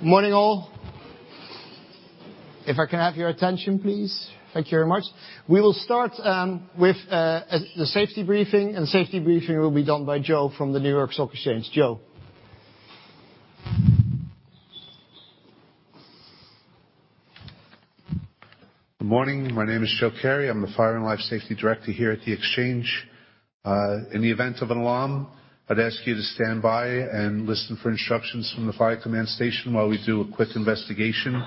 Good morning, all. If I can have your attention, please. Thank you very much. We will start with the safety briefing. The safety briefing will be done by Joe from the New York Stock Exchange. Joe? Good morning. My name is Joe Carey. I'm the Fire and Life Safety Director here at The Exchange. In the event of an alarm, I'd ask you to stand by and listen for instructions from the fire command station while we do a quick investigation.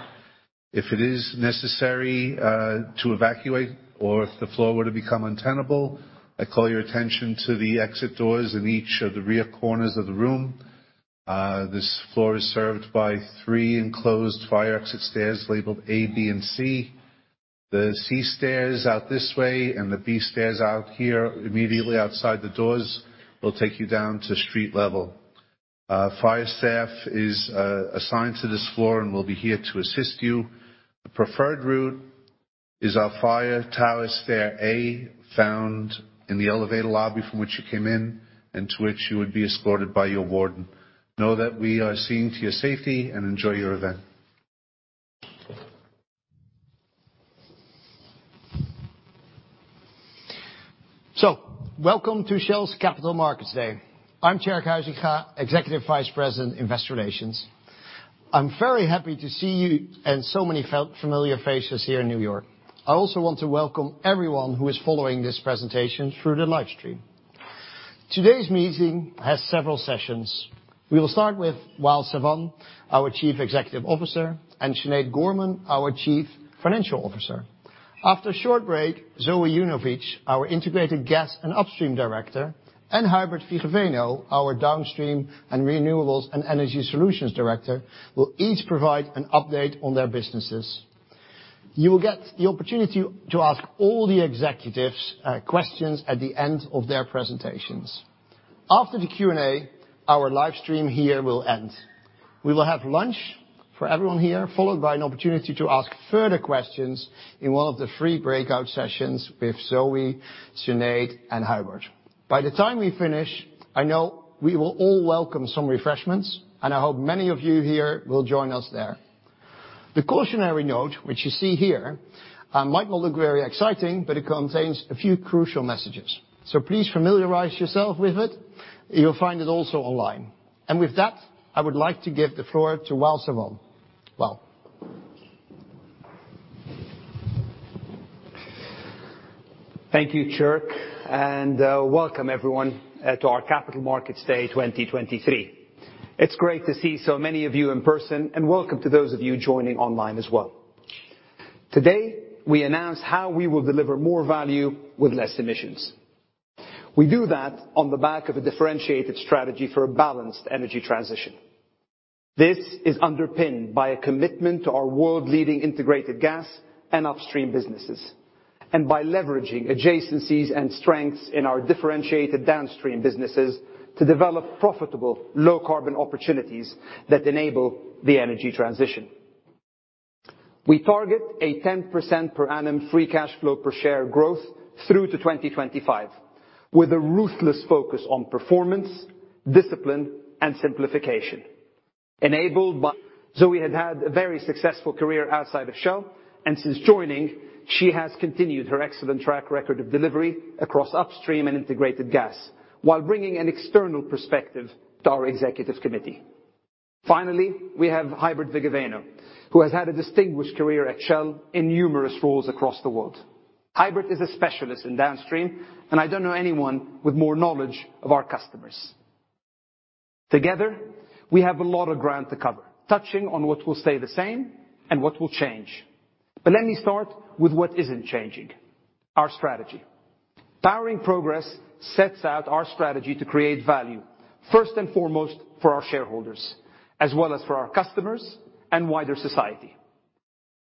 If it is necessary to evacuate or if the floor were to become untenable, I call your attention to the exit doors in each of the rear corners of the room. This floor is served by three enclosed fire exit stairs labeled A, B, and C. The C stairs out this way, and the B stairs out here, immediately outside the doors, will take you down to street level. Fire staff is assigned to this floor and will be here to assist you. The preferred route is our fire towers stair A, found in the elevator lobby from which you came in, and to which you would be escorted by your warden. Know that we are seeing to your safety and enjoy your event. Welcome to Shell's Capital Markets Day. I'm Tjerk Huysinga, Executive Vice President, Investor Relations. I'm very happy to see you and so many familiar faces here in New York. I also want to welcome everyone who is following this presentation through the live stream. Today's meeting has several sessions. We will start with Wael Sawan, our Chief Executive Officer, and Sinead Gorman, our Chief Financial Officer. After a short break, Zoë Yujnovich, our Integrated Gas and Upstream Director, and Huibert Vigeveno, our Downstream and Renewables and Energy Solutions Director, will each provide an update on their businesses. You will get the opportunity to ask all the executives questions at the end of their presentations. After the Q&A, our live stream here will end. We will have lunch for everyone here, followed by an opportunity to ask further questions in one of the three breakout sessions with Zoë, Sinead, and Huibert. By the time we finish, I know we will all welcome some refreshments, and I hope many of you here will join us there. The cautionary note, which you see here, might not look very exciting, but it contains a few crucial messages, so please familiarize yourself with it. You'll find it also online. With that, I would like to give the floor to Wael Sawan. Wael? Thank you, Tjerk, and welcome everyone to our Capital Markets Day 2023. It's great to see so many of you in person, and welcome to those of you joining online as well. Today, we announce how we will deliver more value with less emissions. We do that on the back of a differentiated strategy for a balanced energy transition. This is underpinned by a commitment to our world-leading Integrated Gas and Upstream businesses, and by leveraging adjacencies and strengths in our differentiated Downstream businesses to develop profitable, low-carbon opportunities that enable the energy transition. We target a 10% per annum free cash flow per share growth through to 2025, with a ruthless focus on performance, discipline, and simplification, enabled by... Zoë had had a very successful career outside of Shell, and since joining, she has continued her excellent track record of delivery across Upstream and Integrated Gas, while bringing an external perspective to our Executive Committee. Finally, we have Huibert Vigeveno, who has had a distinguished career at Shell in numerous roles across the world. Huibert is a specialist in Downstream, and I don't know anyone with more knowledge of our customers. Together, we have a lot of ground to cover, touching on what will stay the same and what will change. Let me start with what isn't changing: our strategy. Powering Progress sets out our strategy to create value, first and foremost for our shareholders, as well as for our customers and wider society.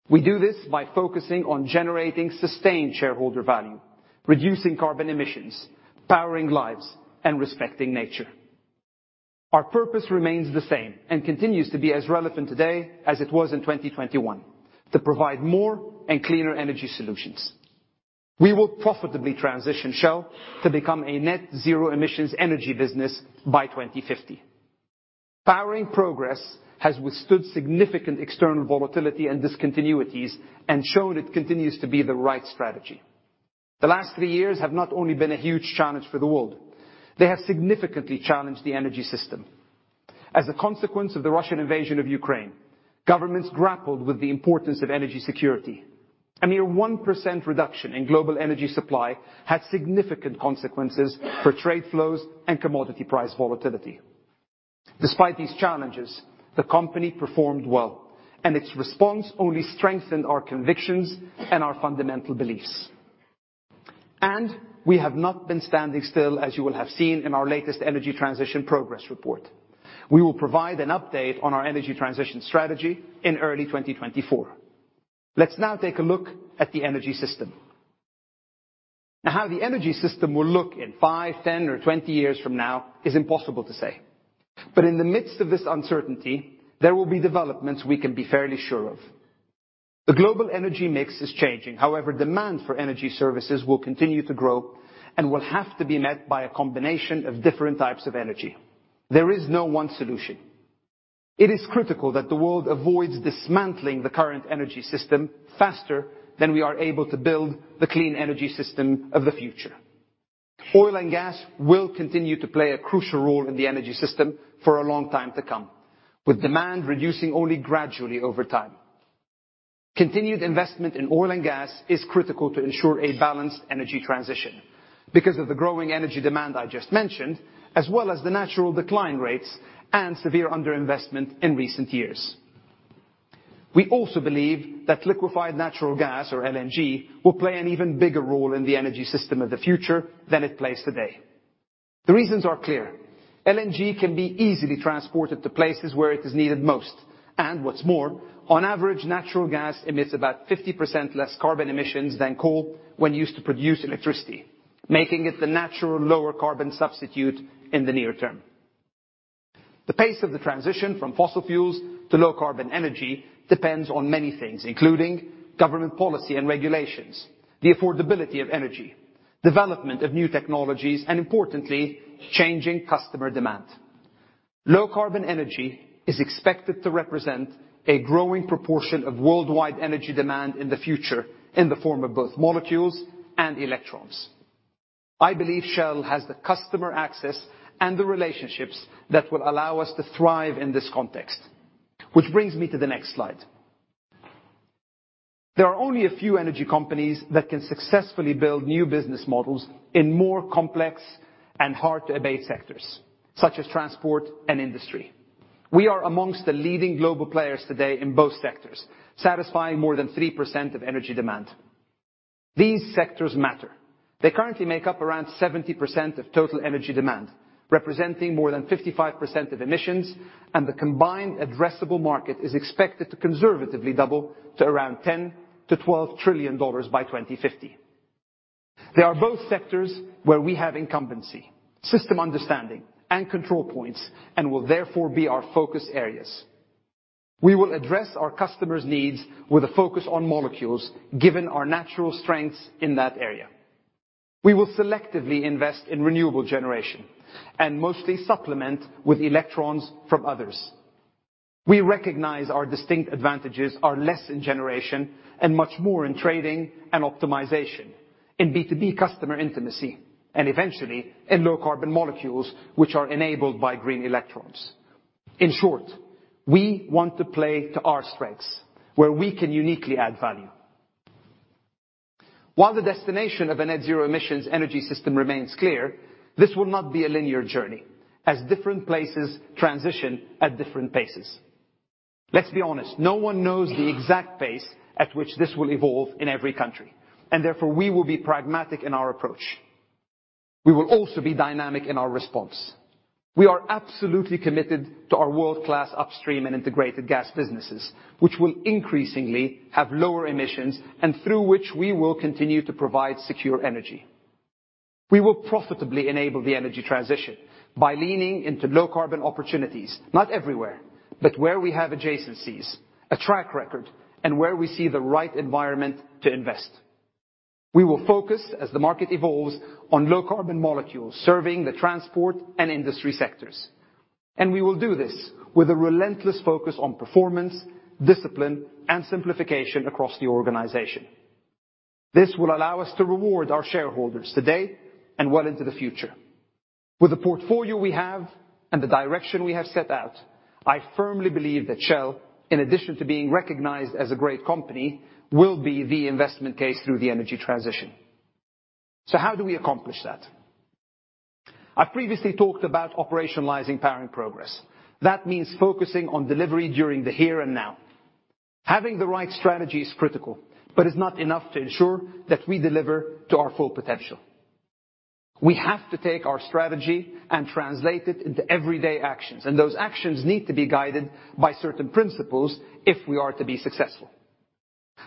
We do this by focusing on generating sustained shareholder value, reducing carbon emissions, powering lives, and respecting nature. Our purpose remains the same and continues to be as relevant today as it was in 2021: to provide more and cleaner energy solutions. We will profitably transition Shell to become a net zero emissions energy business by 2050. Powering Progress has withstood significant external volatility and discontinuities and shown it continues to be the right strategy. The last three years have not only been a huge challenge for the world, they have significantly challenged the energy system. As a consequence of the Russian invasion of Ukraine, governments grappled with the importance of energy security. A mere 1% reduction in global energy supply had significant consequences for trade flows and commodity price volatility. Despite these challenges, the company performed well, and its response only strengthened our convictions and our fundamental beliefs. We have not been standing still, as you will have seen in our latest energy transition progress report. We will provide an update on our energy transition strategy in early 2024. Let's now take a look at the energy system. How the energy system will look in five, 10, or 20 years from now is impossible to say. In the midst of this uncertainty, there will be developments we can be fairly sure of. The global energy mix is changing. However, demand for energy services will continue to grow and will have to be met by a combination of different types of energy. There is no one solution. It is critical that the world avoids dismantling the current energy system faster than we are able to build the clean energy system of the future. Oil and gas will continue to play a crucial role in the energy system for a long time to come, with demand reducing only gradually over time. Continued investment in oil and gas is critical to ensure a balanced energy transition, because of the growing energy demand I just mentioned, as well as the natural decline rates and severe underinvestment in recent years. We also believe that liquefied natural gas, or LNG, will play an even bigger role in the energy system of the future than it plays today. The reasons are clear: LNG can be easily transported to places where it is needed most, and what's more, on average, natural gas emits about 50% less carbon emissions than coal when used to produce electricity, making it the natural lower carbon substitute in the near term. The pace of the transition from fossil fuels to Low Carbon energy depends on many things, including government policy and regulations, the affordability of energy, development of new technologies, and importantly, changing customer demand. Low Carbon energy is expected to represent a growing proportion of worldwide energy demand in the future in the form of both molecules and electrons. I believe Shell has the customer access and the relationships that will allow us to thrive in this context. Which brings me to the next slide. There are only a few energy companies that can successfully build new business models in more complex and hard-to-abate sectors, such as transport and industry. We are amongst the leading global players today in both sectors, satisfying more than 3% of energy demand. These sectors matter. They currently make up around 70% of total energy demand, representing more than 55% of emissions. The combined addressable market is expected to conservatively double to around $10 trillion-$12 trillion by 2050. They are both sectors where we have incumbency, system understanding, and control points, and will therefore be our focus areas. We will address our customers' needs with a focus on molecules, given our natural strengths in that area. We will selectively invest in renewable generation and mostly supplement with electrons from others. We recognize our distinct advantages are less in generation and much more in trading and optimization, in B2B customer intimacy, and eventually, in low-carbon molecules, which are enabled by green electrons. In short, we want to play to our strengths, where we can uniquely add value. While the destination of a net zero emissions energy system remains clear, this will not be a linear journey, as different places transition at different paces. Let's be honest, no one knows the exact pace at which this will evolve in every country, and therefore, we will be pragmatic in our approach. We will also be dynamic in our response. We are absolutely committed to our world-class Upstream and Integrated Gas businesses, which will increasingly have lower emissions, and through which we will continue to provide secure energy. We will profitably enable the energy transition by leaning into low-carbon opportunities, not everywhere, but where we have adjacencies, a track record, and where we see the right environment to invest. We will focus, as the market evolves, on low-carbon molecules, serving the transport and industry sectors, and we will do this with a relentless focus on performance, discipline, and simplification across the organization. This will allow us to reward our shareholders today and well into the future. With the portfolio we have and the direction we have set out, I firmly believe that Shell, in addition to being recognized as a great company, will be the investment case through the energy transition. How do we accomplish that? I've previously talked about operationalizing Powering Progress. That means focusing on delivery during the here and now. Having the right strategy is critical, but it's not enough to ensure that we deliver to our full potential. We have to take our strategy and translate it into everyday actions. Those actions need to be guided by certain principles if we are to be successful.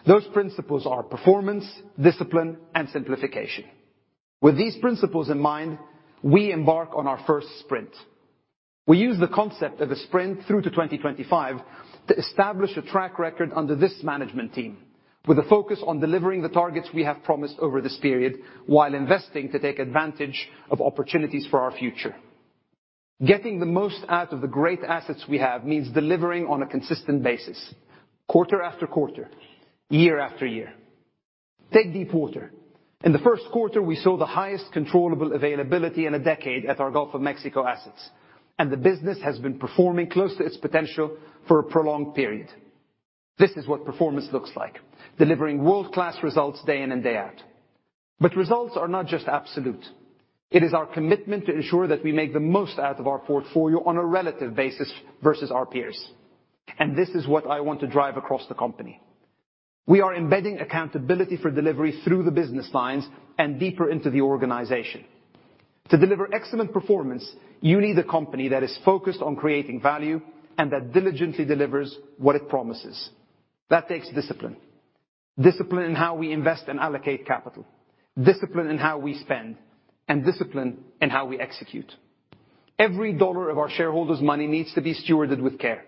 Those principles are performance, discipline, and simplification. With these principles in mind, we embark on our first sprint. We use the concept of a sprint through to 2025 to establish a track record under this management team, with a focus on delivering the targets we have promised over this period, while investing to take advantage of opportunities for our future. Getting the most out of the great assets we have means delivering on a consistent basis, quarter-after-quarter, year-after-year. Take deep water. In the first quarter, we saw the highest controllable availability in a decade at our Gulf of Mexico assets. The business has been performing close to its potential for a prolonged period. This is what performance looks like, delivering world-class results day-in and day-out. Results are not just absolute. It is our commitment to ensure that we make the most out of our portfolio on a relative basis versus our peers. This is what I want to drive across the company. We are embedding accountability for delivery through the business lines and deeper into the organization. To deliver excellent performance, you need a company that is focused on creating value and that diligently delivers what it promises. That takes discipline. Discipline in how we invest and allocate capital, discipline in how we spend, and discipline in how we execute. Every dollar of our shareholders' money needs to be stewarded with care.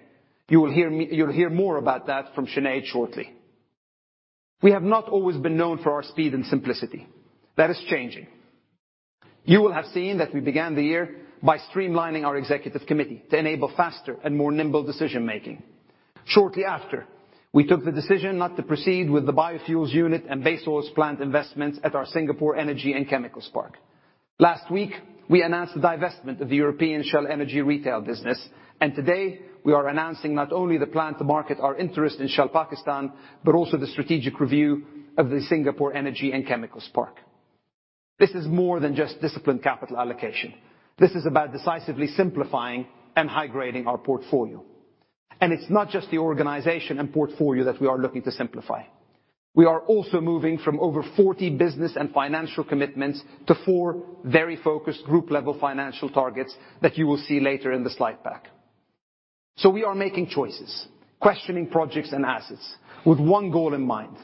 You'll hear more about that from Sinead shortly. We have not always been known for our speed and simplicity. That is changing. You will have seen that we began the year by streamlining our Executive Committee to enable faster and more nimble decision-making. Shortly after, we took the decision not to proceed with the Biofuels unit and base oil plant investments at our Singapore Energy and Chemicals Park. Last week, we announced the divestment of the European Shell Energy Retail business. Today, we are announcing not only the plan to market our interest in Shell Pakistan, but also the strategic review of the Singapore Energy and Chemicals Park. This is more than just disciplined capital allocation. This is about decisively simplifying and high-grading our portfolio. It's not just the organization and portfolio that we are looking to simplify. We are also moving from over 40 business and financial commitments to four very focused group-level financial targets that you will see later in the slide pack. We are making choices, questioning projects and assets, with one goal in mind: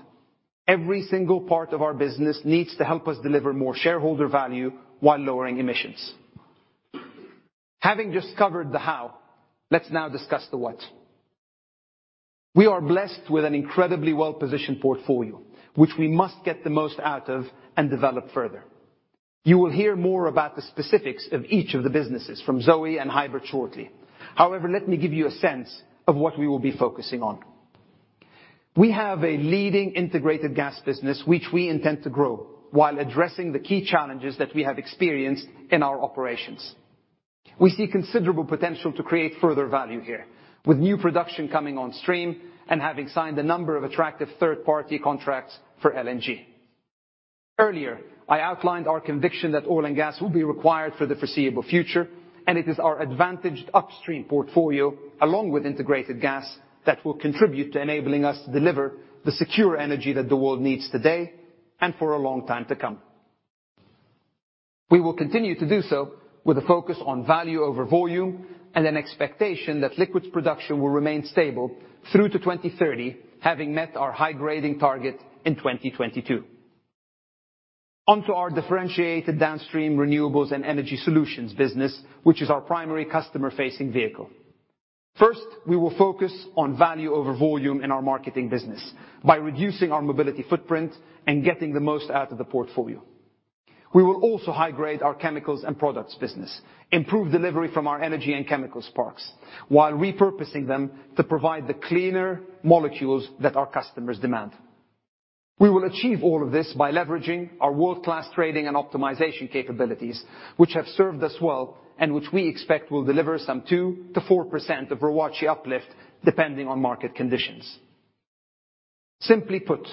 every single part of our business needs to help us deliver more shareholder value while lowering emissions. Having just covered the how, let's now discuss the what. We are blessed with an incredibly well-positioned portfolio, which we must get the most out of and develop further. You will hear more about the specifics of each of the businesses from Zoë and Huibert shortly. However, let me give you a sense of what we will be focusing on. We have a leading Integrated Gas business, which we intend to grow, while addressing the key challenges that we have experienced in our operations. We see considerable potential to create further value here, with new production coming on stream and having signed a number of attractive third-party contracts for LNG. Earlier, I outlined our conviction that oil and gas will be required for the foreseeable future, and it is our advantaged Upstream portfolio, along with Integrated Gas, that will contribute to enabling us to deliver the secure energy that the world needs today and for a long time to come. We will continue to do so with a focus on value over volume, and an expectation that liquids production will remain stable through to 2030, having met our high-grading target in 2022. Onto our differentiated Downstream and Renewables & Energy Solutions business, which is our primary customer-facing vehicle. First, we will focus on value over volume in our marketing business by reducing our mobility footprint and getting the most out of the portfolio. We will also high-grade our chemicals and products business, improve delivery from our energy and chemicals parks, while repurposing them to provide the cleaner molecules that our customers demand. We will achieve all of this by leveraging our world-class trading and optimization capabilities, which have served us well and which we expect will deliver some 2%-4% of ROACE uplift, depending on market conditions. Simply put,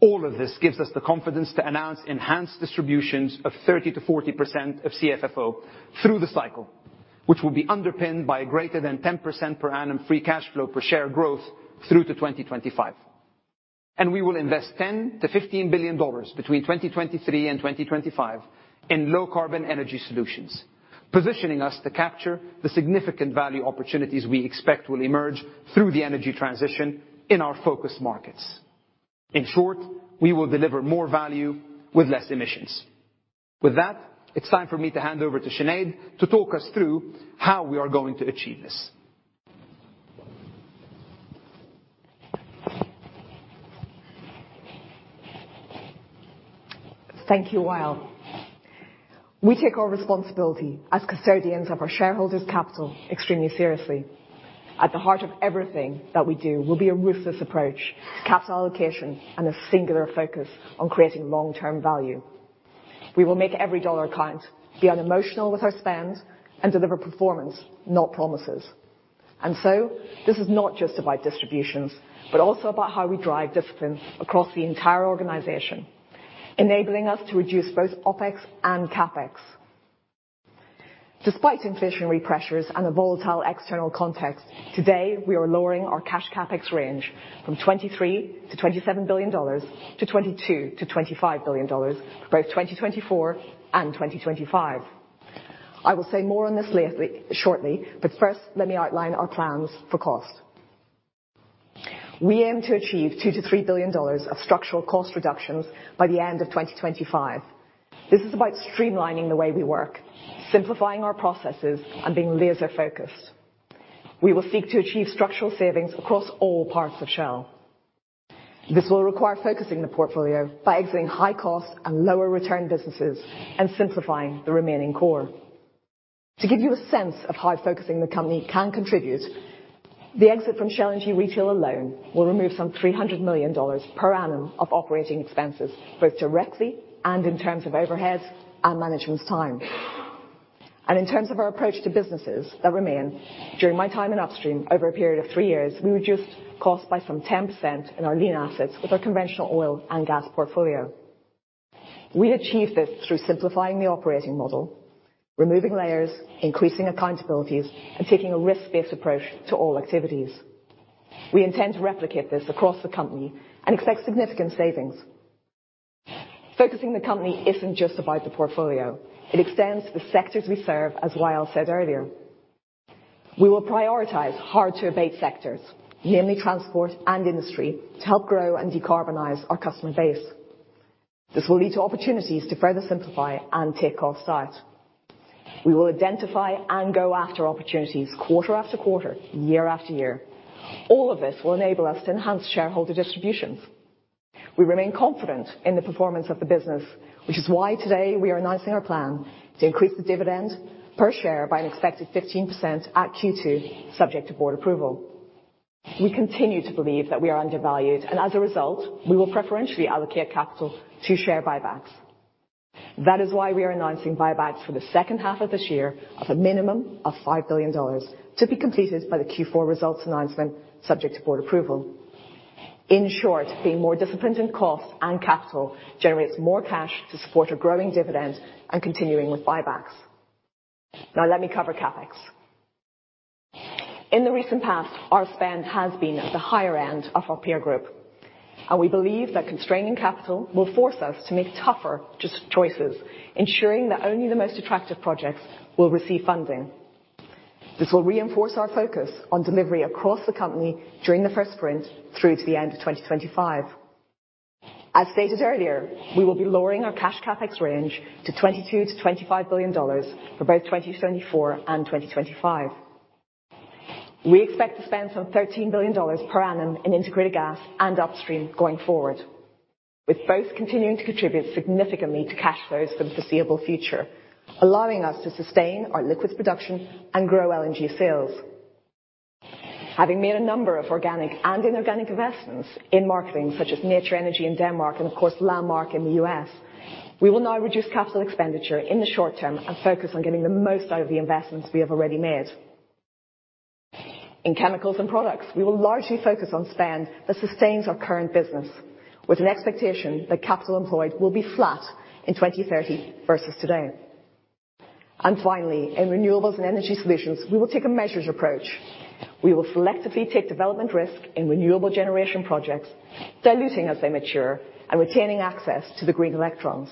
all of this gives us the confidence to announce enhanced distributions of 30%-40% of CFFO through the cycle, which will be underpinned by a greater than 10% per annum free cash flow per share growth through to 2025. We will invest $10 billion-$15 billion between 2023 and 2025 in low-carbon energy solutions, positioning us to capture the significant value opportunities we expect will emerge through the energy transition in our focus markets. In short, we will deliver more value with less emissions. With that, it's time for me to hand over to Sinead to talk us through how we are going to achieve this. Thank you, Wael. We take our responsibility as custodians of our shareholders' capital extremely seriously. At the heart of everything that we do will be a ruthless approach to capital allocation and a singular focus on creating long-term value. We will make every dollar count, be unemotional with our spend, and deliver performance, not promises. This is not just about distributions, but also about how we drive discipline across the entire organization, enabling us to reduce both OpEx and CapEx. Despite inflationary pressures and a volatile external context, today, we are lowering our cash CapEx range from $23 billion-$27 billion to $22 billion-$25 billion for both 2024 and 2025. I will say more on this later, shortly, first, let me outline our plans for cost. We aim to achieve $2 billion-$3 billion of structural cost reductions by the end of 2025. This is about streamlining the way we work, simplifying our processes, and being laser-focused. We will seek to achieve structural savings across all parts of Shell. This will require focusing the portfolio by exiting high-cost and lower-return businesses and simplifying the remaining core. To give you a sense of how focusing the company can contribute, the exit from Shell Energy Retail alone will remove some $300 million per annum of operating expenses, both directly and in terms of overheads and management's time. In terms of our approach to businesses that remain, during my time in Upstream, over a period of 3 years, we reduced costs by some 10% in our lean assets with our conventional oil and gas portfolio. We achieved this through simplifying the operating model, removing layers, increasing accountabilities, and taking a risk-based approach to all activities. We intend to replicate this across the company and expect significant savings. Focusing the company isn't just about the portfolio. It extends to the sectors we serve, as Wael said earlier. We will prioritize hard-to-abate sectors, namely transport and industry, to help grow and decarbonize our customer base. This will lead to opportunities to further simplify and take off site. We will identify and go after opportunities quarter-after-quarter, year-after-year. All of this will enable us to enhance shareholder distributions. We remain confident in the performance of the business, which is why today we are announcing our plan to increase the dividend per share by an expected 15% at Q2, subject to board approval. We continue to believe that we are undervalued. As a result, we will preferentially allocate capital to share buybacks. That is why we are announcing buybacks for the second half of this year of a minimum of $5 billion, to be completed by the Q4 results announcement, subject to board approval. In short, being more disciplined in costs and capital generates more cash to support a growing dividend and continuing with buybacks. Let me cover CapEx. In the recent past, our spend has been at the higher end of our peer group, and we believe that constraining capital will force us to make tougher choices, ensuring that only the most attractive projects will receive funding. This will reinforce our focus on delivery across the company during the first sprint through to the end of 2025. As stated earlier, we will be lowering our cash CapEx range to $22 billion-$25 billion for both 2024 and 2025. We expect to spend some $13 billion per annum in Integrated Gas and Upstream going forward, with both continuing to contribute significantly to cash flows for the foreseeable future, allowing us to sustain our liquids production and grow LNG sales. Having made a number of organic and inorganic investments in marketing, such as Nature Energy in Denmark and, of course, Landmark in the U.S., we will now reduce capital expenditure in the short term and focus on getting the most out of the investments we have already made. In Chemicals and Products, we will largely focus on spend that sustains our current business, with an expectation that capital employed will be flat in 2030 versus today. Finally, in Renewables & Energy Solutions, we will take a measures approach. We will selectively take development risk in renewable generation projects, diluting as they mature and retaining access to the green electrons.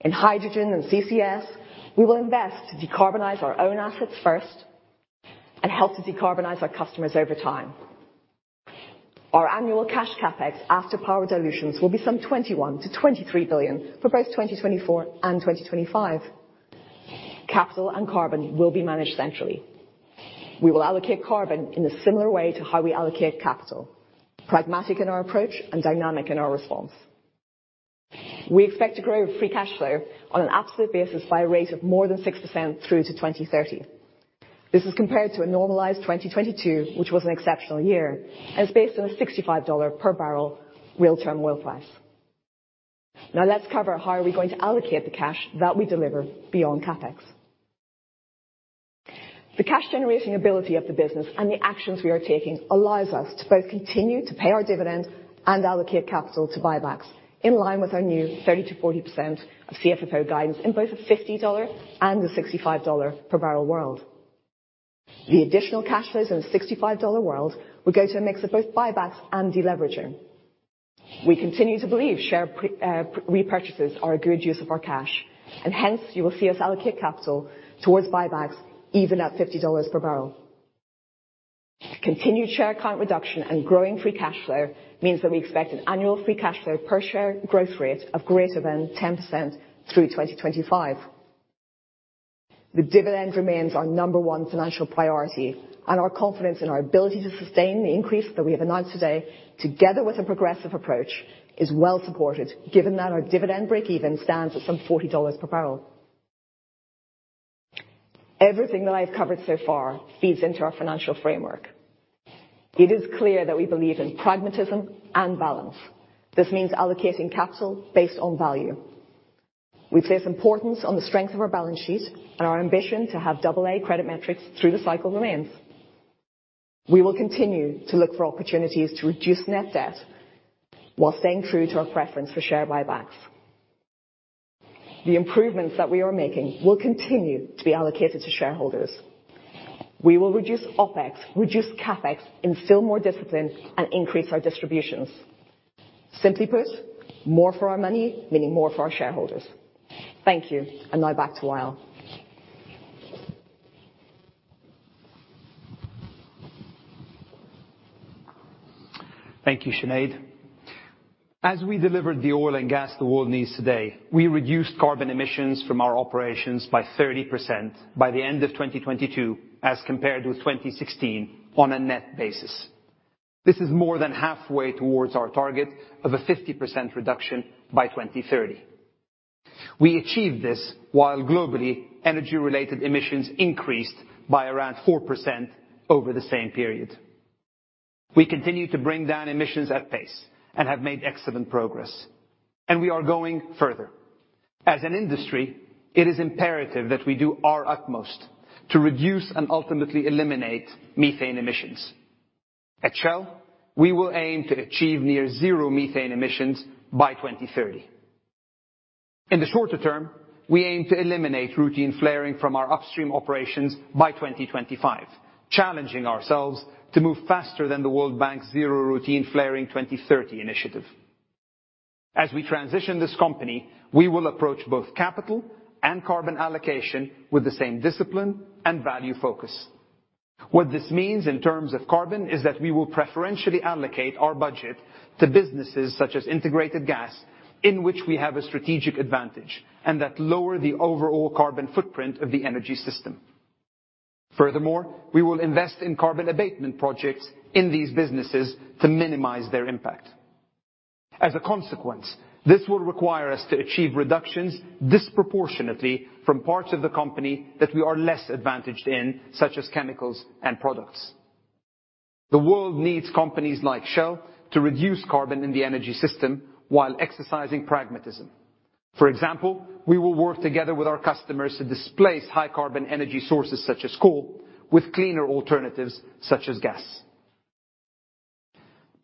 In Hydrogen & CCS, we will invest to decarbonize our own assets first and help to decarbonize our customers over time. Our annual cash CapEx after power dilutions will be some $21 billion-$23 billion for both 2024 and 2025. Capital and carbon will be managed centrally. We will allocate carbon in a similar way to how we allocate capital, pragmatic in our approach and dynamic in our response. We expect to grow free cash flow on an absolute basis by a rate of more than 6% through to 2030. This is compared to a normalized 2022, which was an exceptional year, and it's based on a $65 per barrel real-term oil price. Let's cover how are we going to allocate the cash that we deliver beyond CapEx. The cash-generating ability of the business and the actions we are taking allows us to both continue to pay our dividend and allocate capital to buybacks, in line with our new 30%-40% of CFFO guidance in both a $50 and a $65 per barrel world. The additional cash flows in a $65 world will go to a mix of both buybacks and deleveraging. We continue to believe share repurchases are a good use of our cash, and hence you will see us allocate capital towards buybacks, even at $50 per barrel. Continued share count reduction and growing free cash flow means that we expect an annual free cash flow per share growth rate of greater than 10% through 2025. The dividend remains our number one financial priority, and our confidence in our ability to sustain the increase that we have announced today, together with a progressive approach, is well supported, given that our dividend break-even stands at some $40 per barrel. Everything that I've covered so far feeds into our financial framework. It is clear that we believe in pragmatism and balance. This means allocating capital based on value. We place importance on the strength of our balance sheet, and our ambition to have AA credit metrics through the cycle remains. We will continue to look for opportunities to reduce net debt while staying true to our preference for share buybacks. The improvements that we are making will continue to be allocated to shareholders. We will reduce OpEx, reduce CapEx, instill more discipline, and increase our distributions. Simply put, more for our money, meaning more for our shareholders. Thank you, and now back to Wael. Thank you, Sinead. As we deliver the oil and gas the world needs today, we reduced carbon emissions from our operations by 30% by the end of 2022, as compared with 2016 on a net basis. This is more than halfway towards our target of a 50% reduction by 2030. We achieved this while globally energy-related emissions increased by around 4% over the same period. We continue to bring down emissions at pace and have made excellent progress. We are going further. As an industry, it is imperative that we do our utmost to reduce and ultimately eliminate methane emissions. At Shell, we will aim to achieve near zero methane emissions by 2030. In the shorter term, we aim to eliminate routine flaring from our Upstream operations by 2025, challenging ourselves to move faster than the Zero Routine Flaring by 2030 initiative. As we transition this company, we will approach both capital and carbon allocation with the same discipline and value focus. What this means in terms of carbon, is that we will preferentially allocate our budget to businesses such as Integrated Gas, in which we have a strategic advantage, and that lower the overall carbon footprint of the energy system. Furthermore, we will invest in carbon abatement projects in these businesses to minimize their impact. As a consequence, this will require us to achieve reductions disproportionately from parts of the company that we are less advantaged in, such as chemicals and products. The world needs companies like Shell to reduce carbon in the energy system while exercising pragmatism. For example, we will work together with our customers to displace high carbon energy sources such as coal, with cleaner alternatives such as gas.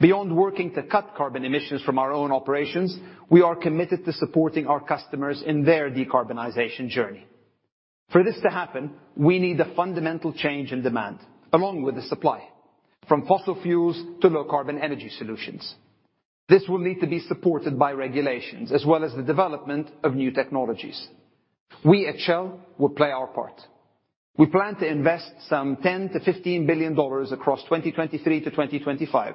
Beyond working to cut carbon emissions from our own operations, we are committed to supporting our customers in their decarbonization journey. For this to happen, we need a fundamental change in demand, along with the supply, from fossil fuels to Low Carbon energy solutions. This will need to be supported by regulations as well as the development of new technologies. We at Shell will play our part. We plan to invest some $10 billion-$15 billion across 2023 to 2025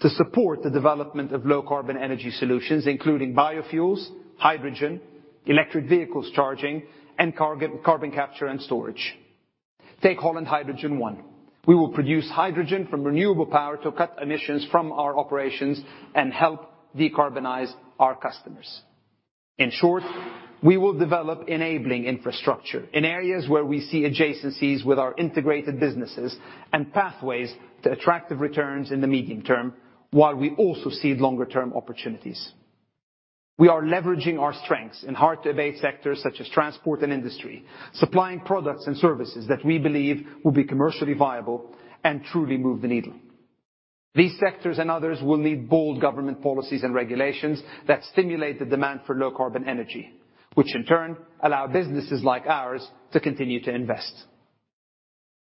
to support the development of low-carbon energy solutions, including Biofuels, hydrogen, electric vehicles charging, and carbon capture and storage. Take Holland Hydrogen I. We will produce hydrogen from renewable power to cut emissions from our operations and help decarbonize our customers. In short, we will develop enabling infrastructure in areas where we see adjacencies with our integrated businesses and pathways to attractive returns in the medium term, while we also see longer-term opportunities. We are leveraging our strengths in hard-to-abate sectors such as transport and industry, supplying products and services that we believe will be commercially viable and truly move the needle. These sectors and others will need bold government policies and regulations that stimulate the demand for low-carbon energy, which in turn allow businesses like ours to continue to invest.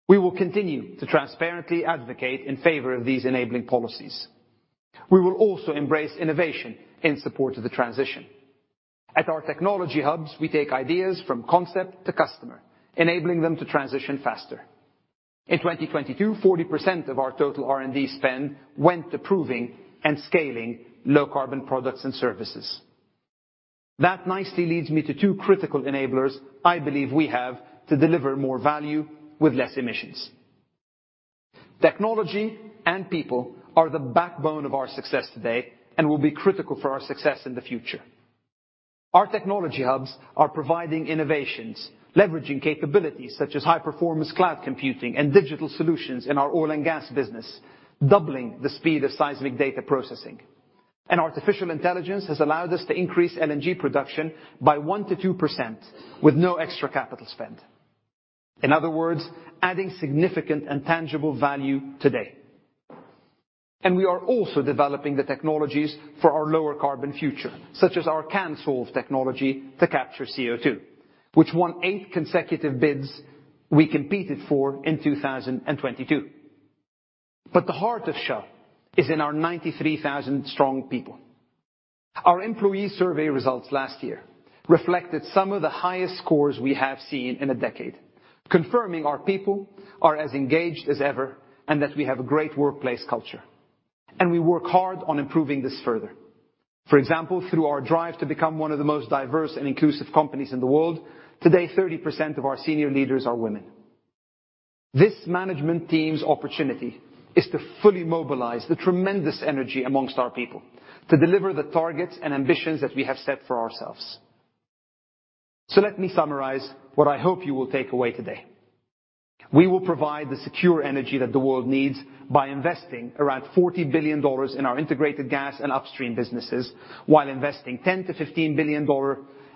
We will continue to transparently advocate in favor of these enabling policies. We will also embrace innovation in support of the transition. At our technology hubs, we take ideas from concept to customer, enabling them to transition faster. In 2022, 40% of our total R&D spend went to proving and scaling low-carbon products and services. That nicely leads me to two critical enablers I believe we have to deliver more value with less emissions. Technology and people are the backbone of our success today, and will be critical for our success in the future. Our technology hubs are providing innovations, leveraging capabilities such as high-performance cloud computing and digital solutions in our oil and gas business, doubling the speed of seismic data processing. Artificial intelligence has allowed us to increase LNG production by 1%-2% with no extra capital spend. In other words, adding significant and tangible value today. We are also developing the technologies for our lower carbon future, such as our CANSOLV technology to capture CO2, which won eight consecutive bids we competed for in 2022. The heart of Shell is in our 93,000 strong people. Our employee survey results last year reflected some of the highest scores we have seen in a decade, confirming our people are as engaged as ever and that we have a great workplace culture. We work hard on improving this further. For example, through our drive to become one of the most diverse and inclusive companies in the world, today, 30% of our senior leaders are women. This management team's opportunity is to fully mobilize the tremendous energy amongst our people to deliver the targets and ambitions that we have set for ourselves. Let me summarize what I hope you will take away today. We will provide the secure energy that the world needs by investing around $40 billion in our Integrated Gas and Upstream businesses, while investing $10 billion-$15 billion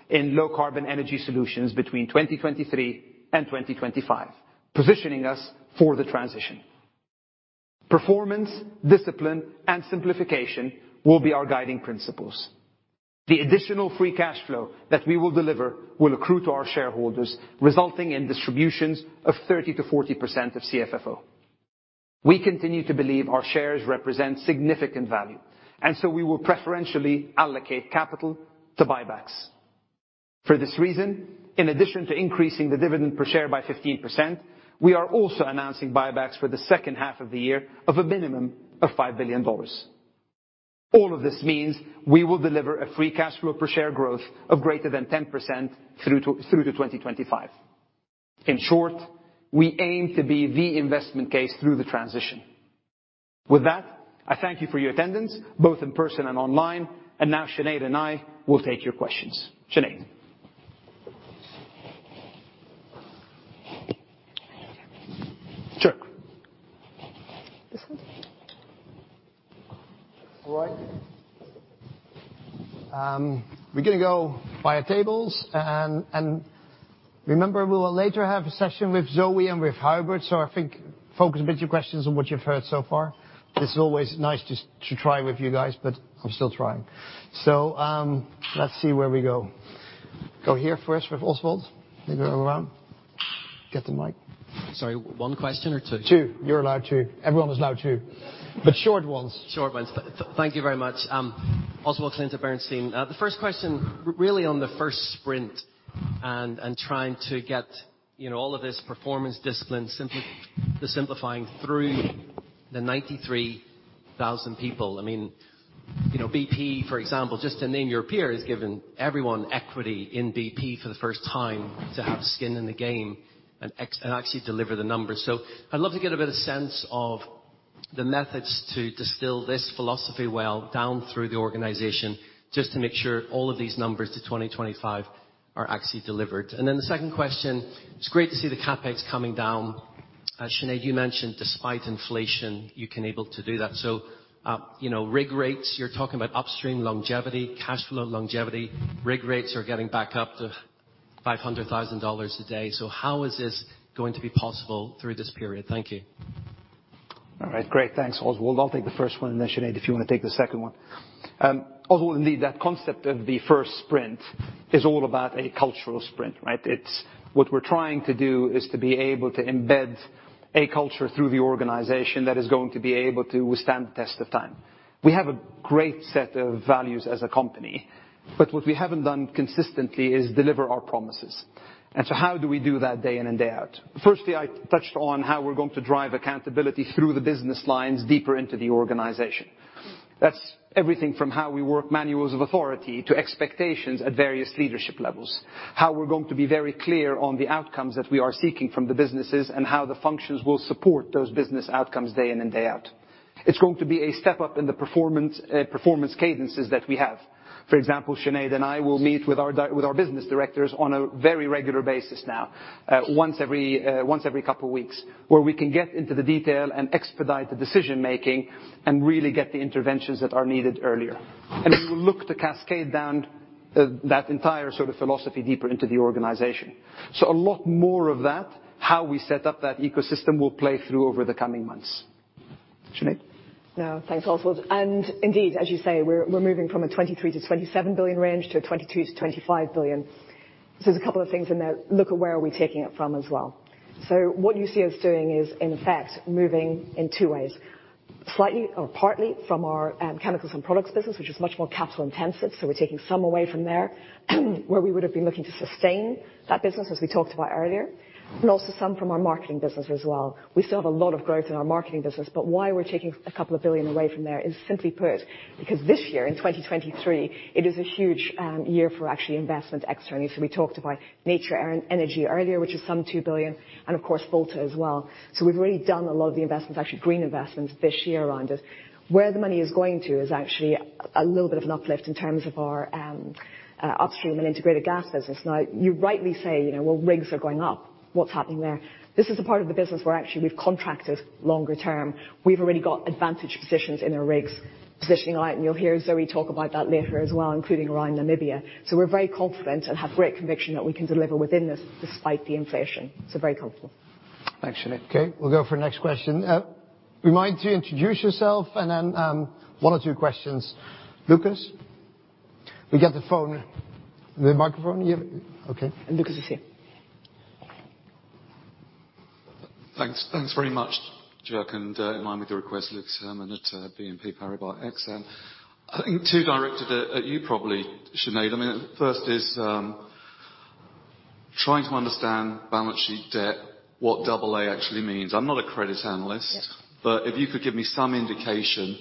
in low-carbon energy solutions between 2023 and 2025, positioning us for the transition. Performance, discipline, and simplification will be our guiding principles. The additional free cash flow that we will deliver will accrue to our shareholders, resulting in distributions of 30%-40% of CFFO. We continue to believe our shares represent significant value, and so we will preferentially allocate capital to buybacks. For this reason, in addition to increasing the dividend per share by 15%, we are also announcing buybacks for the second half of the year of a minimum of $5 billion. All of this means we will deliver a free cash flow per share growth of greater than 10% through to 2025. In short, we aim to be the investment case through the transition. With that, I thank you for your attendance, both in person and online, and now Sinead and I will take your questions. Sinead? Sure. This one. All right, we're gonna go via tables and remember, we will later have a session with Zoë and with Huibert, so I think focus a bit your questions on what you've heard so far. This is always nice just to try with you guys, but I'm still trying. Let's see where we go. Go here first with Oswald, maybe around. Get the mic. Sorry, one question or two? Two. You're allowed two. Everyone is allowed two, but short ones. Short ones. Thank you very much. Oswald Clint at Bernstein. The first question, really on the first sprint and trying to get, you know, all of this performance discipline, simplifying through the 93,000 people. I mean, you know, BP, for example, just to name your peers, given everyone equity in BP for the first time, to have skin in the game and actually deliver the numbers. I'd love to get a better sense of the methods to distill this philosophy well down through the organization, just to make sure all of these numbers to 2025 are actually delivered. The second question: It's great to see the CapEx coming down. Sinead, you mentioned despite inflation, you can able to do that. You know, rig rates, you're talking about Upstream longevity, cash flow longevity. Rig rates are getting back up to $500,000 a day. How is this going to be possible through this period? Thank you. All right, great. Thanks, Oswald. Sinead, if you want to take the second one. Oswald, indeed, that concept of the first sprint is all about a cultural sprint, right? What we're trying to do is to be able to embed a culture through the organization that is going to be able to withstand the test of time. We have a great set of values as a company, what we haven't done consistently is deliver our promises. How do we do that day in and day out? Firstly, I touched on how we're going to drive accountability through the business lines deeper into the organization. That's everything from how we work manuals of authority to expectations at various leadership levels, how we're going to be very clear on the outcomes that we are seeking from the businesses, and how the functions will support those business outcomes day in and day out. It's going to be a step up in the performance cadences that we have. For example, Sinead and I will meet with our business directors on a very regular basis now, once every couple of weeks, where we can get into the detail and expedite the decision-making, and really get the interventions that are needed earlier. We will look to cascade down that entire sort of philosophy deeper into the organization. A lot more of that, how we set up that ecosystem will play through over the coming months. Sinead? No, thanks, Oswald. Indeed, as you say, we're moving from a $23 billion-$27 billion range to a $22 billion-$25 billion. There's a couple of things in there. Look at where are we taking it from as well. What you see us doing is, in fact, moving in two ways: Slightly or partly from our chemicals and products business, which is much more capital intensive, so we're taking some away from there, where we would have been looking to sustain that business, as we talked about earlier, and also some from our marketing business as well. We still have a lot of growth in our marketing business, why we're taking $2 billion away from there is simply put, because this year, in 2023, it is a huge year for actually investment externally. We talked about Nature Energy earlier, which is some $2 billion, and of course, Volta as well. We've already done a lot of the investments, actually, green investments this year around it. Where the money is going to is actually a little bit of an uplift in terms of our Upstream and Integrated Gas business. Now, you rightly say, you know, "Well, rigs are going up. What's happening there?" This is the part of the business where actually we've contracted longer term. We've already got advantage positions in the rigs, positioning light, and you'll hear Zoë talk about that later as well, including around Namibia. We're very confident and have great conviction that we can deliver within this despite the inflation. Very confident. Thanks, Sinead. Okay, we'll go for the next question. remind to introduce yourself and then one or two questions. Lucas? We get the phone, the microphone. You have it? Okay. Lucas is here. Thanks very much, Tjerk, in line with your request, Lucas Scaiola at BNP Paribas Exane. I think two directed at you, probably, Sinead. The first is trying to understand balance sheet debt, what AA actually means. I'm not a credit analyst. Yep. If you could give me some indication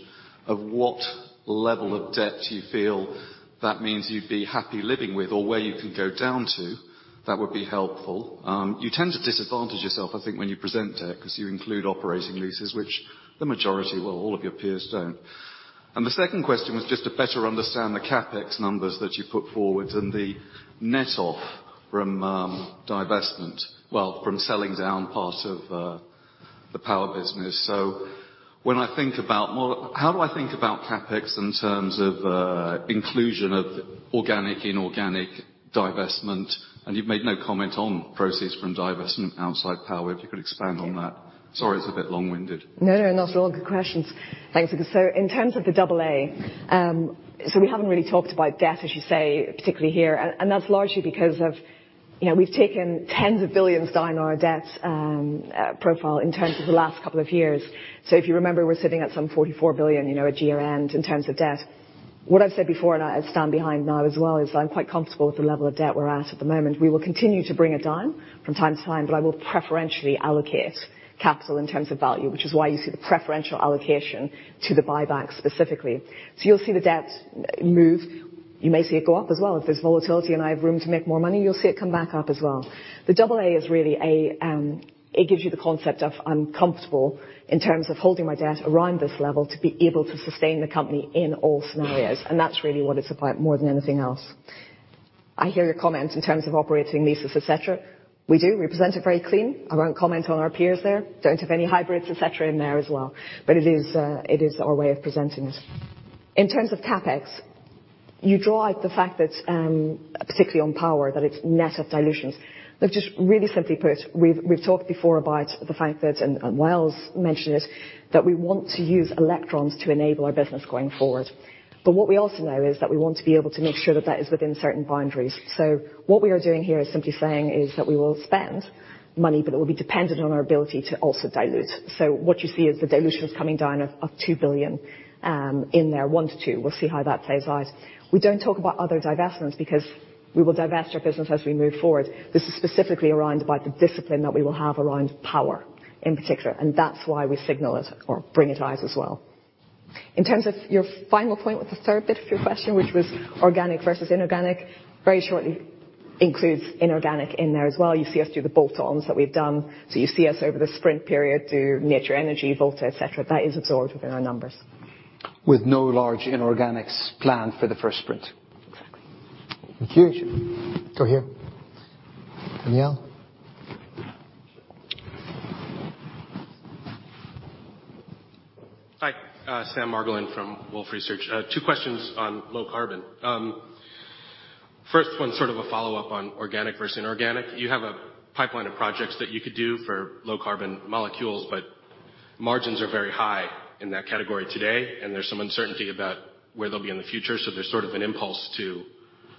of what level of debt you feel that means you'd be happy living with, or where you can go down to, that would be helpful. You tend to disadvantage yourself, I think, when you present debt, because you include operating leases, which the majority, all of your peers don't. The second question was just to better understand the CapEx numbers that you put forward and the net off from divestment, from selling down part of the power business. How do I think about CapEx in terms of inclusion of organic, inorganic divestment? You've made no comment on proceeds from divestment outside power. If you could expand on that. Yeah. Sorry, it's a bit long-winded. No, no, not at all. Good questions. Thanks, Luke. In terms of the AA, so we haven't really talked about debt, as you say, particularly here, and that's largely because of, you know, we've taken tens of billions down on our debt profile in terms of the last couple of years. If you remember, we're sitting at some $44 billion, you know, at year-end, in terms of debt. What I've said before, and I stand behind now as well, is I'm quite comfortable with the level of debt we're at the moment. We will continue to bring it down from time to time, but I will preferentially allocate capital in terms of value, which is why you see the preferential allocation to the buyback specifically. You'll see the debt move. You may see it go up as well. If there's volatility and I have room to make more money, you'll see it come back up as well. The AA is really. It gives you the concept of I'm comfortable in terms of holding my debt around this level to be able to sustain the company in all scenarios, and that's really what it's about more than anything else. I hear your comment in terms of operating leases, et cetera. We do. We present it very clean. I won't comment on our peers there. Don't have any hybrids, et cetera, in there as well, but it is our way of presenting it. In terms of CapEx. You draw out the fact that, particularly on power, that it's net of dilutions. Just really simply put, we've talked before about the fact that, and Wael's mentioned it, that we want to use electrons to enable our business going forward. What we also know is that we want to be able to make sure that that is within certain boundaries. What we are doing here is simply saying, is that we will spend money, but it will be dependent on our ability to also dilute. What you see is the dilutions coming down of $2 billion in there, $1 billion-$2 billion. We'll see how that plays out. We don't talk about other divestments because we will divest our business as we move forward. This is specifically around about the discipline that we will have around power, in particular, and that's why we signal it or bring it out as well. In terms of your final point, with the third bit of your question, which was organic versus inorganic, very shortly, includes inorganic in there as well. You see us do the bolt-ons that we've done, so you see us over the sprint period do Nature Energy, Volta, et cetera. That is absorbed within our numbers. With no large inorganics planned for the first sprint. Exactly. Thank you. Go here. Danielle? Hi, Sam Margolin from Wolfe Research. Two questions on Low Carbon. First one's sort of a follow-up on organic versus inorganic. You have a pipeline of projects that you could do for low-carbon molecules, but margins are very high in that category today, and there's some uncertainty about where they'll be in the future, so there's sort of an impulse to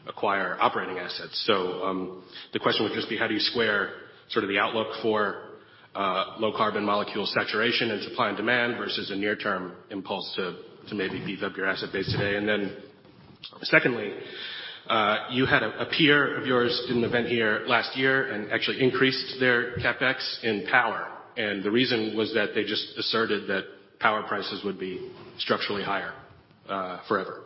acquire operating assets. The question would just be: How do you square sort of the outlook for low-carbon molecule saturation and supply and demand versus a near-term impulse to beef up your asset base today? Secondly, you had a peer of yours did an event here last year and actually increased their CapEx in power, and the reason was that they just asserted that power prices would be structurally higher forever.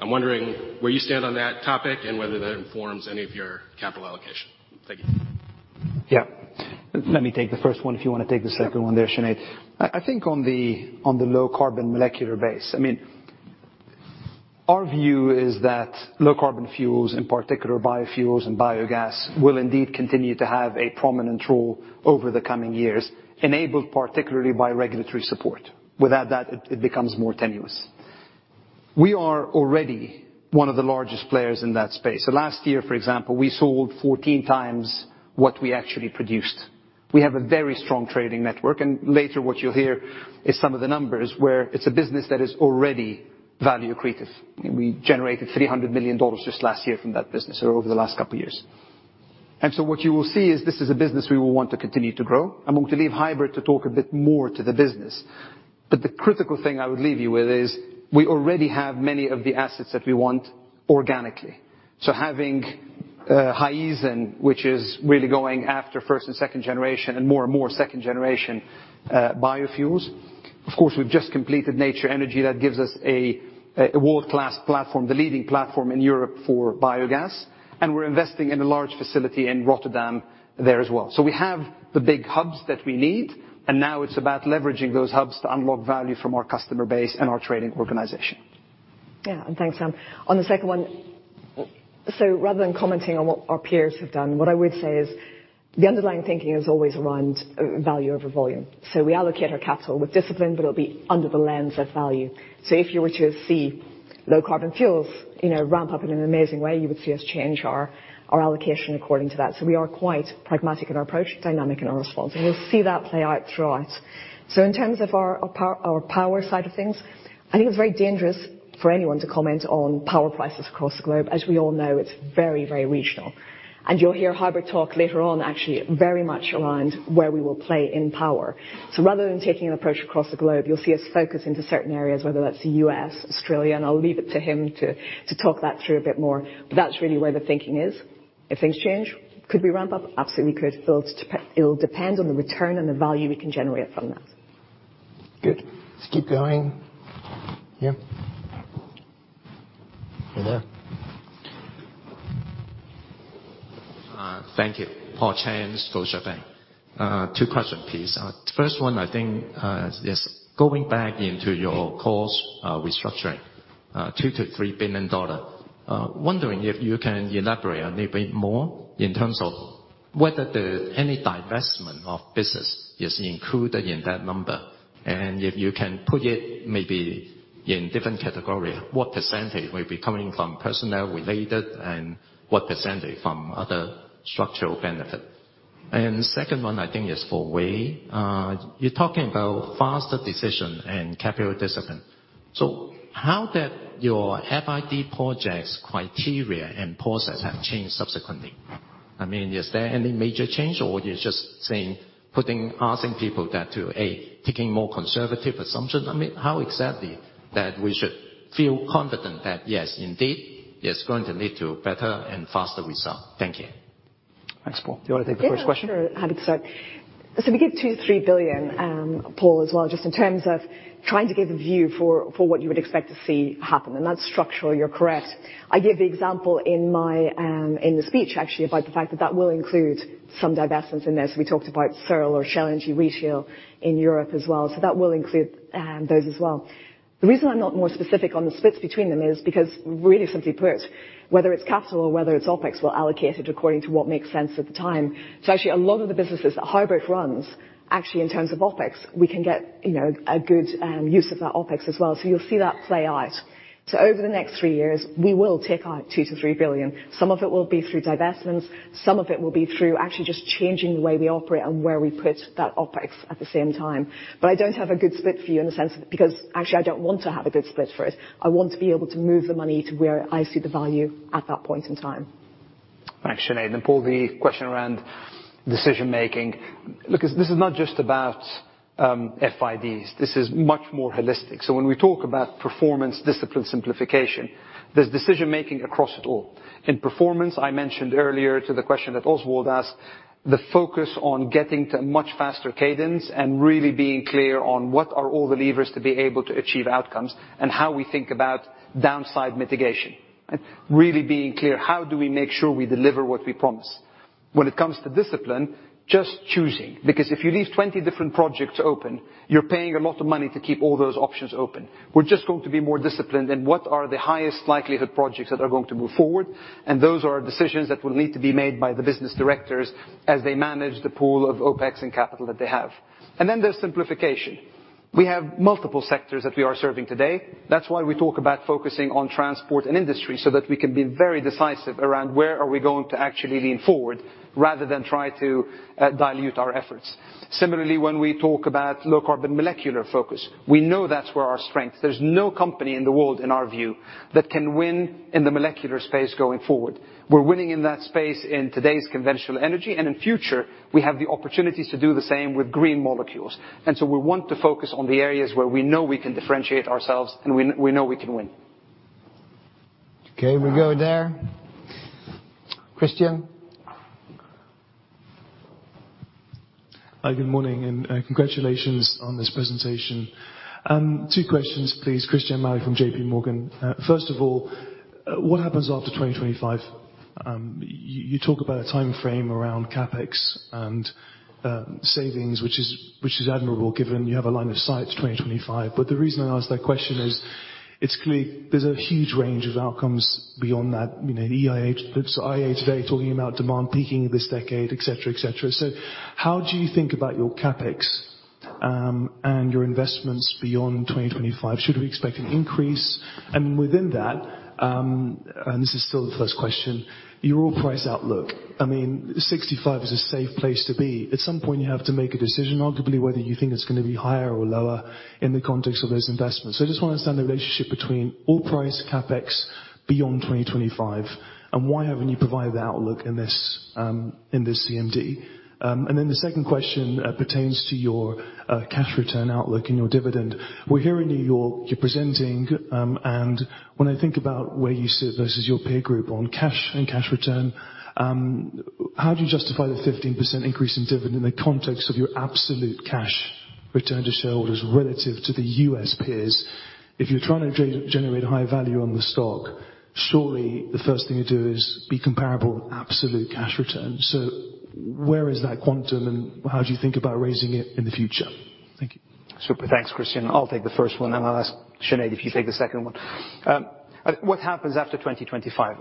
I'm wondering where you stand on that topic and whether that informs any of your capital allocation. Thank you. Let me take the first one if you want to take the second one there, Sinead. I think on the low-carbon molecular base, I mean, our view is that low-carbon fuels, in particular Biofuels and biogas, will indeed continue to have a prominent role over the coming years, enabled particularly by regulatory support. Without that, it becomes more tenuous. We are already one of the largest players in that space. Last year, for example, we sold 14 times what we actually produced. We have a very strong trading network, and later, what you'll hear is some of the numbers where it's a business that is already value accretive, and we generated $300 million just last year from that business or over the last couple of years. What you will see is this is a business we will want to continue to grow. I'm going to leave Huibert to talk a bit more to the business, but the critical thing I would leave you with is, we already have many of the assets that we want organically. Having Hyzon, which is really going after first and second generation, and more and more second-generation biofuels. Of course, we've just completed Nature Energy. That gives us a world-class platform, the leading platform in Europe for biogas, and we're investing in a large facility in Rotterdam there as well. We have the big hubs that we need, and now it's about leveraging those hubs to unlock value from our customer base and our trading organization. Yeah, thanks, Sam. On the second one, rather than commenting on what our peers have done, what I would say is the underlying thinking is always around value over volume. We allocate our capital with discipline, but it'll be under the lens of value. If you were to see Low Carbon fuels, you know, ramp up in an amazing way, you would see us change our allocation according to that. We are quite pragmatic in our approach, dynamic in our response, and we'll see that play out throughout. In terms of our power, our power side of things, I think it's very dangerous for anyone to comment on power prices across the globe. As we all know, it's very, very regional, and you'll hear Huibert talk later on, actually, very much around where we will play in power. Rather than taking an approach across the globe, you'll see us focus into certain areas, whether that's the U.S., Australia, and I'll leave it to him to talk that through a bit more. That's really where the thinking is. If things change, could we ramp up? Absolutely, we could. It'll depend on the return and the value we can generate from that. Good. Let's keep going. Yeah. Right there. Thank you. Paul Cheng, Scotiabank.Two questions, please. First one is going back into your cost restructuring, $2 billion-$3 billion. Wondering if you can elaborate a little bit more in terms of whether any divestment of business is included in that number, and if you can put it maybe in different category, what % will be coming from personnel related and what percantage from other structural benefit? Second one is for Wael. You're talking about faster decision and capital discipline. How did your FID projects, criteria, and process have changed subsequently? I mean, is there any major change or you're just saying, asking people that AA taking more conservative assumption? I mean, how exactly that we should feel confident that yes, indeed, it's going to lead to a better and faster result. Thank you. Thanks, Paul. Do you want to take the first question? Yeah, sure, happy to start. We give $2 billion-$3 billion, Paul Cheng, as well, just in terms of trying to give a view for what you would expect to see happen, and that's structural, you're correct. I gave the example in my in the speech, actually, about the fact that that will include some divestments in there, we talked about SERL or Shell Energy Retail in Europe as well. That will include those as well. The reason I'm not more specific on the splits between them is because, really simply put, whether it's capital or whether it's OpEx, we'll allocate it according to what makes sense at the time. Actually, a lot of the businesses that Huibert Vigeveno runs, actually, in terms of OpEx, we can get, you know, a good use of that OpEx as well. You'll see that play out. Over the next three years, we will take out $2 billion-$3 billion. Some of it will be through divestments, some of it will be through actually just changing the way we operate and where we put that OpEx at the same time. I don't have a good split for you in the sense, because actually, I don't want to have a good split for it. I want to be able to move the money to where I see the value at that point in time. Thanks, Sinead. Then, Paul, the question around decision making. Look, this is not just about FIDs. This is much more holistic. When we talk about performance, discipline, simplification, there's decision making across it all. In performance, I mentioned earlier to the question that Oswald asked, the focus on getting to a much faster cadence and really being clear on what are all the levers to be able to achieve outcomes, and how we think about downside mitigation. Really being clear, how do we make sure we deliver what we promise? When it comes to discipline, just choosing, because if you leave 20 different projects open, you're paying a lot of money to keep all those options open. We're just going to be more disciplined in what are the highest likelihood projects that are going to move forward. Those are decisions that will need to be made by the business directors as they manage the pool of OpEx and capital that they have. Then there's simplification. We have multiple sectors that we are serving today. That's why we talk about focusing on transport and industry, so that we can be very decisive around where are we going to actually lean forward, rather than try to dilute our efforts. Similarly, when we talk about Low Carbon molecular focus, we know that's where our strength. There's no company in the world, in our view, that can win in the molecular space going forward. We're winning in that space in today's conventional energy, and in future, we have the opportunities to do the same with green molecules. We want to focus on the areas where we know we can differentiate ourselves and we know we can win. Okay, we go there. Christyan? Hi, good morning, and congratulations on this presentation. Two questions, please. Christyan Malek from JP Morgan. First of all, what happens after 2025? You talk about a time frame around CapEx and savings, which is admirable, given you have a line of sight to 2025. The reason I ask that question is, it's clear there's a huge range of outcomes beyond that. You know, EIA, the IEA today talking about demand peaking this decade, et cetera, et cetera. How do you think about your CapEx and your investments beyond 2025? Should we expect an increase? Within that, and this is still the first question, your oil price outlook. I mean, 65 is a safe place to be. At some point, you have to make a decision, arguably, whether you think it's going to be higher or lower in the context of those investments. I just want to understand the relationship between oil price, CapEx, beyond 2025, and why haven't you provided the outlook in this CMD? The second question pertains to your cash return outlook and your dividend. We're here in New York, you're presenting, when I think about where you sit versus your peer group on cash and cash return, how do you justify the 15% increase in dividend in the context of your absolute cash return to shareholders relative to the U.S. peers? If you're trying to generate a high value on the stock, surely the first thing you do is be comparable with absolute cash return. Where is that quantum, and how do you think about raising it in the future? Thank you. Super. Thanks, Christyan. I'll take the first one, and I'll ask Sinead if you take the second one. What happens after 2025?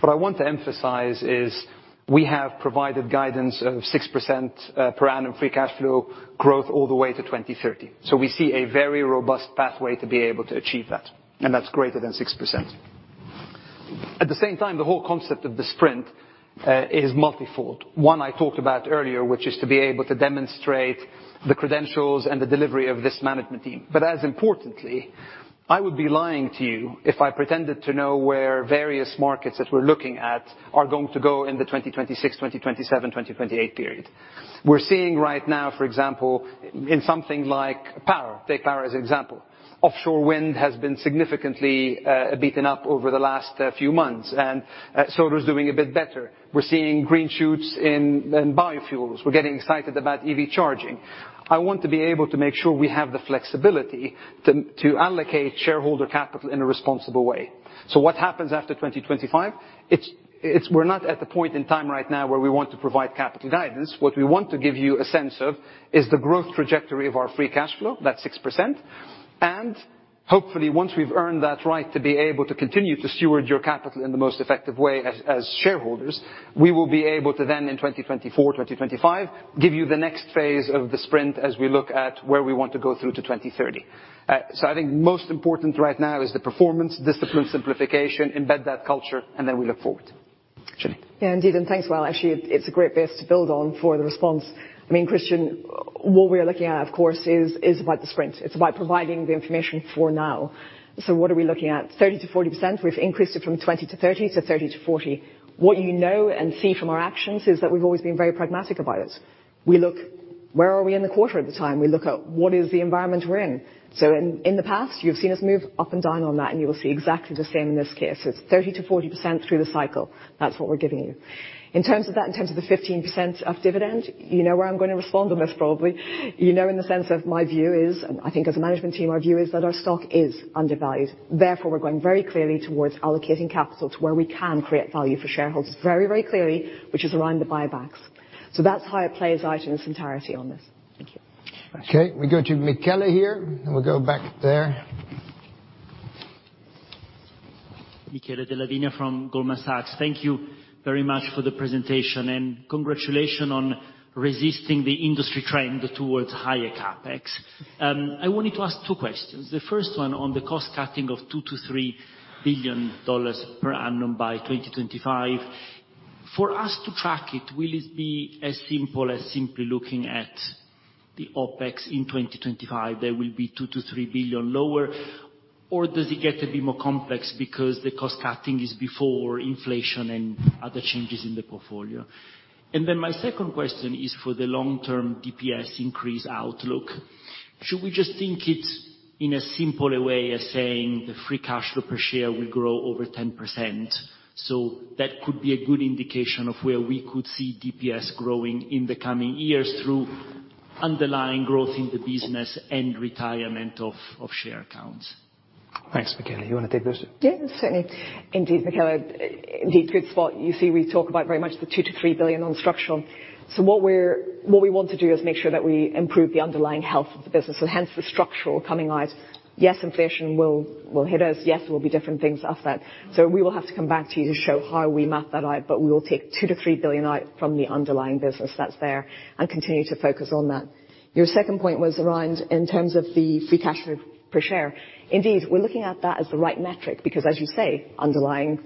What I want to emphasize is we have provided guidance of 6% per annum free cash flow growth all the way to 2030. We see a very robust pathway to be able to achieve that, and that's greater than 6%. At the same time, the whole concept of the sprint is multifold. One I talked about earlier, which is to be able to demonstrate the credentials and the delivery of this management team. As importantly, I would be lying to you if I pretended to know where various markets that we're looking at are going to go in the 2026, 2027, 2028 period. We're seeing right now, for example, in something like power, take power as example. Offshore wind has been significantly beaten up over the last few months, and solar is doing a bit better. We're seeing green shoots in biofuels. We're getting excited about EV charging. I want to be able to make sure we have the flexibility to allocate shareholder capital in a responsible way. What happens after 2025? We're not at the point in time right now where we want to provide capital guidance. What we want to give you a sense of is the growth trajectory of our free cash flow, that 6%. Hopefully, once we've earned that right to be able to continue to steward your capital in the most effective way as shareholders, we will be able to then in 2024, 2025, give you the next phase of the sprint as we look at where we want to go through to 2030. I think most important right now is the performance, discipline, simplification, embed that culture, and then we look forward. Sinead? Indeed. Thanks. Well, actually, it's a great base to build on for the response. I mean, Christyan, what we are looking at, of course, is about the sprint. It's about providing the information for now. What are we looking at? 30%-40%. We've increased it from 20%-30%, to 30%-40%. What you know and see from our actions is that we've always been very pragmatic about it. We look, where are we in the quarter at the time? We look at what is the environment we're in? In the past, you've seen us move up and down on that, and you will see exactly the same in this case. It's 30%-40% through the cycle. That's what we're giving you. In terms of that, in terms of the 15% of dividend, you know where I'm going to respond on this, probably. You know, in the sense of my view is, I think as a management team, our view is that our stock is undervalued. Therefore, we're going very clearly towards allocating capital to where we can create value for shareholders very, very clearly, which is around the buybacks. That's how it plays out in its entirety on this. Thank you. Okay, we go to Michele here, and we go back there. Michele Della Vigna from Goldman Sachs. Thank you very much for the presentation. Congratulations on resisting the industry trend towards higher CapEx. I wanted to ask two questions. The first one on the cost cutting of $2 billion-$3 billion per annum by 2025. For us to track it, will it be as simple as simply looking at the OpEx in 2025, there will be $2 billion-$3 billion lower, or does it get a bit more complex because the cost cutting is before inflation and other changes in the portfolio? My second question is for the long-term DEPs increase outlook. Should we just think it in a simpler way as saying the free cash flow per share will grow over 10%? That could be a good indication of where we could see DEPs growing in the coming years through underlying growth in the business and retirement of share accounts. Thanks, Michele. You want to take this? Yes, certainly. Indeed, Michele Della Vigna, good spot. We talk about very much the $2 billion-$3 billion on structural. What we want to do is make sure that we improve the underlying health of the business, and hence the structural coming out. Yes, inflation will hit us. Yes, there will be different things after that. We will have to come back to you to show how we map that out, but we will take $2 billion-$3 billion out from the underlying business that's there and continue to focus on that. Your second point was around in terms of the free cash flow per share. Indeed, we're looking at that as the right metric, because as you say, underlying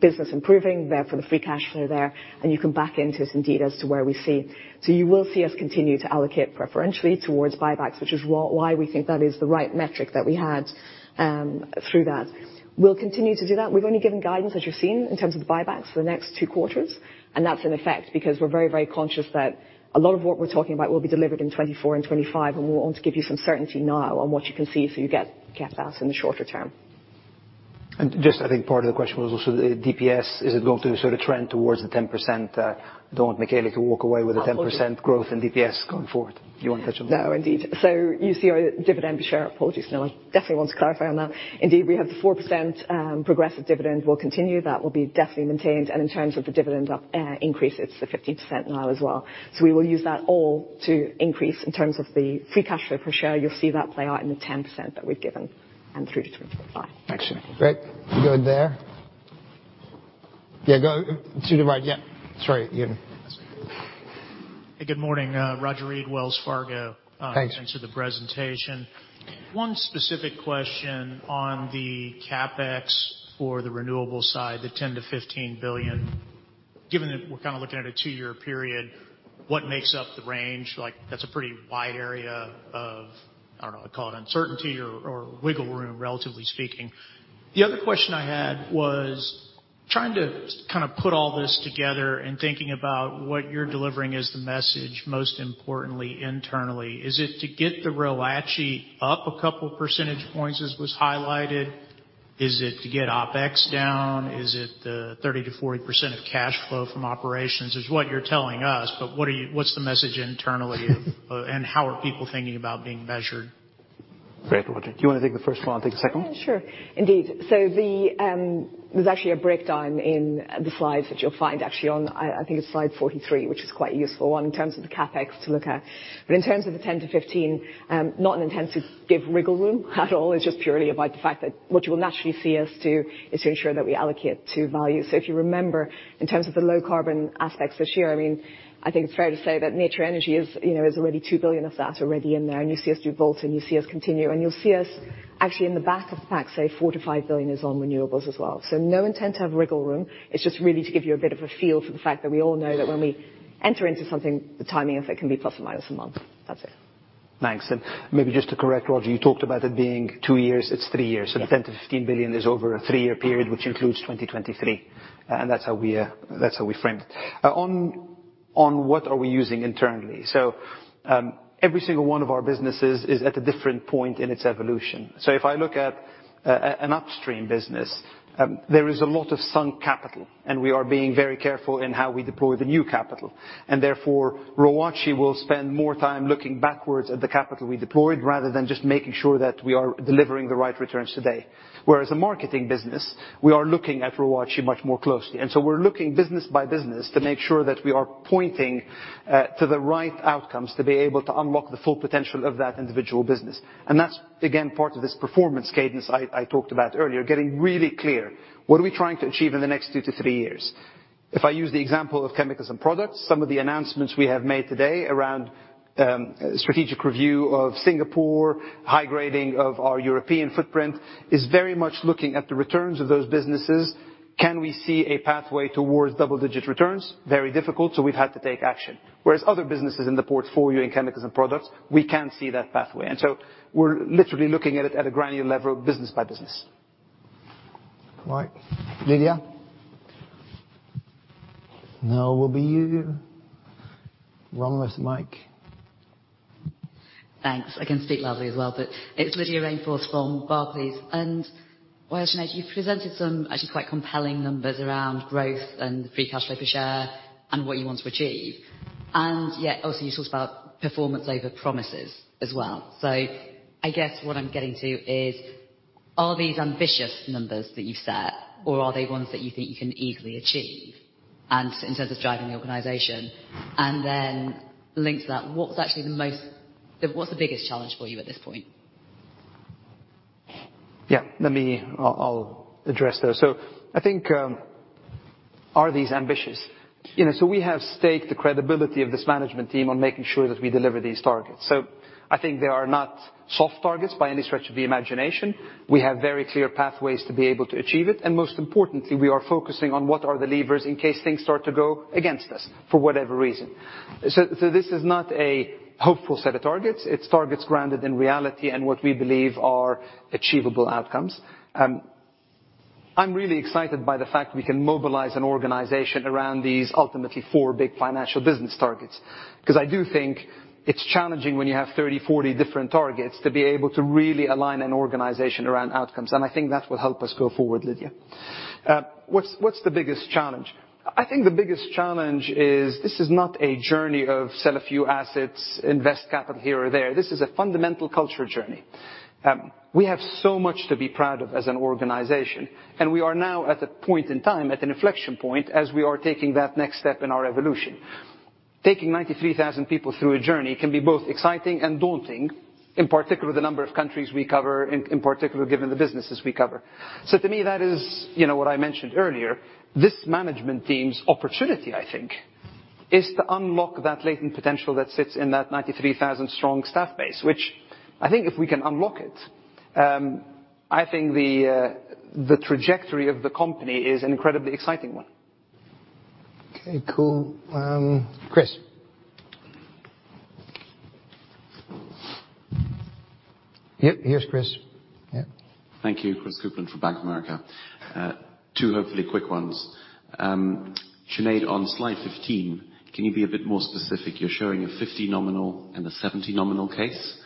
business improving, therefore, the free cash flow there, and you can back into it indeed, as to where we see. You will see us continue to allocate preferentially towards buybacks, which is why we think that is the right metric that we had through that. We'll continue to do that. We've only given guidance, as you've seen, in terms of the buybacks for the next two quarters, and that's in effect, because we're very, very conscious that a lot of what we're talking about will be delivered in 2024 and 2025, and we want to give you some certainty now on what you can see so you get that in the shorter term. Just, I think part of the question was also the DEPs. Is it going to sort of trend towards the 10%? Don't want Michele to walk away with a 10% growth in DEPs going forward. You want to touch on that? No, indeed. You see our dividend per share. Apologies, no, I definitely want to clarify on that. Indeed, we have the 4% progressive dividend will continue. That will be definitely maintained, and in terms of the dividend up, increases, the 15% now as well. We will use that all to increase in terms of the free cash flow per share. You'll see that play out in the 10% that we've given and through to 2025. Thanks. Great. Go there. Yeah, go to the right. Yeah. Sorry, you. Good morning, Roger Read, Wells Fargo. Thanks. Thanks for the presentation. One specific question on the CapEx for the renewables side, the $10 billion-$15 billion. Given that we're kind of looking at a two-year period, what makes up the range? That's a pretty wide area of, I don't know, call it uncertainty or wiggle room, relatively speaking. The other question I had was trying to kind of put all this together and thinking about what you're delivering as the message, most importantly, internally. Is it to get the ROACE up a couple percentage points, as was highlighted? Is it to get OpEx down? Is it the 30%-40% of cash flow from operations? What's the message internally, and how are people thinking about being measured? Great, Roger. Do you want to take the first one? I'll take the second. Yeah, sure. Indeed. There's actually a breakdown in the slides that you'll find actually on, I think it's slide 43, which is quite a useful one in terms of the CapEx to look at. In terms of the 10-15, not an intent to give wiggle room at all. It's just purely about the fact that what you will naturally see us do is to ensure that we allocate to value. If you remember, in terms of the low-carbon aspects this year, I mean, I think it's fair to say that Nature Energy is, you know, already $2 billion of that already in there. You see us do Volta, and you see us continue, and you'll see us actually in the back of the pack, say, $4 billion-$5 billion is on renewables as well. No intent to have wiggle room. It's just really to give you a bit of a feel for the fact that we all know that when we enter into something, the timing of it can be plus or minus a month. That's it. Thanks. Maybe just to correct, Roger, you talked about it being two years. It's three years. Yeah. The $10 billion-$15 billion is over a three-year period, which includes 2023, and that's how we frame it. On what are we using internally? Every single one of our businesses is at a different point in its evolution. If I look at an Upstream business, there is a lot of sunk capital, and we are being very careful in how we deploy the new capital. Therefore, ROACE will spend more time looking backwards at the capital we deployed, rather than just making sure that we are delivering the right returns today. Whereas a marketing business, we are looking at ROACE much more closely. We're looking business by business to make sure that we are pointing to the right outcomes to be able to unlock the full potential of that individual business. That's, again, part of this performance cadence I talked about earlier, getting really clear. What are we trying to achieve in the next two to three years? If I use the example of chemicals and products, some of the announcements we have made today around strategic review of Singapore, high grading of our European footprint, is very much looking at the returns of those businesses. Can we see a pathway towards double-digit returns? Very difficult, so we've had to take action. Whereas other businesses in the portfolio, in chemicals and products, we can see that pathway. We're literally looking at it at a granular level, business by business. Right. Lydia? Now will be you. Wrong with mic. Thanks. I can speak loudly as well, but it's Lydia Rainforth from Barclays. Wael, you've presented some actually quite compelling numbers around growth and free cash flow per share and what you want to achieve. Yet, also, you talked about performance over promises as well. I guess what I'm getting to is- Are these ambitious numbers that you've set, or are they ones that you think you can easily achieve, and in terms of driving the organization? Linked to that, what's actually the biggest challenge for you at this point? Yeah, let me I'll address those. I think, are these ambitious? You know, we have staked the credibility of this management team on making sure that we deliver these targets. I think they are not soft targets by any stretch of the imagination. We have very clear pathways to be able to achieve it, and most importantly, we are focusing on what are the levers in case things start to go against us for whatever reason. This is not a hopeful set of targets. It's targets grounded in reality and what we believe are achievable outcomes. I'm really excited by the fact we can mobilize an organization around these ultimately 4 big financial business targets, 'cause I do think it's challenging when you have 30, 40 different targets to be able to really align an organization around outcomes, and I think that will help us go forward, Lydia. What's the biggest challenge? I think the biggest challenge is this is not a journey of sell a few assets, invest capital here or there. This is a fundamental culture journey. We have so much to be proud of as an organization, and we are now at a point in time, at an inflection point, as we are taking that next step in our evolution. Taking 93,000 people through a journey can be both exciting and daunting, in particular, the number of countries we cover, in particular, given the businesses we cover. To me, that is, you know, what I mentioned earlier. This management team's opportunity, I think, is to unlock that latent potential that sits in that 93,000 strong staff base, which I think if we can unlock it, I think the trajectory of the company is an incredibly exciting one. Okay, cool. Chris. Yep, here's Chris. Yeah. Thank you. Christopher Kuplent for Bank of America. Two hopefully quick ones. Sinead, on slide 15, can you be a bit more specific? You're showing a 50 nominal and a 70 nominal case.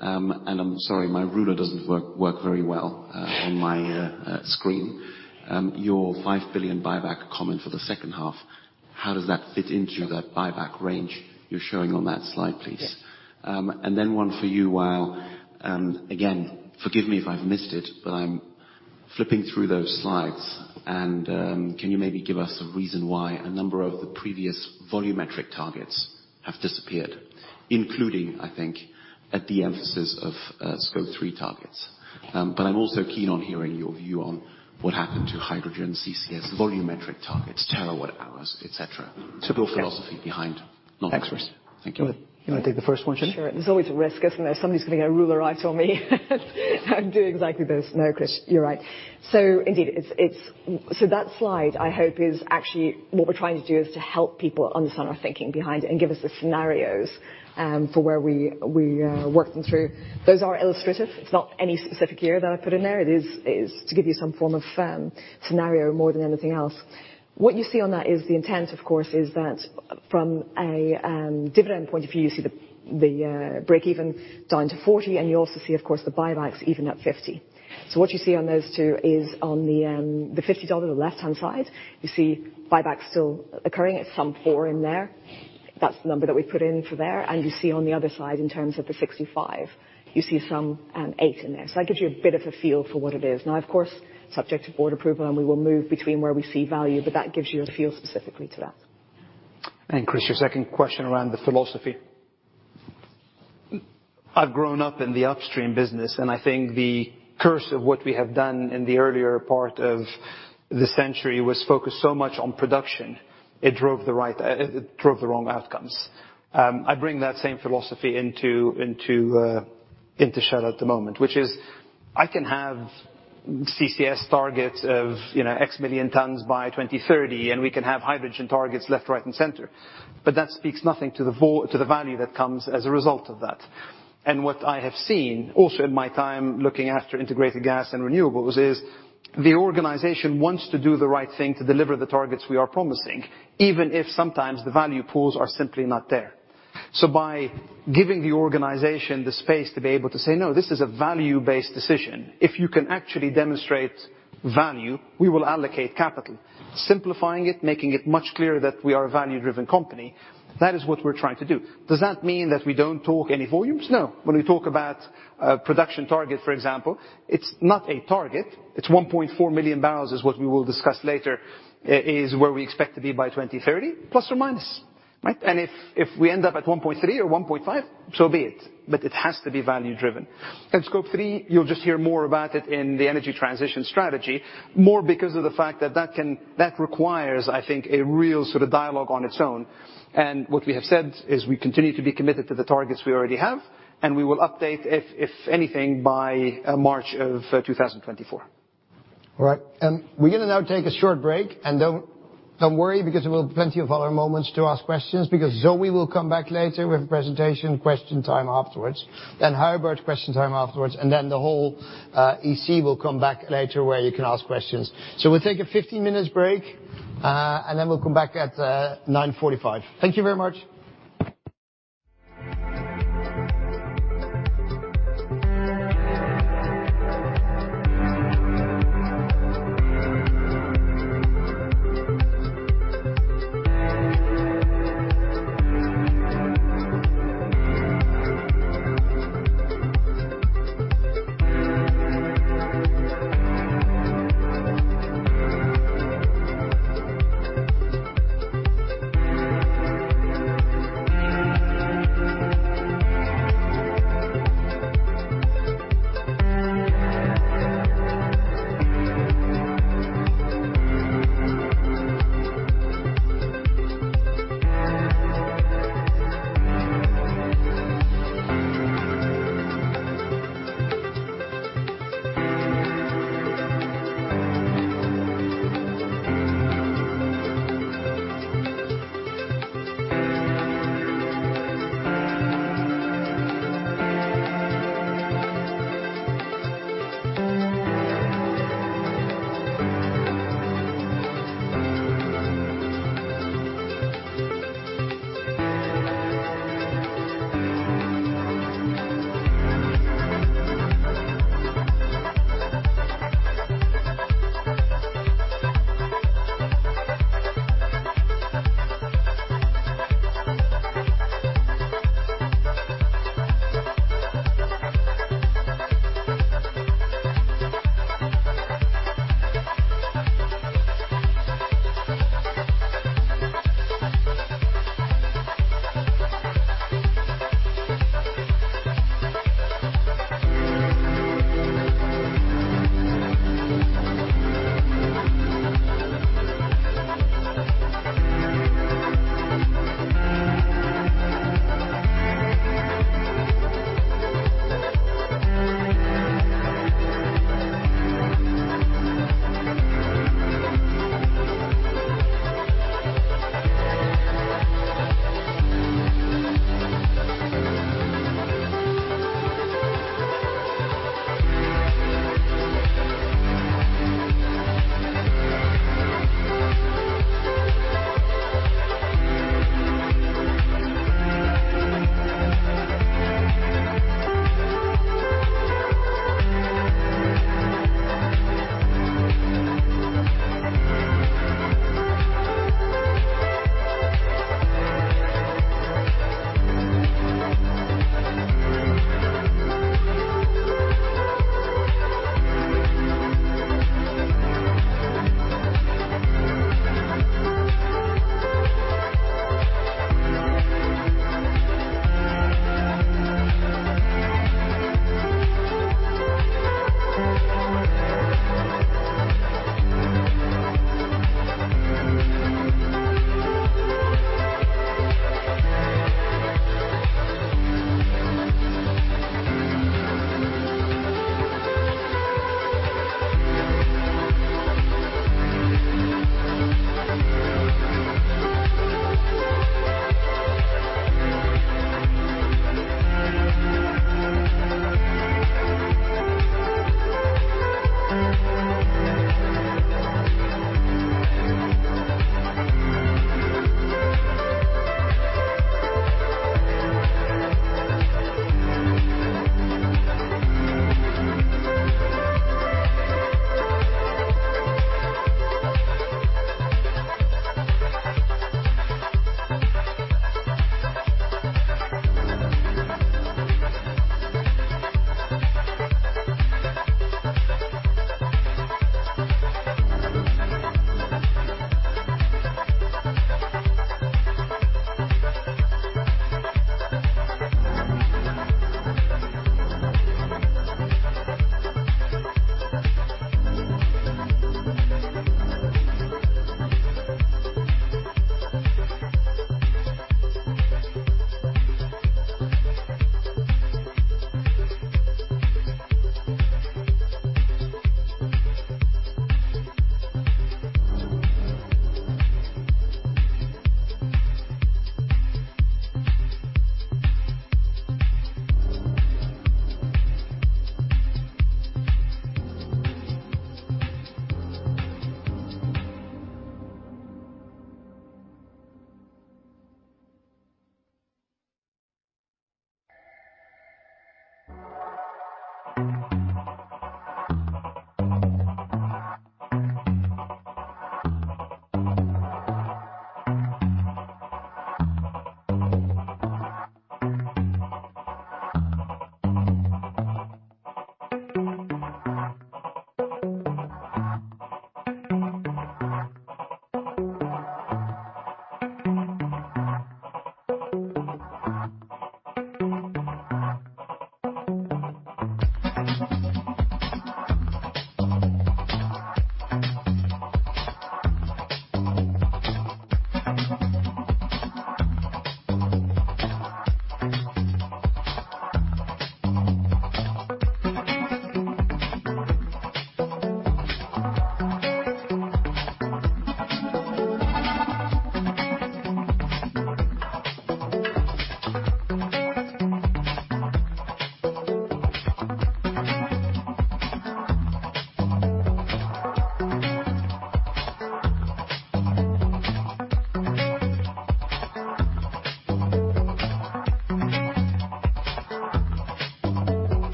I'm sorry, my ruler doesn't work very well on my screen. Your $5 billion buyback comment for the second half, how does that fit into that buyback range you're showing on that slide, please? Yeah. One for you, Wael. Again, forgive me if I've missed it, but I'm flipping through those slides, and can you maybe give us a reason why a number of the previous volumetric targets have disappeared, including, I think, at the emphasis of Scope 3 targets? I'm also keen on hearing your view on what happened to hydrogen, CCS, volumetric targets, terawatt hours, et cetera. Yes. Typical philosophy behind non-experts. Thanks, Chris. Thank you. You want to take the first one, Sinead? Sure. There's always a risk, isn't there? Somebody's gonna get a ruler out on me. I'd do exactly those. No, Chris, you're right. Indeed, it's. That slide, I hope, is actually what we're trying to do is to help people understand our thinking behind it and give us the scenarios for where we working through. Those are illustrative. It's not any specific year that I put in there. It is to give you some form of firm scenario more than anything else. What you see on that is the intent, of course, is that from a dividend point of view, you see the break even down to $40, and you also see, of course, the buybacks even at $50. What you see on those two is on the $50, the left-hand side, you see buybacks still occurring at $4 in there. That's the number that we put in for there. You see on the other side, in terms of the $65, you see $8 in there. That gives you a bit of a feel for what it is. Of course, subject to board approval, and we will move between where we see value, but that gives you a feel specifically to that. Chris, your second question around the philosophy. I've grown up in the Upstream business, I think the curse of what we have done in the earlier part of the century was focus so much on production, it drove the wrong outcomes. I bring that same philosophy into Shell at the moment, which is, I can have CCS targets of, you know, X million tons by 2030, and we can have hydrogen targets left, right, and center, but that speaks nothing to the value that comes as a result of that. What I have seen, also in my time looking after Integrated Gas and renewables, is the organization wants to do the right thing to deliver the targets we are promising, even if sometimes the value pools are simply not there. By giving the organization the space to be able to say, "No, this is a value-based decision. If you can actually demonstrate value, we will allocate capital." Simplifying it, making it much clearer that we are a value-driven company, that is what we're trying to do. Does that mean that we don't talk any volumes? No. When we talk about a production target, for example, it's not a target. It's 1.4 million barrels, is what we will discuss later, is where we expect to be by 2030, plus or minus. Right? If we end up at 1.3 or 1.5, so be it, but it has to be value driven. Scope 3, you'll just hear more about it in the energy transition strategy, more because of the fact that that requires, I think, a real sort of dialogue on its own. What we have said is we continue to be committed to the targets we already have, and we will update, if anything, by March of 2024. All right. We're gonna now take a short break. Don't worry, there will be plenty of other moments to ask questions. Zoë will come back later with a presentation, question time afterwards. Huibert, question time afterwards. The whole EC will come back later, where you can ask questions. We'll take a 15 minutes break, and then we'll come back at 9:45. Thank you very much!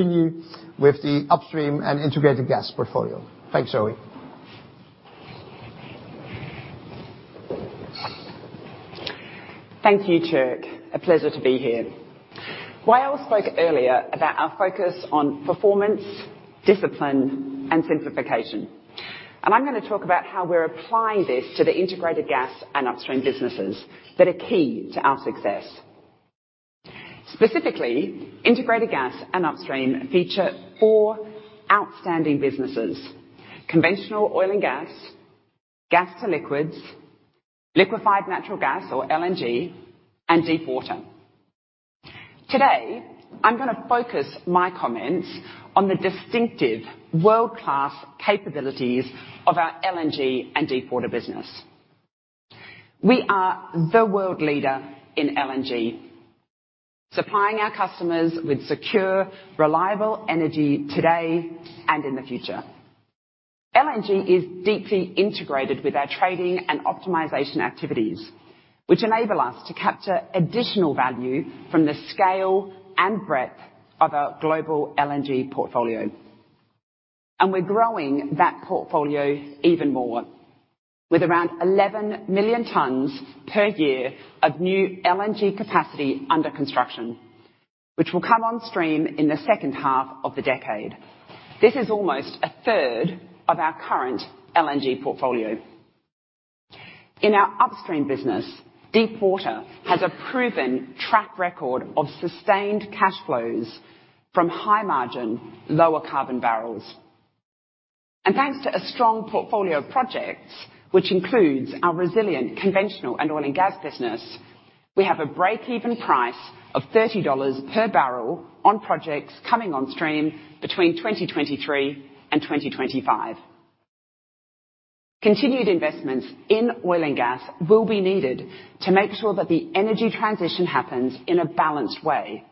We will continue with the Upstream and Integrated Gas portfolio. Thanks, Zoë. Thank you, Tjerk. A pleasure to be here. Wael spoke earlier about our focus on performance, discipline, and simplification. I'm gonna talk about how we're applying this to the Integrated Gas and Upstream businesses that are key to our success. Specifically, Integrated Gas and Upstream feature four outstanding businesses: conventional oil and gas to liquids, liquefied natural gas or LNG, and deepwater. Today, I'm gonna focus my comments on the distinctive world-class capabilities of our LNG and deepwater business. We are the world leader in LNG, supplying our customers with secure, reliable energy today and in the future. LNG is deeply integrated with our trading and optimization activities, which enable us to capture additional value from the scale and breadth of our global LNG portfolio. We're growing that portfolio even more, with around 11 million tons per year of new LNG capacity under construction, which will come on stream in the second half of the decade. This is almost a third of our current LNG portfolio. In our Upstream business, deepwater has a proven track record of sustained cash flows from high margin, lower carbon barrels. Thanks to a strong portfolio of projects, which includes our resilient, conventional, and oil and gas business, we have a break-even price of $30 per barrel on projects coming on stream between 2023 and 2025. Continued investments in oil and gas will be needed to make sure that the energy transition happens in a balanced way,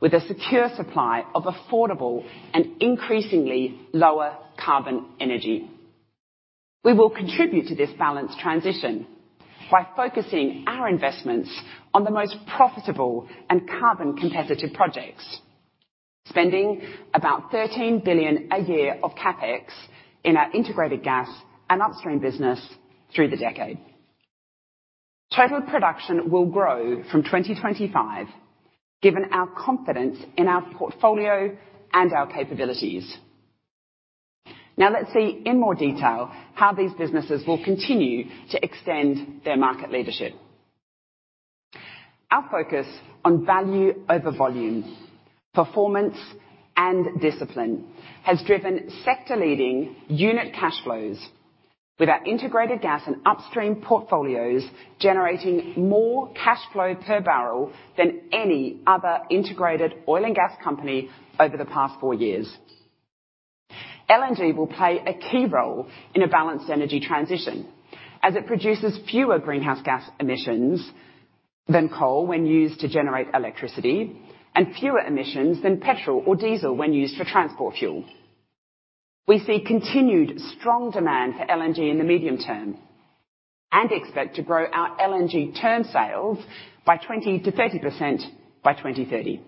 with a secure supply of affordable and increasingly lower carbon energy. We will contribute to this balanced transition by focusing our investments on the most profitable and carbon competitive projects, spending about $13 billion a year of CapEx in our Integrated Gas and Upstream business through the decade. Total production will grow from 2025, given our confidence in our portfolio and our capabilities. Let's see in more detail how these businesses will continue to extend their market leadership. Our focus on value over volume, performance, and discipline has driven sector-leading unit cash flows, with our Integrated Gas and Upstream portfolios generating more cash flow per barrel than any other integrated oil and gas company over the past four years. LNG will play a key role in a balanced energy transition, as it produces fewer greenhouse gas emissions than coal when used to generate electricity, and fewer emissions than petrol or diesel when used for transport fuel. We see continued strong demand for LNG in the medium term and expect to grow our LNG term sales by 20%-30% by 2030.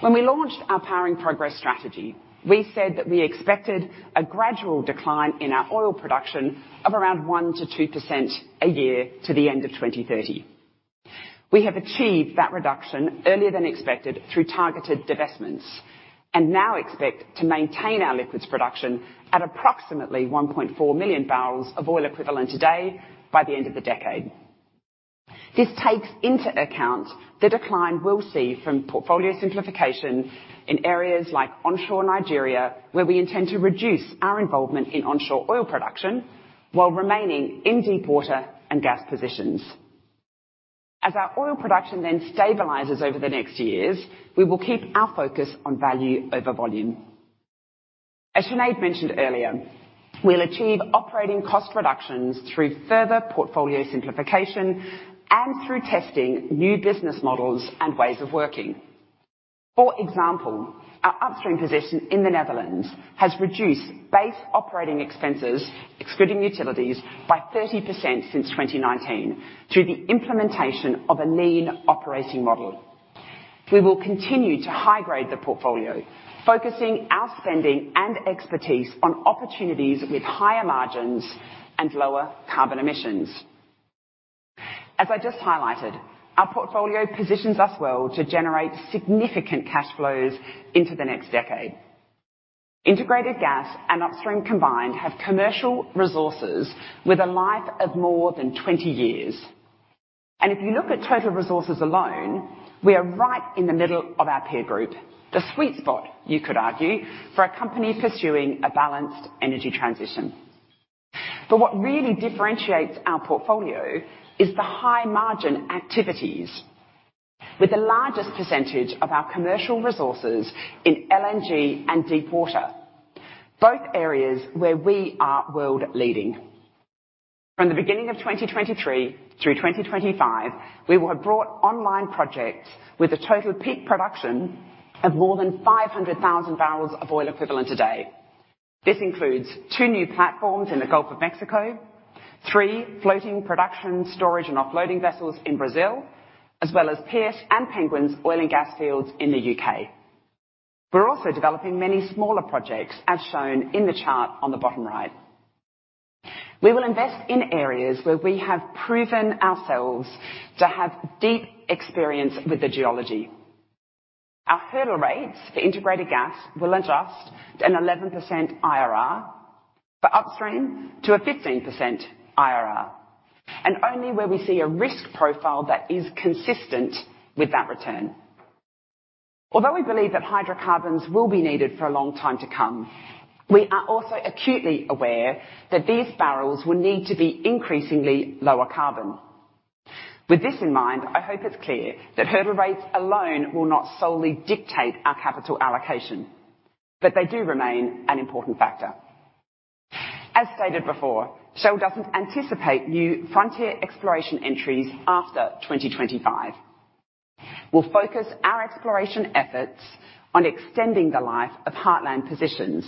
When we launched our Powering Progress strategy, we said that we expected a gradual decline in our oil production of around 1%-2% a year to the end of 2030. We have achieved that reduction earlier than expected through targeted divestments, and now expect to maintain our liquids production at approximately 1.4 million barrels of oil equivalent a day by the end of the decade. This takes into account the decline we'll see from portfolio simplification in areas like onshore Nigeria, where we intend to reduce our involvement in onshore oil production while remaining in deepwater and gas positions. Our oil production then stabilizes over the next years, we will keep our focus on value over volume. As Sinead Gorman mentioned earlier, we'll achieve operating cost reductions through further portfolio simplification and through testing new business models and ways of working. For example, our Upstream position in the Netherlands has reduced base operating expenses, excluding utilities, by 30% since 2019 through the implementation of a lean operating model. We will continue to high-grade the portfolio, focusing our spending and expertise on opportunities with higher margins and lower carbon emissions. As I just highlighted, our portfolio positions us well to generate significant cash flows into the next decade. Integrated Gas and Upstream combined have commercial resources with a life of more than 20 years. If you look at total resources alone, we are right in the middle of our peer group. The sweet spot, you could argue, for a company pursuing a balanced energy transition. What really differentiates our portfolio is the high-margin activities. With the largest percentage of our commercial resources in LNG and deepwater, both areas where we are world-leading. From the beginning of 2023 through 2025, we will have brought online projects with a total peak production of more than 500,000 barrels of oil equivalent a day. This includes 2 new platforms in the Gulf of Mexico, three floating production, storage, and offloading vessels in Brazil, as well as Pierce and Penguins oil and gas fields in the UK. We're also developing many smaller projects, as shown in the chart on the bottom right. We will invest in areas where we have proven ourselves to have deep experience with the geology. Our hurdle rates for Integrated Gas will adjust to an 11% IRR, for Upstream to a 15% IRR, and only where we see a risk profile that is consistent with that return. Although we believe that hydrocarbons will be needed for a long time to come, we are also acutely aware that these barrels will need to be increasingly lower carbon. With this in mind, I hope it's clear that hurdle rates alone will not solely dictate our capital allocation, but they do remain an important factor. As stated before, Shell doesn't anticipate new frontier exploration entries after 2025. We'll focus our exploration efforts on extending the life of heartland positions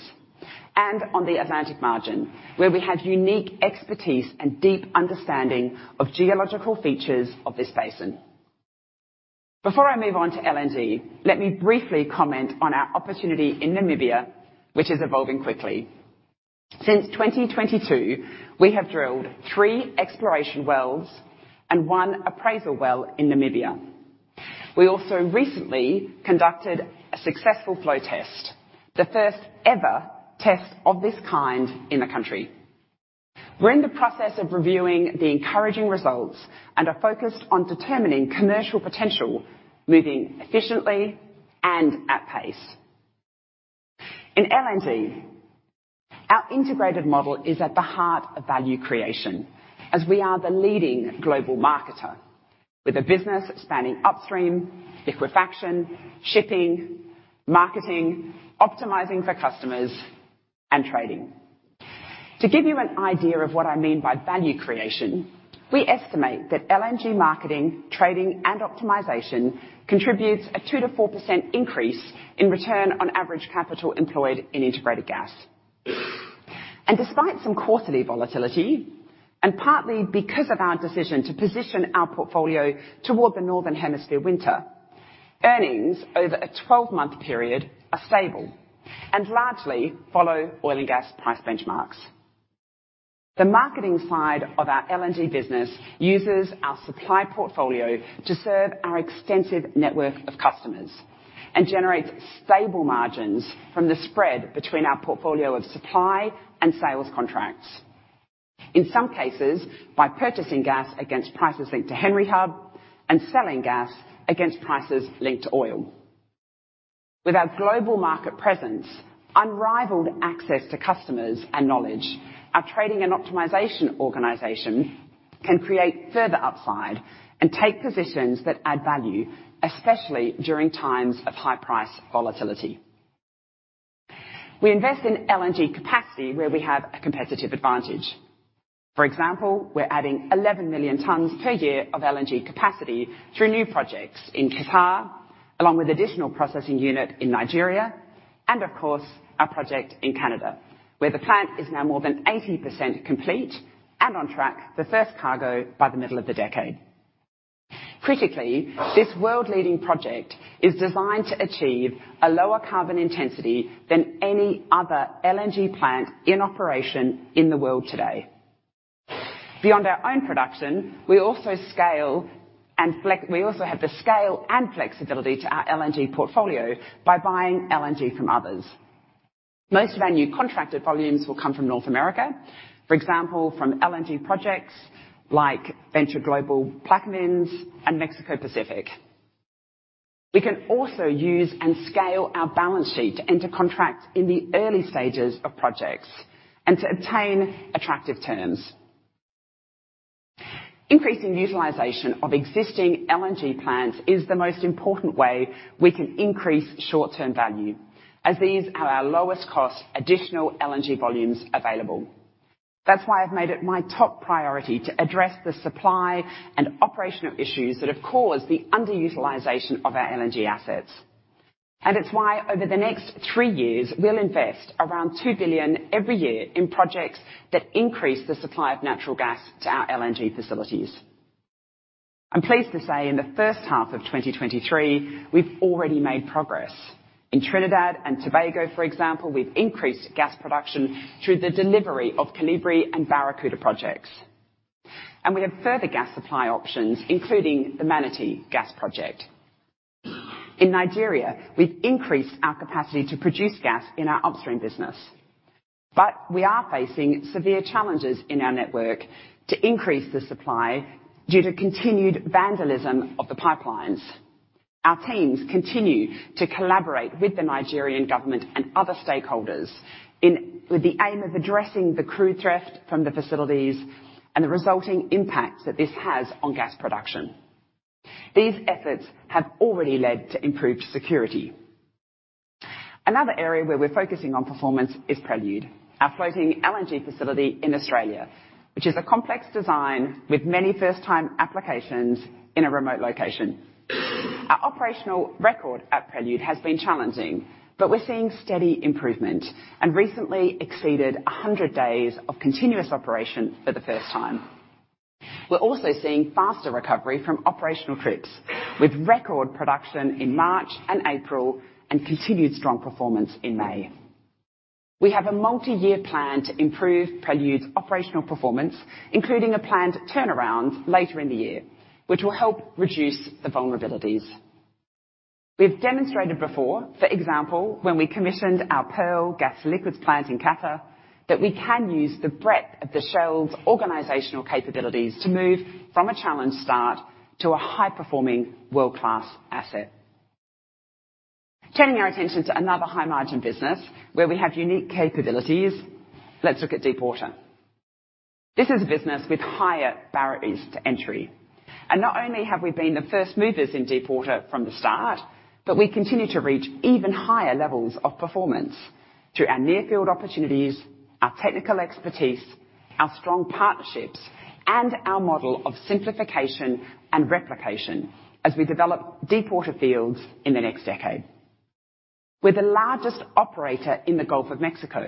and on the Atlantic margin, where we have unique expertise and deep understanding of geological features of this basin. Before I move on to LNG, let me briefly comment on our opportunity in Namibia, which is evolving quickly. Since 2022, we have drilled three exploration wells and one appraisal well in Namibia. We also recently conducted a successful flow test, the first-ever test of this kind in the country. We're in the process of reviewing the encouraging results and are focused on determining commercial potential, moving efficiently and at pace. In LNG, our integrated model is at the heart of value creation, as we are the leading global marketer, with a business spanning Upstream, liquefaction, shipping, marketing, optimizing for customers, and trading. To give you an idea of what I mean by value creation, we estimate that LNG marketing, trading, and optimization contributes a 2%-4% increase in return on average capital employed in Integrated Gas. Despite some quarterly volatility, and partly because of our decision to position our portfolio toward the Northern Hemisphere winter, earnings over a 12-month period are stable and largely follow oil and gas price benchmarks. The marketing side of our LNG business uses our supply portfolio to serve our extensive network of customers and generates stable margins from the spread between our portfolio of supply and sales contracts. In some cases, by purchasing gas against prices linked to Henry Hub and selling gas against prices linked to oil. With our global market presence, unrivaled access to customers and knowledge, our trading and optimization organization can create further upside and take positions that add value, especially during times of high price volatility. We invest in LNG capacity where we have a competitive advantage. We're adding 11 million tons per year of LNG capacity through new projects in Qatar, along with additional processing unit in Nigeria, and of course, our project in Canada, where the plant is now more than 80% complete and on track for the first cargo by the middle of the decade. Critically, this world-leading project is designed to achieve a lower carbon intensity than any other LNG plant in operation in the world today. Beyond our own production, we also have the scale and flexibility to our LNG portfolio by buying LNG from others. Most of our new contracted volumes will come from North America, for example, from LNG projects like Venture Global, Plaquemines, and Mexico Pacific. We can also use and scale our balance sheet to enter contracts in the early stages of projects and to obtain attractive terms. Increasing utilization of existing LNG plants is the most important way we can increase short-term value, as these are our lowest cost additional LNG volumes available. That's why I've made it my top priority to address the supply and operational issues that have caused the underutilization of our LNG assets. It's why over the next three years, we'll invest around $2 billion every year in projects that increase the supply of natural gas to our LNG facilities. I'm pleased to say in the first half of 2023, we've already made progress. In Trinidad and Tobago, for example, we've increased gas production through the delivery of Colibri and Barracuda projects. We have further gas supply options, including the Manatee Gas Project. In Nigeria, we've increased our capacity to produce gas in our Upstream business, but we are facing severe challenges in our network to increase the supply due to continued vandalism of the pipelines. Our teams continue to collaborate with the Nigerian government and other stakeholders with the aim of addressing the crude theft from the facilities and the resulting impact that this has on gas production. These efforts have already led to improved security. Another area where we're focusing on performance is Prelude, our floating LNG facility in Australia, which is a complex design with many first-time applications in a remote location. Our operational record at Prelude has been challenging, but we're seeing steady improvement, and recently exceeded 100 days of continuous operation for the first time. We're also seeing faster recovery from operational trips, with record production in March and April, and continued strong performance in May. We have a multi-year plan to improve Prelude's operational performance, including a planned turnaround later in the year, which will help reduce the vulnerabilities. We've demonstrated before, for example, when we commissioned our Pearl Gas Liquids Plant in Qatar, that we can use the breadth of the Shell's organizational capabilities to move from a challenged start to a high-performing world-class asset. Turning our attention to another high-margin business where we have unique capabilities, let's look at deep water. This is a business with higher barriers to entry, not only have we been the first movers in deep water from the start, but we continue to reach even higher levels of performance through our near-field opportunities, our technical expertise, our strong partnerships, and our model of simplification and replication as we develop deep water fields in the next decade. We're the largest operator in the Gulf of Mexico.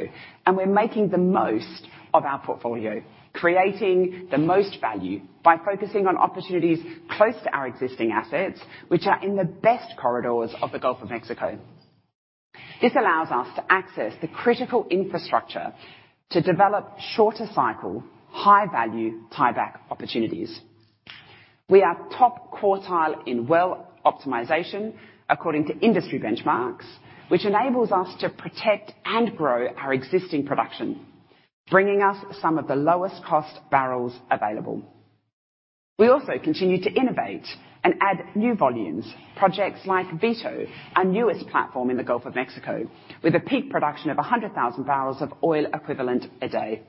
We're making the most of our portfolio, creating the most value by focusing on opportunities close to our existing assets, which are in the best corridors of the Gulf of Mexico. This allows us to access the critical infrastructure to develop shorter cycle, high-value, tieback opportunities. We are top quartile in well optimization, according to industry benchmarks, which enables us to protect and grow our existing production, bringing us some of the lowest cost barrels available. We also continue to innovate and add new volumes. Projects like Vito, our newest platform in the Gulf of Mexico, with a peak production of 100,000 barrels of oil equivalent a day.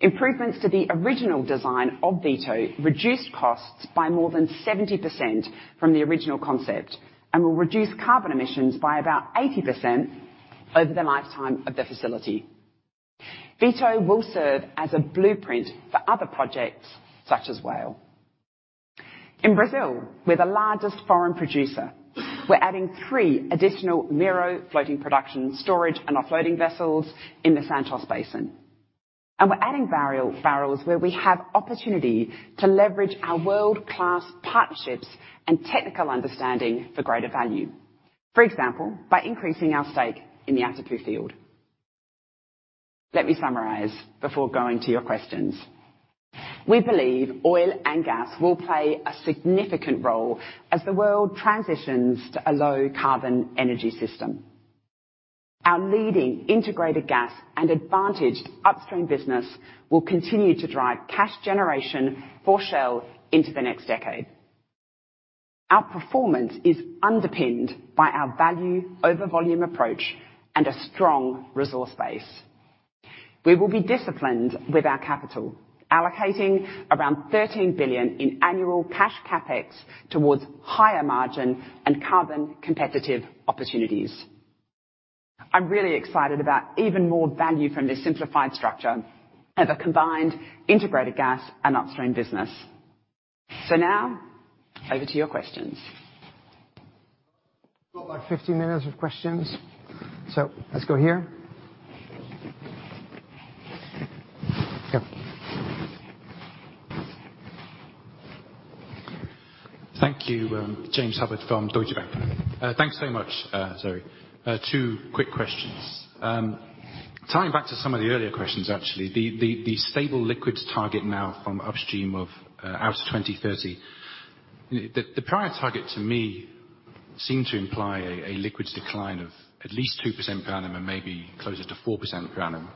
Improvements to the original design of Vito reduced costs by more than 70% from the original concept, and will reduce carbon emissions by about 80% over the lifetime of the facility. Vito will serve as a blueprint for other projects such as Whale. In Brazil, we're the largest foreign producer. We're adding 3 additional Mero floating production, storage, and offloading vessels in the Santos Basin, and we're adding barrels where we have opportunity to leverage our world-class partnerships and technical understanding for greater value. For example, by increasing our stake in the Atapu field. Let me summarize before going to your questions. We believe oil and gas will play a significant role as the world transitions to a Low Carbon energy system. Our leading Integrated Gas and advantaged Upstream business will continue to drive cash generation for Shell into the next decade. Our performance is underpinned by our value over volume approach and a strong resource base. We will be disciplined with our capital, allocating around $13 billion in annual cash CapEx towards higher margin and carbon competitive opportunities. I'm really excited about even more value from this simplified structure of a combined Integrated Gas and Upstream business. Now, over to your questions. We've got, like, 15 minutes of questions. Let's go here. Yeah. Thank you. James Hubbard from Deutsche Bank. Thanks so much. Sorry. Two quick questions. Tying back to some of the earlier questions, actually, the stable liquids target now from Upstream out to 2030. The prior target, to me, seemed to imply a liquids decline of at least 2% per annum and maybe closer to 4% per annum.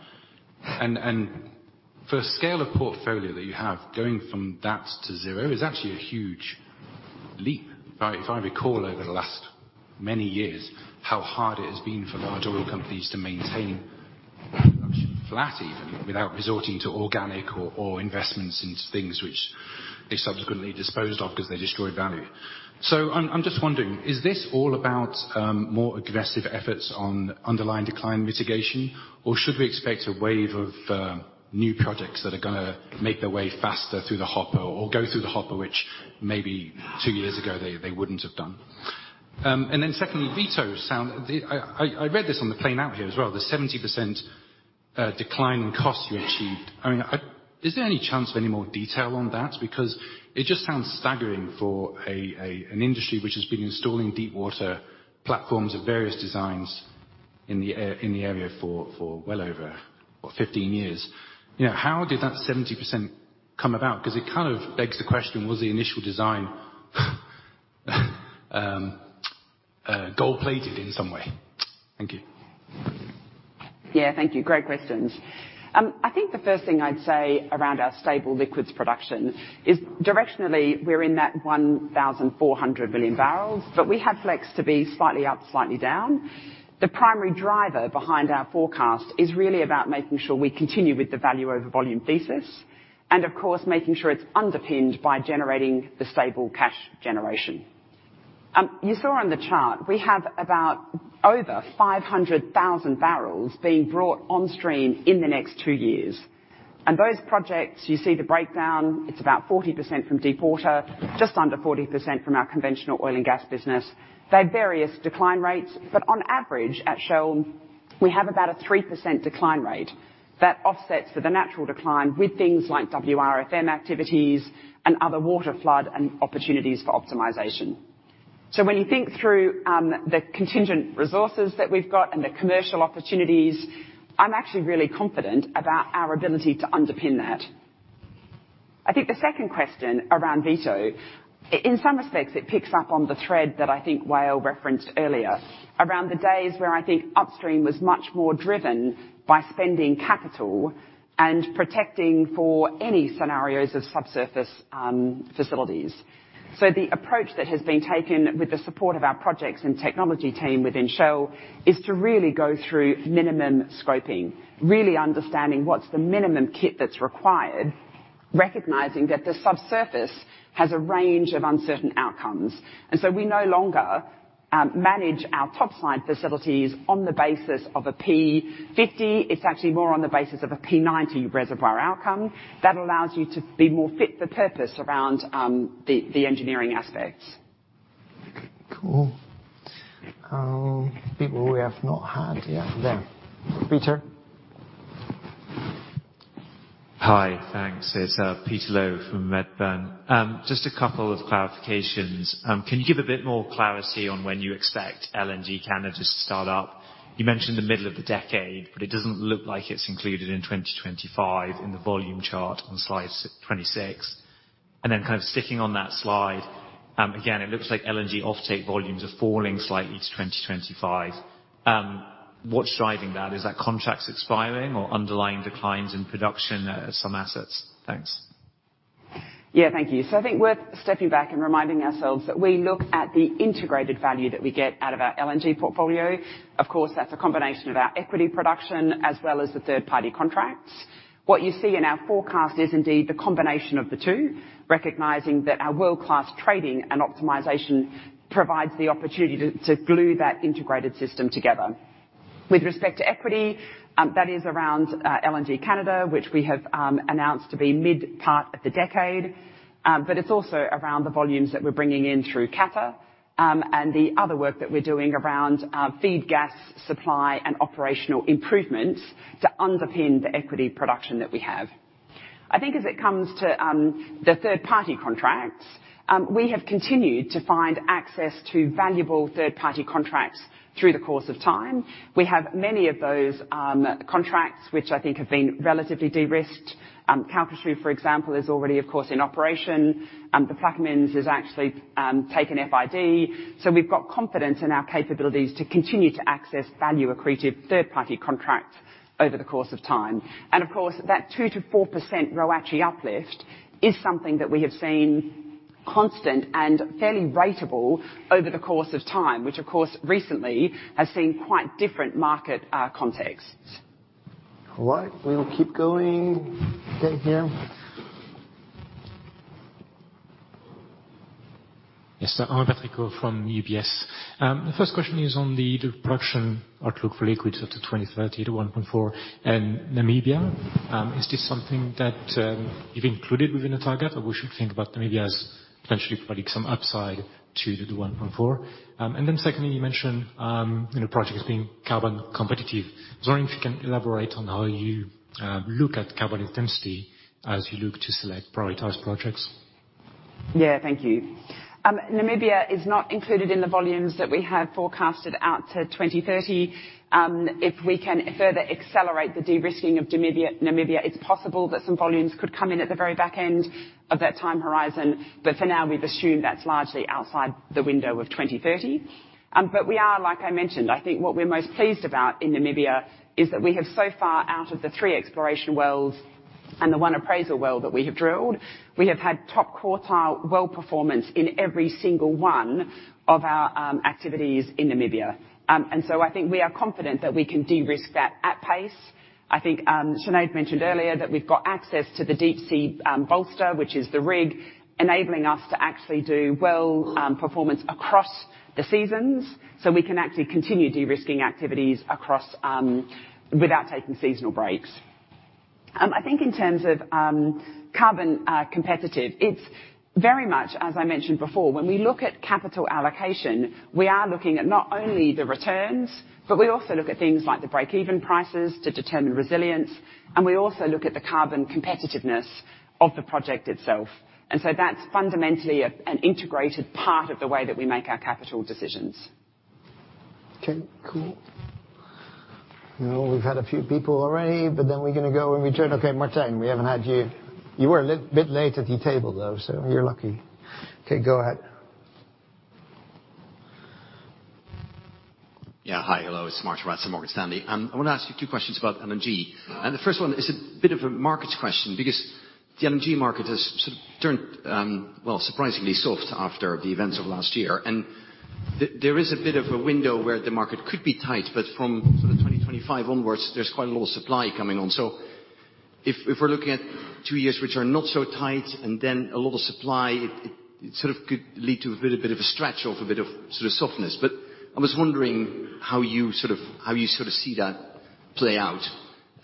For a scale of portfolio that you have, going from that to zero is actually a huge leap. If I recall over the last many years how hard it has been for large oil companies to maintain production flat even, without resorting to organic or investments into things which they subsequently disposed of because they destroyed value. I'm just wondering, is this all about more aggressive efforts on underlying decline mitigation? should we expect a wave of new projects that are gonna make their way faster through the hopper or go through the hopper, which maybe two years ago, they wouldn't have done? Secondly, Vito. I read this on the plane out here as well, the 70% decline in cost you achieved. I mean, is there any chance of any more detail on that? Because it just sounds staggering for an industry which has been installing deep water platforms of various designs.... in the area for well over, well, 15 years. You know, how did that 70% come about? It kind of begs the question, was the initial design gold-plated in some way? Thank you. Yeah, thank you. Great questions. I think the first thing I'd say around our stable liquids production is directionally, we're in that 1,400 billion barrels, but we have flex to be slightly up, slightly down. The primary driver behind our forecast is really about making sure we continue with the value over volume thesis, and of course, making sure it's underpinned by generating the stable cash generation. You saw on the chart, we have about over 500,000 barrels being brought on stream in the next two years. Those projects, you see the breakdown, it's about 40% from deep water, just under 40% from our conventional oil and gas business. They have various decline rates, but on average, at Shell, we have about a 3% decline rate. That offsets for the natural decline with things like WRFM activities and other waterflood and opportunities for optimization. When you think through the contingent resources that we've got and the commercial opportunities, I'm actually really confident about our ability to underpin that. I think the second question around Vito, in some respects, it picks up on the thread that I think Wael referenced earlier, around the days where I think Upstream was much more driven by spending capital and protecting for any scenarios of subsurface facilities. The approach that has been taken with the support of our projects and technology team within Shell is to really go through minimum scoping, really understanding what's the minimum kit that's required, recognizing that the subsurface has a range of uncertain outcomes. We no longer manage our top-side facilities on the basis of a P50. It's actually more on the basis of a P90 reservoir outcome. That allows you to be more fit the purpose around, the engineering aspects. Cool. People we have not had yet. There, Peter. Hi, thanks. It's Peter Low from Redburn. Just a couple of clarifications. Can you give a bit more clarity on when you expect LNG Canada to start up? You mentioned the middle of the decade, but it doesn't look like it's included in 2025 in the volume chart on slide 26. Kind of sticking on that slide, again, it looks like LNG offtake volumes are falling slightly to 2025. What's driving that? Is that contracts expiring or underlying declines in production at some assets? Thanks. Thank you. I think worth stepping back and reminding ourselves that we look at the integrated value that we get out of our LNG portfolio. Of course, that's a combination of our equity production as well as the third-party contracts. What you see in our forecast is indeed the combination of the two, recognizing that our world-class trading and optimization provides the opportunity to glue that integrated system together. With respect to equity, that is around LNG Canada, which we have announced to be mid-part of the decade. It's also around the volumes that we're bringing in through Qatar, and the other work that we're doing around our feed gas supply and operational improvements to underpin the equity production that we have. I think as it comes to, the third-party contracts, we have continued to find access to valuable third-party contracts through the course of time. We have many of those, contracts which I think have been relatively de-risked. Calcasieu, for example, is already, of course, in operation, and the Plaquemines has actually, taken FID. We've got confidence in our capabilities to continue to access value accretive third-party contracts over the course of time. Of course, that 2%-4% ROACE uplift is something that we have seen constant and fairly ratable over the course of time, which, of course, recently has seen quite different market, contexts. All right, we will keep going. Get here. Yes. I'm Patrick from UBS. The first question is on the production outlook for liquids up to 2030 to 1.4. In Namibia, is this something that you've included within the target, or we should think about Namibia as potentially providing some upside to the 1.4? Then secondly, you mentioned, you know, projects being carbon competitive. I was wondering if you can elaborate on how you look at carbon intensity as you look to select prioritized projects. Yeah, thank you. Namibia is not included in the volumes that we have forecasted out to 2030. If we can further accelerate the de-risking of Namibia, it's possible that some volumes could come in at the very back end of that time horizon, but for now, we've assumed that's largely outside the window of 2030. We are like I mentioned, I think what we're most pleased about in Namibia is that we have so far, out of the three exploration wells and the one appraisal well that we have drilled, we have had top quartile well performance in every single one of our activities in Namibia. I think we are confident that we can de-risk that at pace. I think, Sinead mentioned earlier that we've got access to the Deepsea Bollsta, bolster, which is the rig, enabling us to actually do well, performance across the seasons. We can actually continue de-risking activities across, without taking seasonal breaks. I think in terms of, carbon competitive, it's very much as I mentioned before, when we look at capital allocation, we are looking at not only the returns, but we also look at things like the break-even prices to determine resilience, and we also look at the carbon competitiveness of the project itself. That's fundamentally an integrated part of the way that we make our capital decisions. Okay, cool. You know, we've had a few people already, but then we're gonna go and we turn. Okay, Martin, we haven't had you. You were a bit late at the table, though, so you're lucky. Okay, go ahead. Hi. Hello, it's Martijn Rats from Morgan Stanley. I want to ask you two questions about LNG. The first one is a bit of a market question, because the LNG market has sort of turned, well, surprisingly soft after the events of last year. There is a bit of a window where the market could be tight, but from sort of 2025 onwards, there's quite a lot of supply coming on. If we're looking at two years, which are not so tight, and then a lot of supply, it sort of could lead to a bit of a stretch of a bit of sort of softness. I was wondering how you sort of see that play out.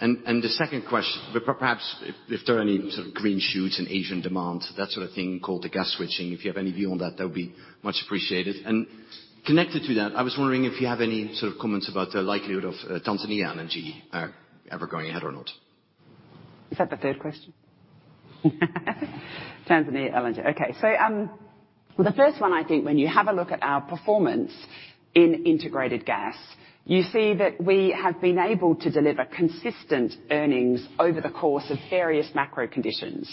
The second, perhaps if there are any sort of green shoots in Asian demand, that sort of thing, called the gas switching. If you have any view on that would be much appreciated. Connected to that, I was wondering if you have any sort of comments about the likelihood of Tanzania LNG ever going ahead or not? Is that the third question? Tanzania LNG. The first one, I think when you have a look at our performance in Integrated Gas, you see that we have been able to deliver consistent earnings over the course of various macro conditions.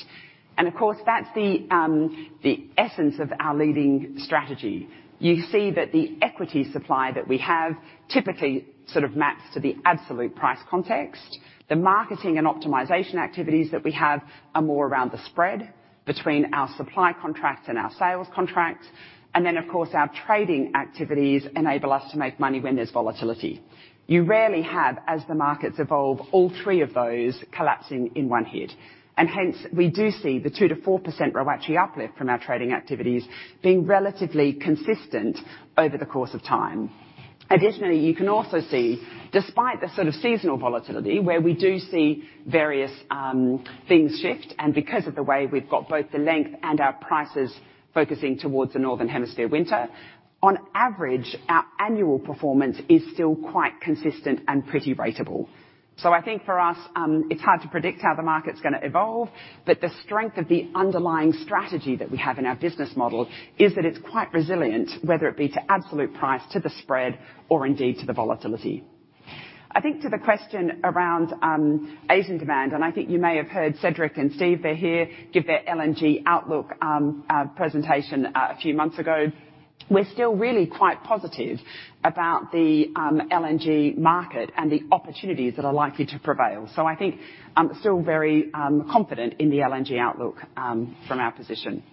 Of course, that's the essence of our leading strategy. You see that the equity supply that we have typically sort of maps to the absolute price context. The marketing and optimization activities that we have are more around the spread between our supply contracts and our sales contracts. Of course, our trading activities enable us to make money when there's volatility. You rarely have, as the markets evolve, all three of those collapsing in one hit, hence we do see the 2%-4% ROACE uplift from our trading activities being relatively consistent over the course of time. Additionally, you can also see, despite the sort of seasonal volatility, where we do see various things shift, and because of the way we've got both the length and our prices focusing towards the Northern Hemisphere winter, on average, our annual performance is still quite consistent and pretty ratable. I think for us, it's hard to predict how the market's gonna evolve, but the strength of the underlying strategy that we have in our business model is that it's quite resilient, whether it be to absolute price, to the spread, or indeed, to the volatility. I think, to the question around Asian demand, I think you may have heard Cedric and Steve, they're here, give their LNG outlook presentation a few months ago. We're still really quite positive about the LNG market and the opportunities that are likely to prevail. I think I'm still very confident in the LNG outlook from our position.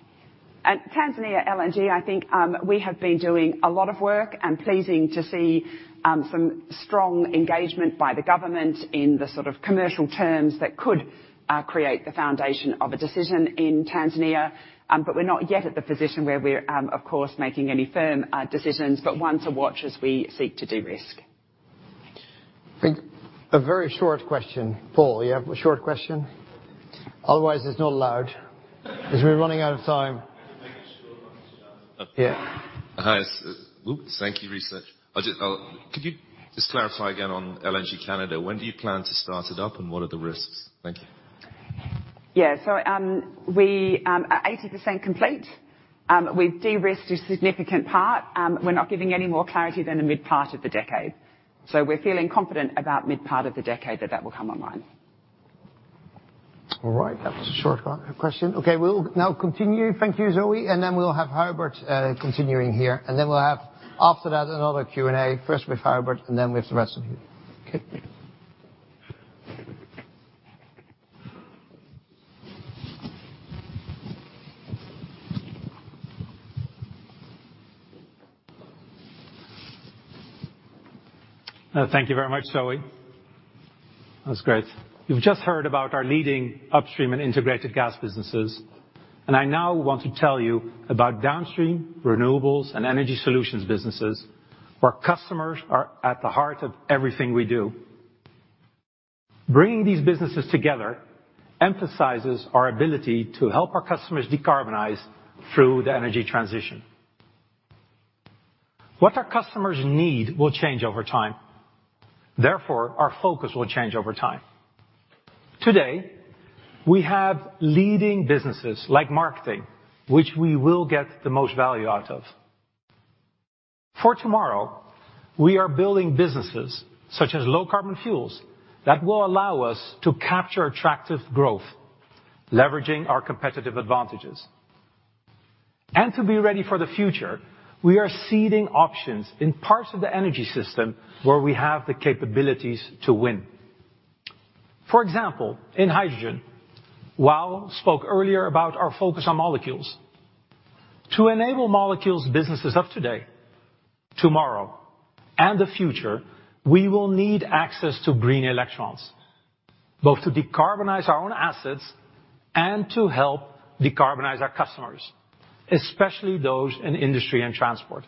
At Tanzania LNG, I think, we have been doing a lot of work and pleasing to see some strong engagement by the government in the sort of commercial terms that could create the foundation of a decision in Tanzania. We're not yet at the position where we're, of course, making any firm decisions, but one to watch as we seek to de-risk. I think a very short question. Paul, you have a short question? Otherwise, it's not allowed, cause we're running out of time. I can make it short. Yeah. Hi, Thank you, Tjerk. Could you just clarify again on LNG Canada, when do you plan to start it up, and what are the risks? Thank you. We are 80% complete. We've de-risked a significant part. We're not giving any more clarity than the mid part of the decade. We're feeling confident about mid part of the decade that will come online. All right. That was a short one, question. Okay, we'll now continue. Thank you, Zoë. Then we'll have Huibert, continuing here, then we'll have, after that, another Q&A, first with Huibert, and then with the rest of you. Okay. Thank you very much, Zoë. That's great. You've just heard about our leading Upstream and Integrated Gas businesses. I now want to tell you about Downstream Renewables and Energy Solutions businesses, where customers are at the heart of everything we do. Bringing these businesses together emphasizes our ability to help our customers decarbonize through the energy transition. What our customers need will change over time, therefore, our focus will change over time. Today, we have leading businesses, like marketing, which we will get the most value out of. For tomorrow, we are building businesses such as Low Carbon fuels, that will allow us to capture attractive growth, leveraging our competitive advantages. To be ready for the future, we are seeding options in parts of the energy system where we have the capabilities to win. For example, in hydrogen, Wael spoke earlier about our focus on molecules. To enable molecules businesses of today, tomorrow, and the future, we will need access to green electrons, both to decarbonize our own assets and to help decarbonize our customers, especially those in industry and transport.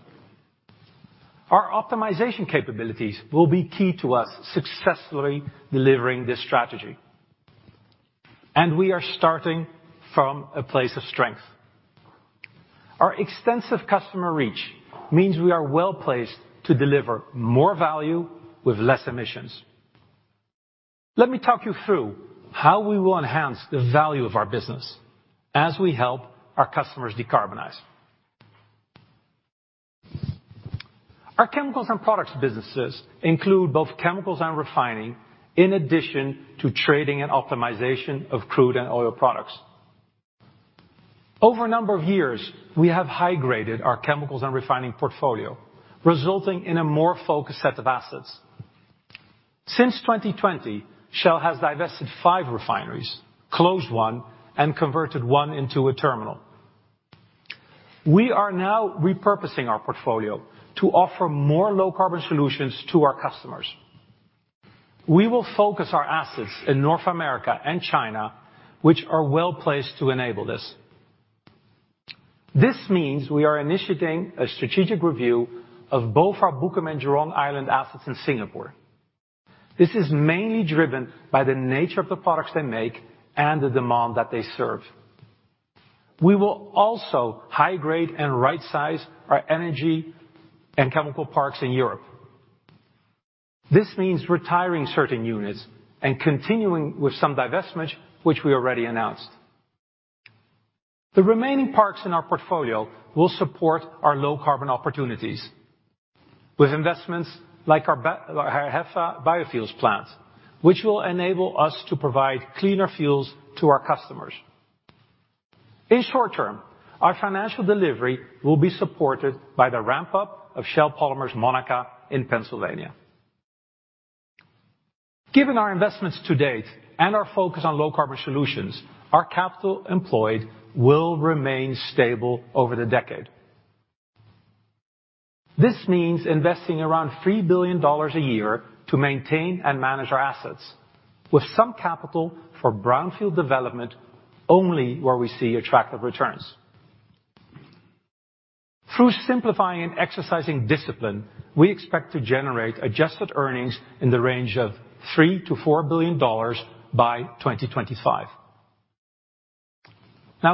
Our optimization capabilities will be key to us successfully delivering this strategy, and we are starting from a place of strength. Our extensive customer reach means we are well-placed to deliver more value with less emissions. Let me talk you through how we will enhance the value of our business as we help our customers decarbonize. Our chemicals and products businesses include both chemicals and refining, in addition to trading and optimization of crude and oil products. Over a number of years, we have high-graded our chemicals and refining portfolio, resulting in a more focused set of assets. Since 2020, Shell has divested five refineries, closed one and converted one into a terminal. We are now repurposing our on Low Carbon Solutions to our customers. we will focus our assets in North America and China, which are well-placed to enable this. This means we are initiating a strategic review of both our Bukom and Jurong Island assets in Singapore. This is mainly driven by the nature of the products they make and the demand that they serve. We will also high-grade and rightsize our energy and chemical parks in Europe. This means retiring certain units and continuing with some divestments, which we already announced. The remaining parks in our portfolio will support our low-carbon opportunities with investments like our HEFA biofuels plant, which will enable us to provide cleaner fuels to our customers. In short term, our financial delivery will be supported by the ramp-up of Shell Polymers Monaca in Pennsylvania. Given our investments to date our Low Carbon Solutions, our capital employed will remain stable over the decade. This means investing around $3 billion a year to maintain and manage our assets, with some capital for brownfield development only where we see attractive returns. Through simplifying and exercising discipline, we expect to generate adjusted earnings in the range of $3 billion-$4 billion by 2025.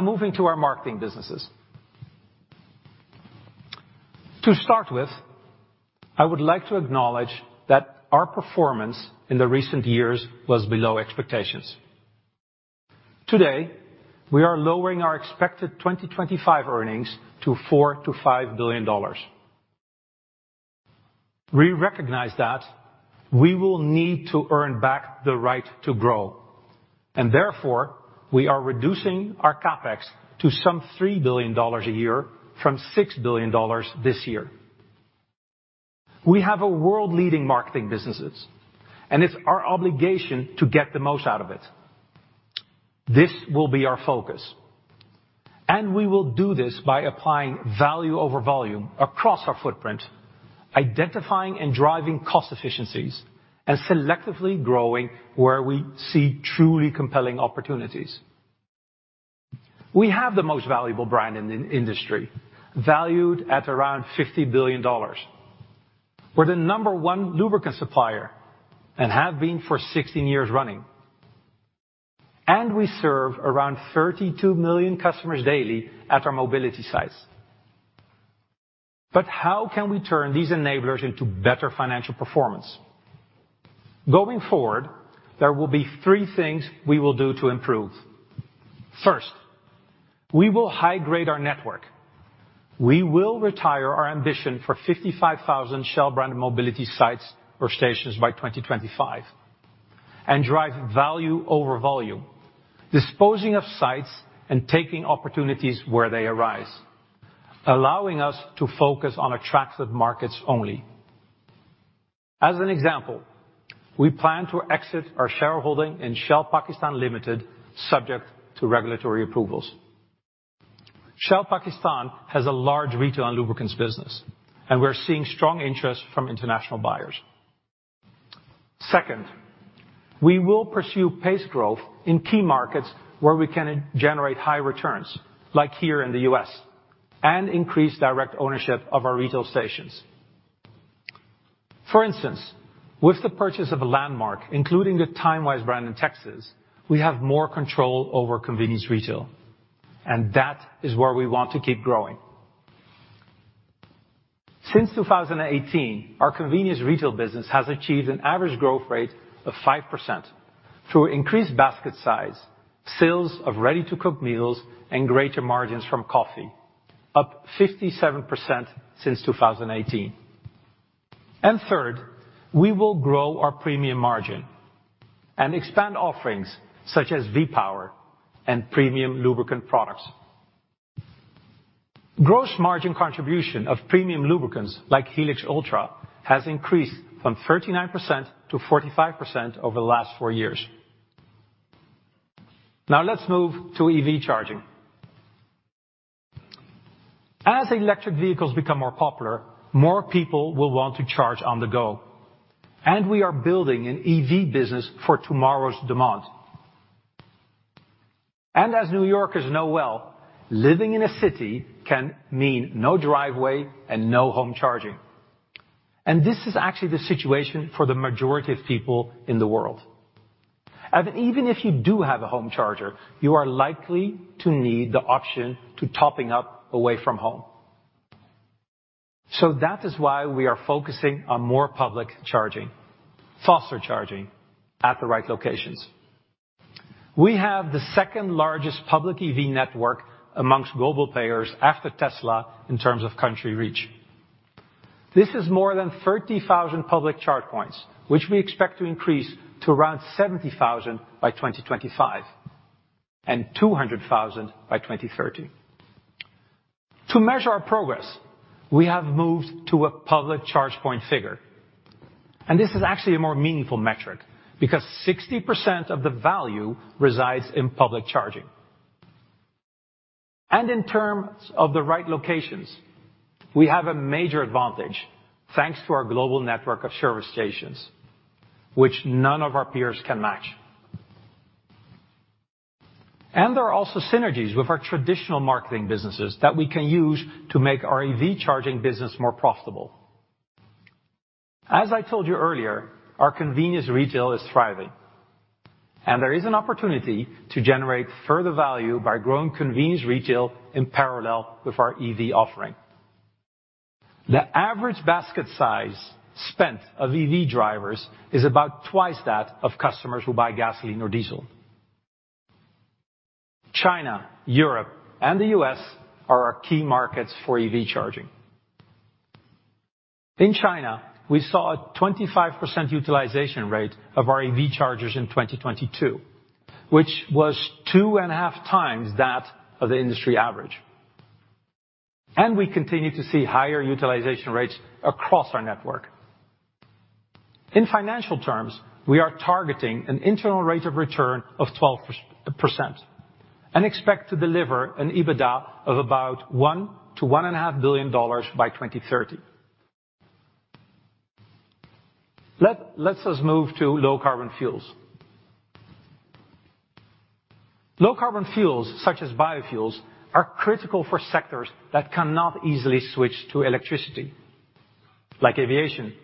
Moving to our marketing businesses. To start with, I would like to acknowledge that our performance in the recent years was below expectations. Today, we are lowering our expected 2025 earnings to $4 billion-$5 billion. We recognize that we will need to earn back the right to grow. Therefore, we are reducing our CapEx to some $3 billion a year from $6 billion this year. We have a world-leading marketing businesses. It's our obligation to get the most out of it. This will be our focus. We will do this by applying value over volume across our footprint, identifying and driving cost efficiencies, and selectively growing where we see truly compelling opportunities. We have the most valuable brand in industry, valued at around $50 billion. We're the number 1 lubricant supplier and have been for 16 years running. We serve around 32 million customers daily at our mobility sites. How can we turn these enablers into better financial performance? Going forward, there will be three things we will do to improve. First, we will high-grade our network. We will retire our ambition for 55,000 Shell brand mobility sites or stations by 2025 and drive value over volume, disposing of sites and taking opportunities where they arise, allowing us to focus on attractive markets only. As an example, we plan to exit our shareholding in Shell Pakistan Limited, subject to regulatory approvals. Shell Pakistan has a large retail and lubricants business, and we're seeing strong interest from international buyers. Second, we will pursue paced growth in key markets where we can generate high returns, like here in the U.S., and increase direct ownership of our retail stations. For instance, with the purchase of a Landmark, including the Timewise brand in Texas, we have more control over convenience retail, and that is where we want to keep growing. Since 2018, our convenience retail business has achieved an average growth rate of 5% through increased basket size, sales of ready-to-cook meals, and greater margins from coffee, up 57% since 2018. Third, we will grow our premium margin and expand offerings such as V-Power and premium lubricant products. Gross margin contribution of premium lubricants, like Helix Ultra, has increased from 39% to 45% over the last four years. Now, let's move to EV charging. As electric vehicles become more popular, more people will want to charge on the go, we are building an EV business for tomorrow's demand. As New Yorkers know well, living in a city can mean no driveway and no home charging. This is actually the situation for the majority of people in the world. Even if you do have a home charger, you are likely to need the option to topping up away from home. That is why we are focusing on more public charging, faster charging at the right locations. We have the second largest public EV network amongst global players after Tesla in terms of country reach. This is more than 30,000 public charge points, which we expect to increase to around 70,000 by 2025, and 200,000 by 2030. To measure our progress, we have moved to a public charge point figure, and this is actually a more meaningful metric because 60% of the value resides in public charging. In terms of the right locations, we have a major advantage, thanks to our global network of service stations, which none of our peers can match. There are also synergies with our traditional marketing businesses that we can use to make our EV charging business more profitable. As I told you earlier, our convenience retail is thriving, and there is an opportunity to generate further value by growing convenience retail in parallel with our EV offering. The average basket size spent of EV drivers is about twice that of customers who buy gasoline or diesel. China, Europe, and the US are our key markets for EV charging. In China, we saw a 25% utilization rate of our EV chargers in 2022, which was 2.5 times that of the industry average. We continue to see higher utilization rates across our network. In financial terms, we are targeting an internal rate of return of 12%, and expect to deliver an EBITDA of about $1 billion-$1.5 billion by 2030. Let's just move to low-carbon fuels. Low-carbon fuels, such as biofuels, are critical for sectors that cannot easily switch to electricity, like aviation,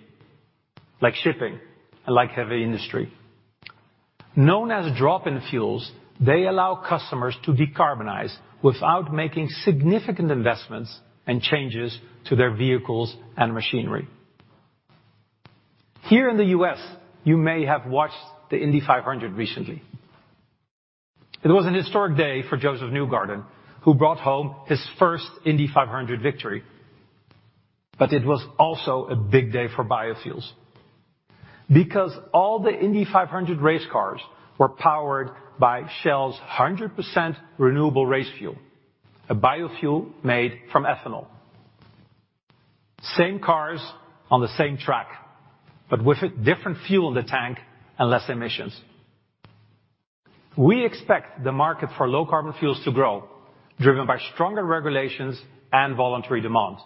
like shipping, and like heavy industry. Known as drop-in fuels, they allow customers to decarbonize without making significant investments and changes to their vehicles and machinery. Here in the U.S., you may have watched the Indy 500 recently. It was an historic day for Josef Newgarden, who brought home his first Indy 500 victory, but it was also a big day for biofuels. Because all the Indy 500 race cars were powered by Shell's 100% renewable race fuel, a biofuel made from ethanol. Same cars on the same track, but with a different fuel in the tank and less emissions. We expect the market for low-carbon fuels to grow, driven by stronger regulations and voluntary demand.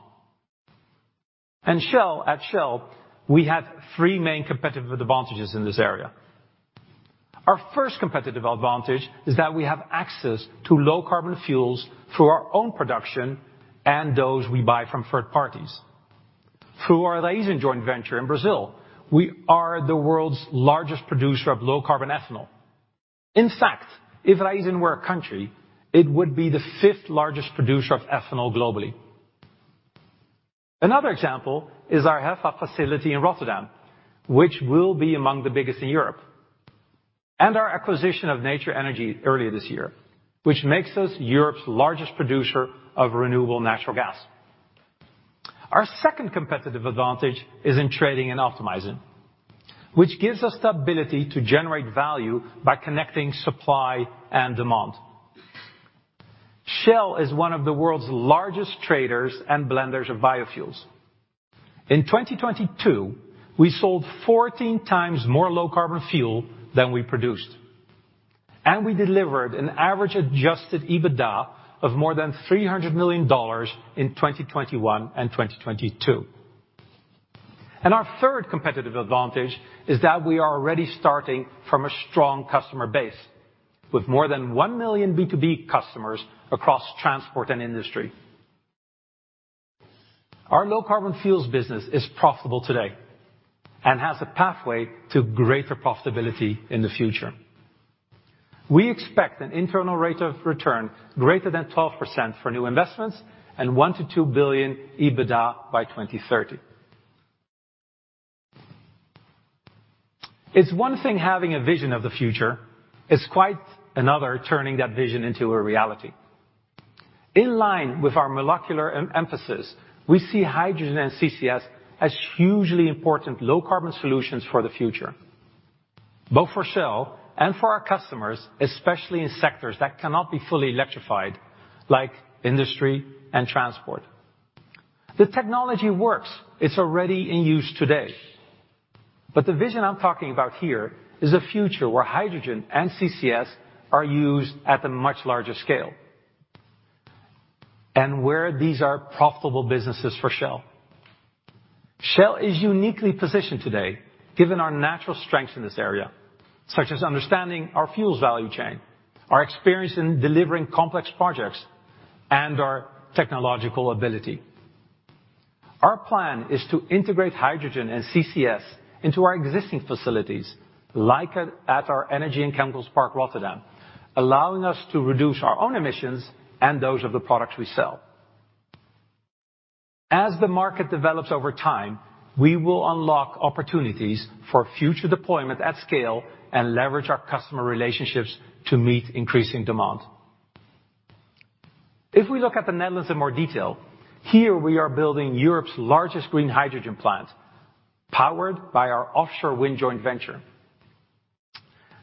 Shell, at Shell, we have three main competitive advantages in this area. Our first competitive advantage is that we have access to low-carbon fuels through our own production and those we buy from third parties. Through our Raízen joint venture in Brazil, we are the world's largest producer of low-carbon ethanol. In fact, if Raízen were a country, it would be the 5th largest producer of ethanol globally. Another example is our HEFA facility in Rotterdam, which will be among the biggest in Europe, and our acquisition of Nature Energy earlier this year, which makes us Europe's largest producer of renewable natural gas. Our second competitive advantage is in trading and optimizing, which gives us the ability to generate value by connecting supply and demand. Shell is one of the world's largest traders and blenders of biofuels. In 2022, we sold 14 times more low-carbon fuel than we produced. We delivered an average adjusted EBITDA of more than $300 million in 2021 and 2022. Our third competitive advantage is that we are already starting from a strong customer base with more than 1 million B2B customers across transport and industry. Our low-carbon fuels business is profitable today and has a pathway to greater profitability in the future. We expect an internal rate of return greater than 12% for new investments and $1 billion-$2 billion EBITDA by 2030. It's one thing having a vision of the future, it's quite another turning that vision into a reality. In line with our molecular emphasis, we see Hydrogen & CCS as hugely important low-carbon solutions for the future, both for Shell and for our customers, especially in sectors that cannot be fully electrified, like industry and transport. The technology works. It's already in use today. The vision I'm talking about here is a future where Hydrogen & CCS are used at a much larger scale, and where these are profitable businesses for Shell. Shell is uniquely positioned today, given our natural strength in this area, such as understanding our fuels value chain, our experience in delivering complex projects, and our technological ability. Our plan is to integrate Hydrogen & CCS into our existing facilities, like at our Energy and Chemicals Park Rotterdam, allowing us to reduce our own emissions and those of the products we sell. As the market develops over time, we will unlock opportunities for future deployment at scale and leverage our customer relationships to meet increasing demand. If we look at the Netherlands in more detail, here we are building Europe's largest green hydrogen plant, powered by our offshore wind joint venture.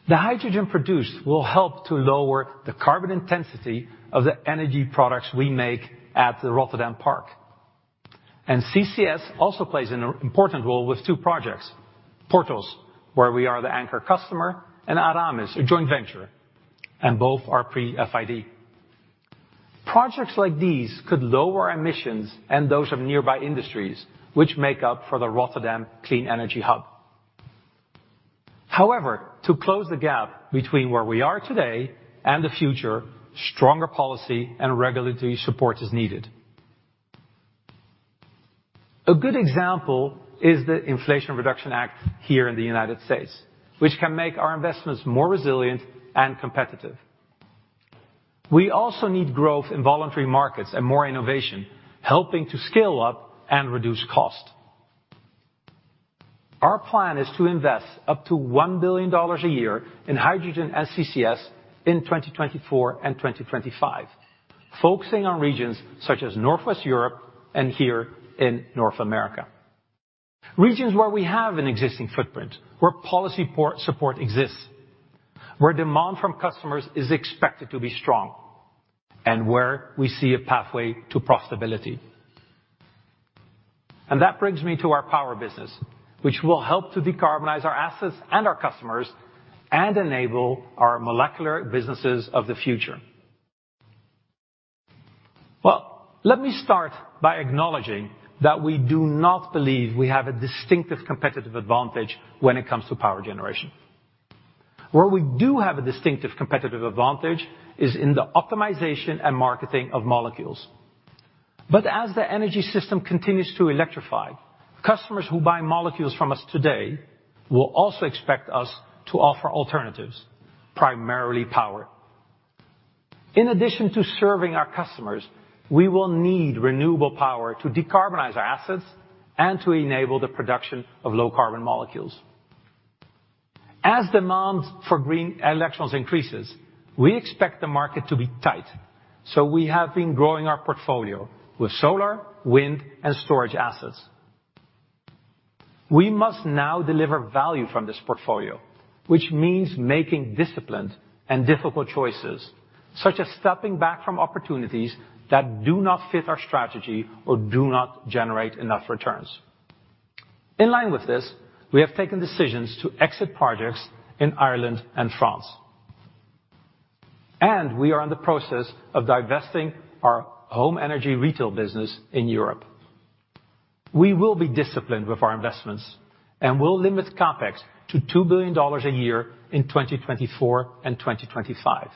The hydrogen produced will help to lower the carbon intensity of the energy products we make at the Rotterdam Park. CCS also plays an important role with two projects, Porthos, where we are the anchor customer, and Aramis, a joint venture, and both are pre-FID. Projects like these could lower emissions and those of nearby industries, which make up for the Rotterdam Clean Energy Hub. To close the gap between where we are today and the future, stronger policy and regulatory support is needed. A good example is the Inflation Reduction Act here in the United States, which can make our investments more resilient and competitive. We also need growth in voluntary markets and more innovation, helping to scale up and reduce cost. Our plan is to invest up to $1 billion a year in Hydrogen & CCS in 2024 and 2025, focusing on regions such as Northwest Europe and here in North America. Regions where we have an existing footprint, where policy support exists, where demand from customers is expected to be strong, and where we see a pathway to profitability. That brings me to our power business, which will help to decarbonize our assets and our customers, and enable our molecular businesses of the future. Let me start by acknowledging that we do not believe we have a distinctive competitive advantage when it comes to power generation. Where we do have a distinctive competitive advantage is in the optimization and marketing of molecules. As the energy system continues to electrify, customers who buy molecules from us today will also expect us to offer alternatives, primarily power. In addition to serving our customers, we will need renewable power to decarbonize our assets and to enable the production of low-carbon molecules. As demand for green electrons increases, we expect the market to be tight, so we have been growing our portfolio with solar, wind, and storage assets. We must now deliver value from this portfolio, which means making disciplined and difficult choices, such as stepping back from opportunities that do not fit our strategy or do not generate enough returns. In line with this, we have taken decisions to exit projects in Ireland and France, and we are in the process of divesting our home energy retail business in Europe. We will be disciplined with our investments and will limit CapEx to $2 billion a year in 2024 and 2025.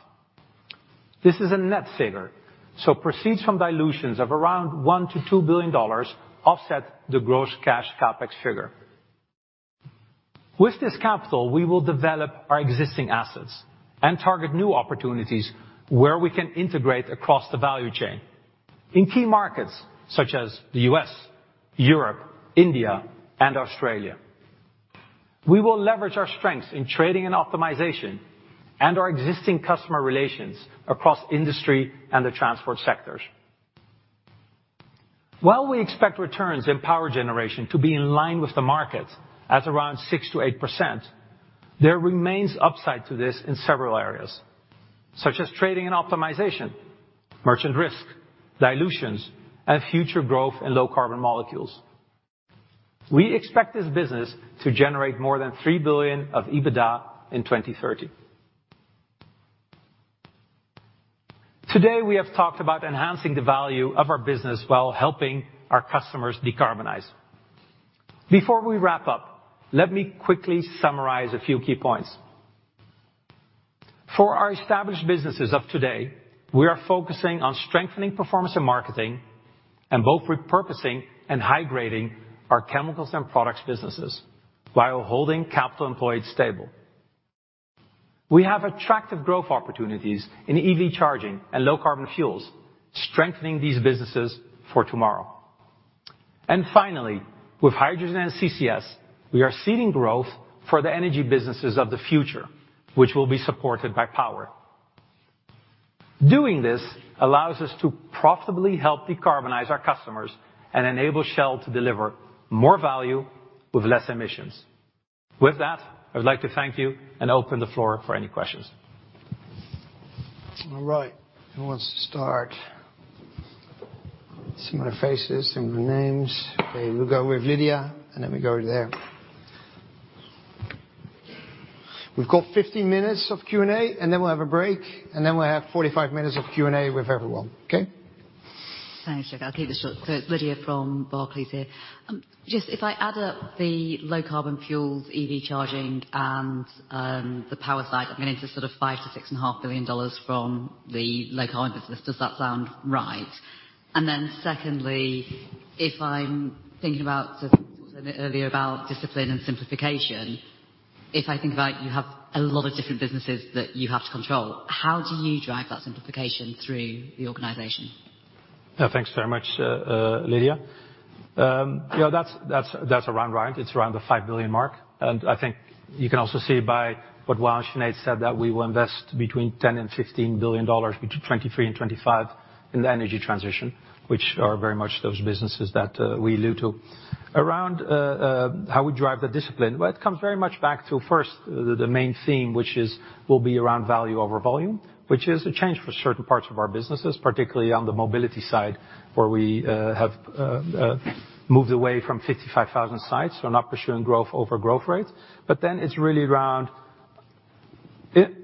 This is a net figure, proceeds from dilutions of around $1 billion-$2 billion offset the gross cash CapEx figure. With this capital, we will develop our existing assets and target new opportunities where we can integrate across the value chain in key markets such as the U.S., Europe, India, and Australia. We will leverage our strengths in trading and optimization and our existing customer relations across industry and the transport sectors. While we expect returns in power generation to be in line with the market at around 6%-8%, there remains upside to this in several areas, such as trading and optimization, merchant risk, dilutions, and future growth in low-carbon molecules. We expect this business to generate more than $3 billion of EBITDA in 2030. Today, we have talked about enhancing the value of our business while helping our customers decarbonize. Before we wrap up, let me quickly summarize a few key points. For our established businesses of today, we are focusing on strengthening performance and marketing, and both repurposing and high-grading our chemicals and products businesses while holding capital employed stable. We have attractive growth opportunities in EV charging and low-carbon fuels, strengthening these businesses for tomorrow. Finally, with Hydrogen & CCS, we are seeding growth for the energy businesses of the future, which will be supported by power. Doing this allows us to profitably help decarbonize our customers and enable Shell to deliver more value with less emissions. With that, I would like to thank you and open the floor for any questions. All right, who wants to start? I see familiar faces and familiar names. We'll go with Lydia, and then we go there. We've got 15 minutes of Q&A, and then we'll have a break, and then we'll have 45 minutes of Q&A with everyone.? Thanks, look, I'll keep this short. Lydia from Barclays here. just if I add up the low-carbon fuels, EV charging, and the power side, I mean, it's a sort of $5 billion to six and a half billion dollars from the low-carbon business. Does that sound right? Secondly, if I'm thinking about sort of earlier about discipline and simplification- If I think about, you have a lot of different businesses that you have to control. How do you drive that simplification through the organization? Yeah, thanks very much, Lydia. you know, that's around right. It's around the $5 billion mark. I think you can also see by what Sinead Gorman said, that we will invest between $10 billion and $15 billion between 2023 and 2025 in the energy transition, which are very much those businesses that we allude to. Around how we drive the discipline, well, it comes very much back to first, the main theme, which is, will be around value over volume. Which is a change for certain parts of our businesses, particularly on the mobility side, where we moved away from 55,000 sites. Not pursuing growth over growth rate. It's really around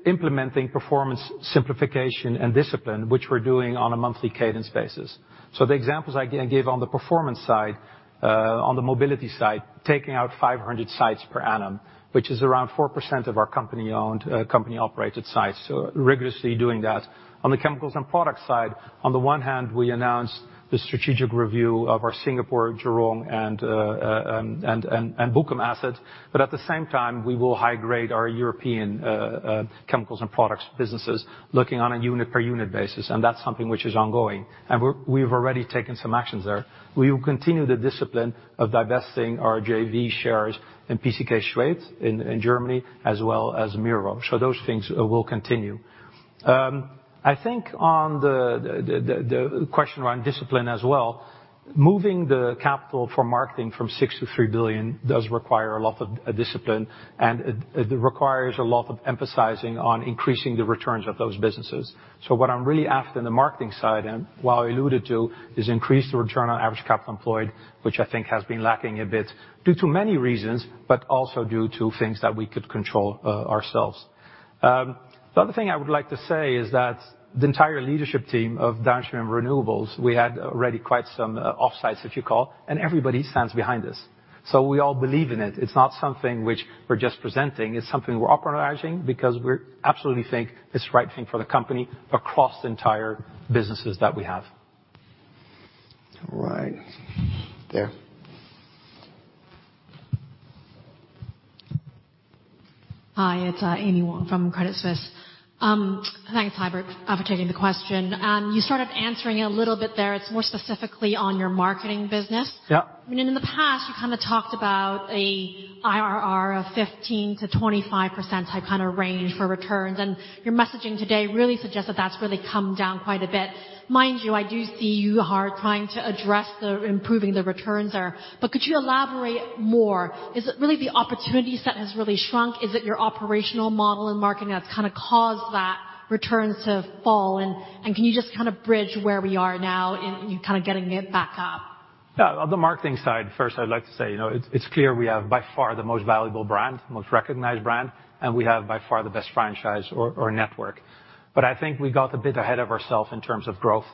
implementing performance, simplification, and discipline, which we're doing on a monthly cadence basis. The examples I gave on the performance side, on the mobility side, taking out 500 sites per annum, which is around 4% of our company-owned, company-operated sites, rigorously doing that. On the chemicals and product side, on the one hand, we announced the strategic review of our Singapore, Jurong, and Bukom assets. At the same time, we will high-grade our European chemicals and products businesses, looking on a unit per unit basis, and that's something which is ongoing. We've already taken some actions there. We will continue the discipline of divesting our JV shares in PCK Schwedt in Germany, as well as MiRO. Those things will continue. I think on the question around discipline as well, moving the capital for marketing from $6 billion-$3 billion does require a lot of discipline, and it requires a lot of emphasizing on increasing the returns of those businesses. What I'm really after on the marketing side, and Wael alluded to, is increase the return on average capital employed, which I think has been lacking a bit due to many reasons, but also due to things that we could control ourselves. The other thing I would like to say is that the entire leadership team of Downstream renewables, we had already quite some off-sites, if you call, and everybody stands behind this. We all believe in it. It's not something which we're just presenting, it's something we're operationalizing, because we absolutely think it's the right thing for the company across the entire businesses that we have. All right. There. Hi, it's Amy Wong from Credit Suisse. Thanks, Huibert, for taking the question. You started answering a little bit there. It's more specifically on your marketing business. Yeah. I mean, in the past, you kind of talked about a IRR of 15%-25% type kind of range for returns, your messaging today really suggests that that's really come down quite a bit. Mind you, I do see you are trying to address the improving the returns there. Could you elaborate more? Is it really the opportunity set has really shrunk? Is it your operational model and marketing that's kind of caused that returns to fall? Can you just kind of bridge where we are now in kind of getting it back up? Yeah. On the marketing side, first, I'd like to say, you know, it's clear we have by far the most valuable brand, the most recognized brand, and we have by far the best franchise or network. I think we got a bit ahead of ourselves in terms of growth.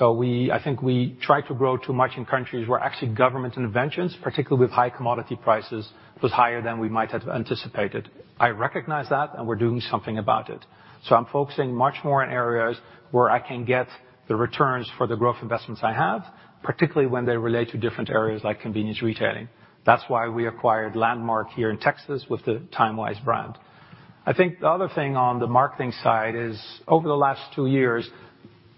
I think we tried to grow too much in countries where actually government interventions, particularly with high commodity prices, was higher than we might have anticipated. I recognize that. We're doing something about it. I'm focusing much more on areas where I can get the returns for the growth investments I have, particularly when they relate to different areas like convenience retailing. That's why we acquired Landmark here in Texas with the Timewise brand. I think the other thing on the marketing side is, over the last two years,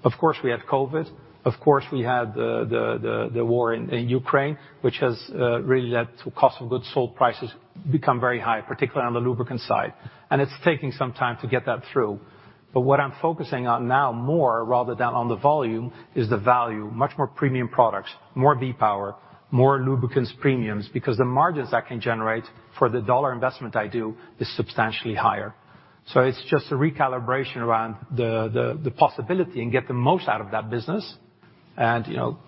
of course, we had COVID. Of course, we had the war in Ukraine, which has really led to cost of goods sold prices become very high, particularly on the lubricant side. It's taking some time to get that through. What I'm focusing on now more, rather than on the volume, is the value. Much more premium products, more V-Power, more lubricants premiums, because the margins I can generate for the dollar investment I do is substantially higher. It's just a recalibration around the possibility and get the most out of that business. You know,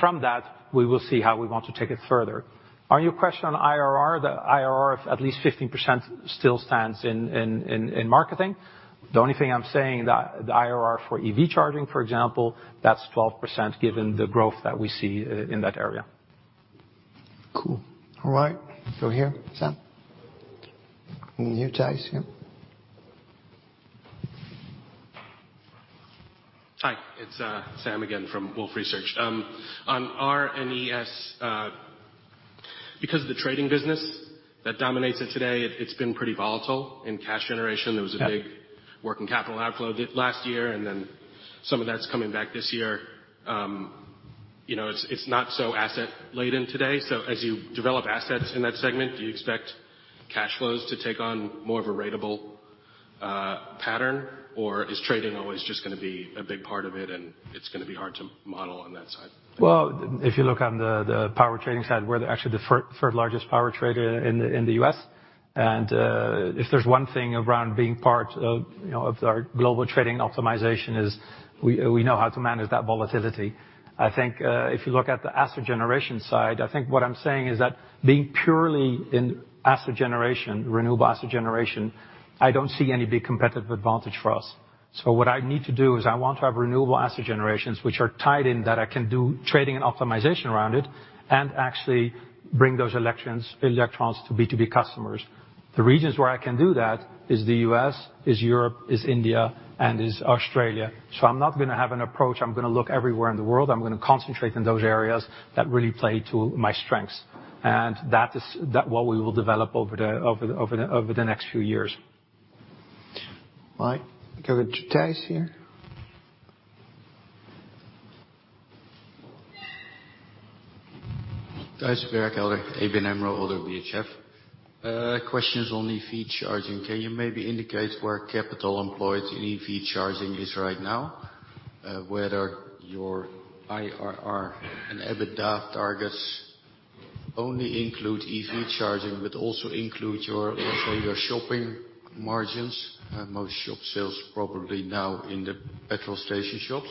from that, we will see how we want to take it further. On your question on IRR, the IRR of at least 15% still stands in marketing. The only thing I'm saying, the IRR for EV charging, for example, that's 12%, given the growth that we see in that area. Cool. All right, so here, Sam. You, Thijs, yeah. Hi, it's Sam again from Wolfe Research. On RNES, because of the trading business that dominates it today, it's been pretty volatile. In cash generation, there was a big. Yeah working capital outflow the last year, some of that's coming back this year. You know, it's not so asset laden today. As you develop assets in that segment, do you expect cash flows to take on more of a ratable pattern, or is trading always just gonna be a big part of it and it's gonna be hard to model on that side? Well, if you look on the power trading side, we're actually the third largest power trader in the U.S. If there's one thing around being part of, you know, of our global trading optimization, is we know how to manage that volatility. I think, if you look at the asset generation side, I think what I'm saying is that being purely in asset generation, renewable asset generation, I don't see any big competitive advantage for us. What I need to do is I want to have renewable asset generations, which are tied in, that I can do trading and optimization around it, and actually bring those electrons to B2B customers. The regions where I can do that is the U.S., is Europe, is India, and is Australia. I'm not gonna have an approach. I'm gonna look everywhere in the world. I'm gonna concentrate in those areas that really play to my strengths. That what we will develop over the next few years. All right. Can we get Thijs here? Thijs Berkelder, ABN AMRO, ODDO BHF. Questions on EV charging. Can you maybe indicate where capital employed in EV charging is right now? Whether your IRR and EBITDA targets only include EV charging, but also include your, let's say, your shopping margins? Most shop sales probably now in the petrol station shops.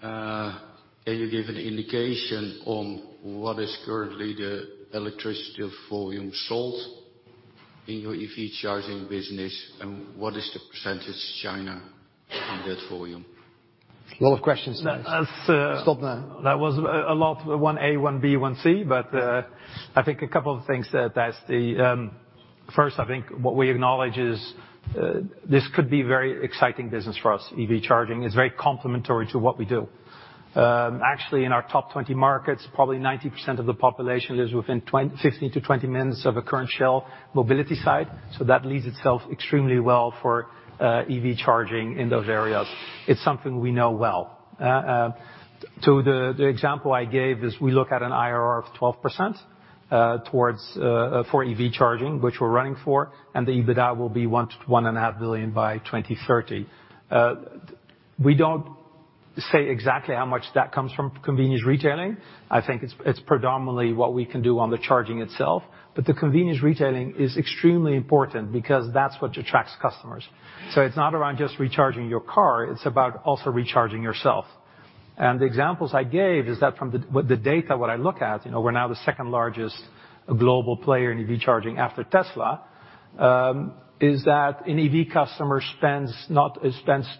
Can you give an indication on what is currently the electricity volume sold in your EV charging business, and what is the percentage China in that volume? Lot of questions, Thijs. Stop now. That was a lot, 1 A, 1 B, 1 C, but I think a couple of things that's the. First, I think what we acknowledge is, this could be very exciting business for us. EV charging is very complementary to what we do. Actually, in our top 20 markets, probably 90% of the population lives within 15-20 minutes of a current Shell mobility site, so that leads itself extremely well for EV charging in those areas. It's something we know well. So the example I gave is we look at an IRR of 12% towards for EV charging, which we're running for, and the EBITDA will be $1 billion-$1.5 billion by 2030. We don't say exactly how much that comes from convenience retailing. I think it's predominantly what we can do on the charging itself. The convenience retailing is extremely important because that's what attracts customers. It's not around just recharging your car, it's about also recharging yourself. The examples I gave is that from the data, what I look at, you know, we're now the second-largest global player in EV charging after Tesla, is that an EV customer spends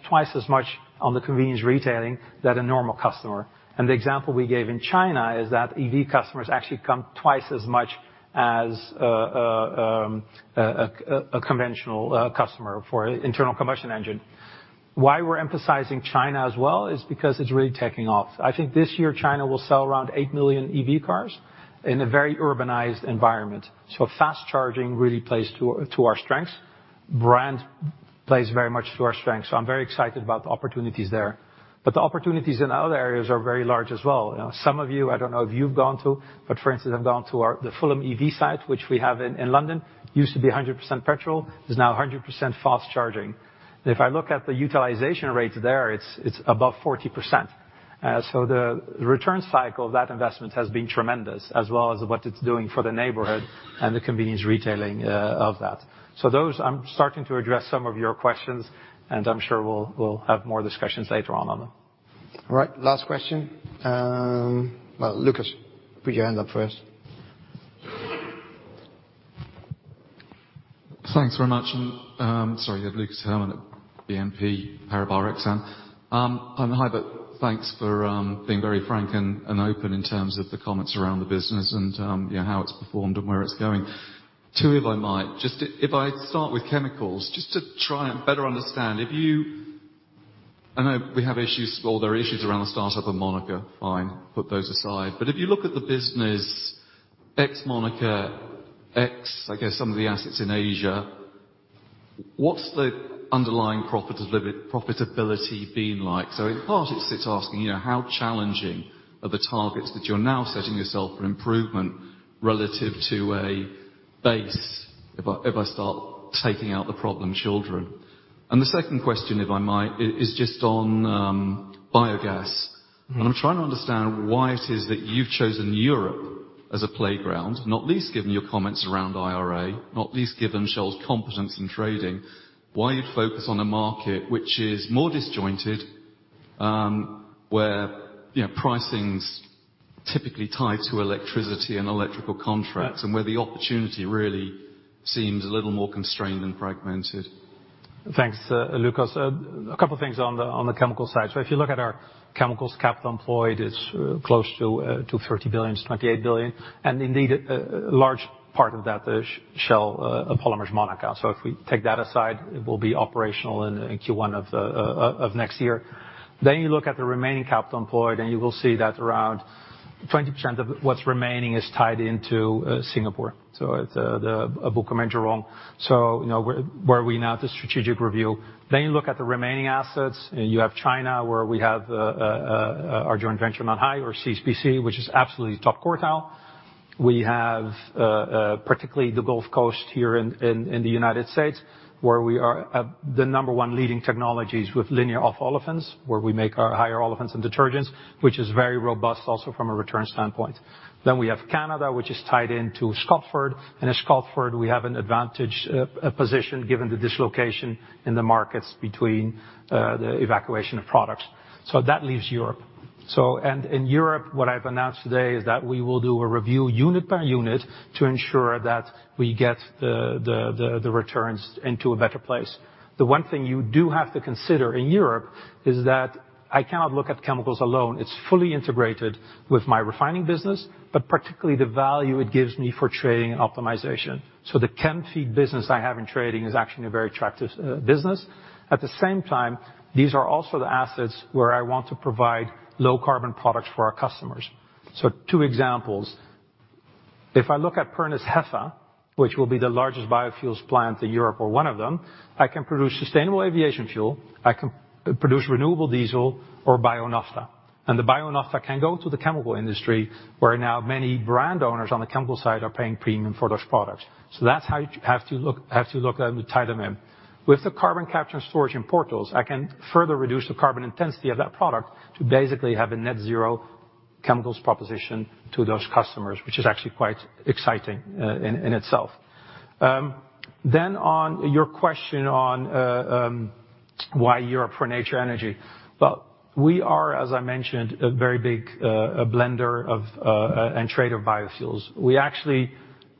twice as much on the convenience retailing than a normal customer. The example we gave in China is that EV customers actually come twice as much as a conventional customer for internal combustion engine. Why we're emphasizing China as well is because it's really taking off. I think this year, China will sell around 8 million EV cars in a very urbanized environment. Fast charging really plays to our strengths. Brand plays very much to our strengths, so I'm very excited about the opportunities there. The opportunities in other areas are very large as well. You know, some of you, I don't know if you've gone to, but for instance, I've gone to our, the Fulham EV site, which we have in London. Used to be 100% petrol, is now 100% fast charging. If I look at the utilization rates there, it's above 40%. The return cycle of that investment has been tremendous, as well as what it's doing for the neighborhood and the convenience retailing of that. Those, I'm starting to address some of your questions, and I'm sure we'll have more discussions later on on them. All right, last question. Well, Lucas, put your hand up first. Thanks very much. Sorry, you have Lucas Herrmann at BNP Paribas Exane. Hi, thanks for being very frank and open in terms of the comments around the business and, you know, how it's performed and where it's going. Two, if I might, if I start with chemicals, just to try and better understand, I know we have issues, well, there are issues around the start-up of Monaca. Fine, put those aside. If you look at the business, ex Monaca, ex, I guess, some of the assets in Asia, what's the underlying profitability been like? In part, it sits asking, you know, how challenging are the targets that you're now setting yourself for improvement relative to a base, if I start taking out the problem children. The second question, if I might, is just on biogas. Mm-hmm. I'm trying to understand why it is that you've chosen Europe as a playground, not least given your comments around IRA, not least given Shell's competence in trading. Why you'd focus on a market which is more disjointed, where, you know, pricing's typically tied to electricity and electrical contracts, and where the opportunity really seems a little more constrained and fragmented. Thanks, Lucas. A couple of things on the chemical side. If you look at our chemicals capital employed, it's close to $230 billion, it's $28 billion. Indeed, a large part of that is Shell Polymers Monaca. If we take that aside, it will be operational in Q1 of next year. You look at the remaining capital employed, you will see that around 20% of what's remaining is tied into Singapore. It's Bukom and Jurong. You know, we're now at the strategic review. You look at the remaining assets, you have China, where we have our joint venture, Nanhai, or CSPC, which is absolutely top quartile. We have, particularly the Gulf Coast here in the United States, where we are at the number one leading technologies with linear alpha olefins, where we make our higher olefins and detergents, which is very robust, also from a returns standpoint. We have Canada, which is tied into Scotford. In Scotford, we have an advantage position, given the dislocation in the markets between the evacuation of products. That leaves Europe. In Europe, what I've announced today is that we will do a review, unit by unit, to ensure that we get the returns into a better place. The one thing you do have to consider in Europe is that I cannot look at chemicals alone. It's fully integrated with my refining business, but particularly the value it gives me for trading and optimization. The chem feed business I have in trading is actually a very attractive business. At the same time, these are also the assets where I want to provide low-carbon products for our customers. If I look at Pernis HEFA, which will be the largest biofuels plant in Europe or one of them, I can produce sustainable aviation fuel, I can produce renewable diesel or bio-naphtha. The bio-naphtha can go to the chemical industry, where now many brand owners on the chemical side are paying premium for those products. That's how you have to look at them to tie them in. With the carbon capture and storage in Porthos, I can further reduce the carbon intensity of that product to basically have a net-zero chemicals proposition to those customers, which is actually quite exciting in itself. On your question on why Europe for Nature Energy? Well, we are, as I mentioned, a very big blender of and trader of biofuels. We actually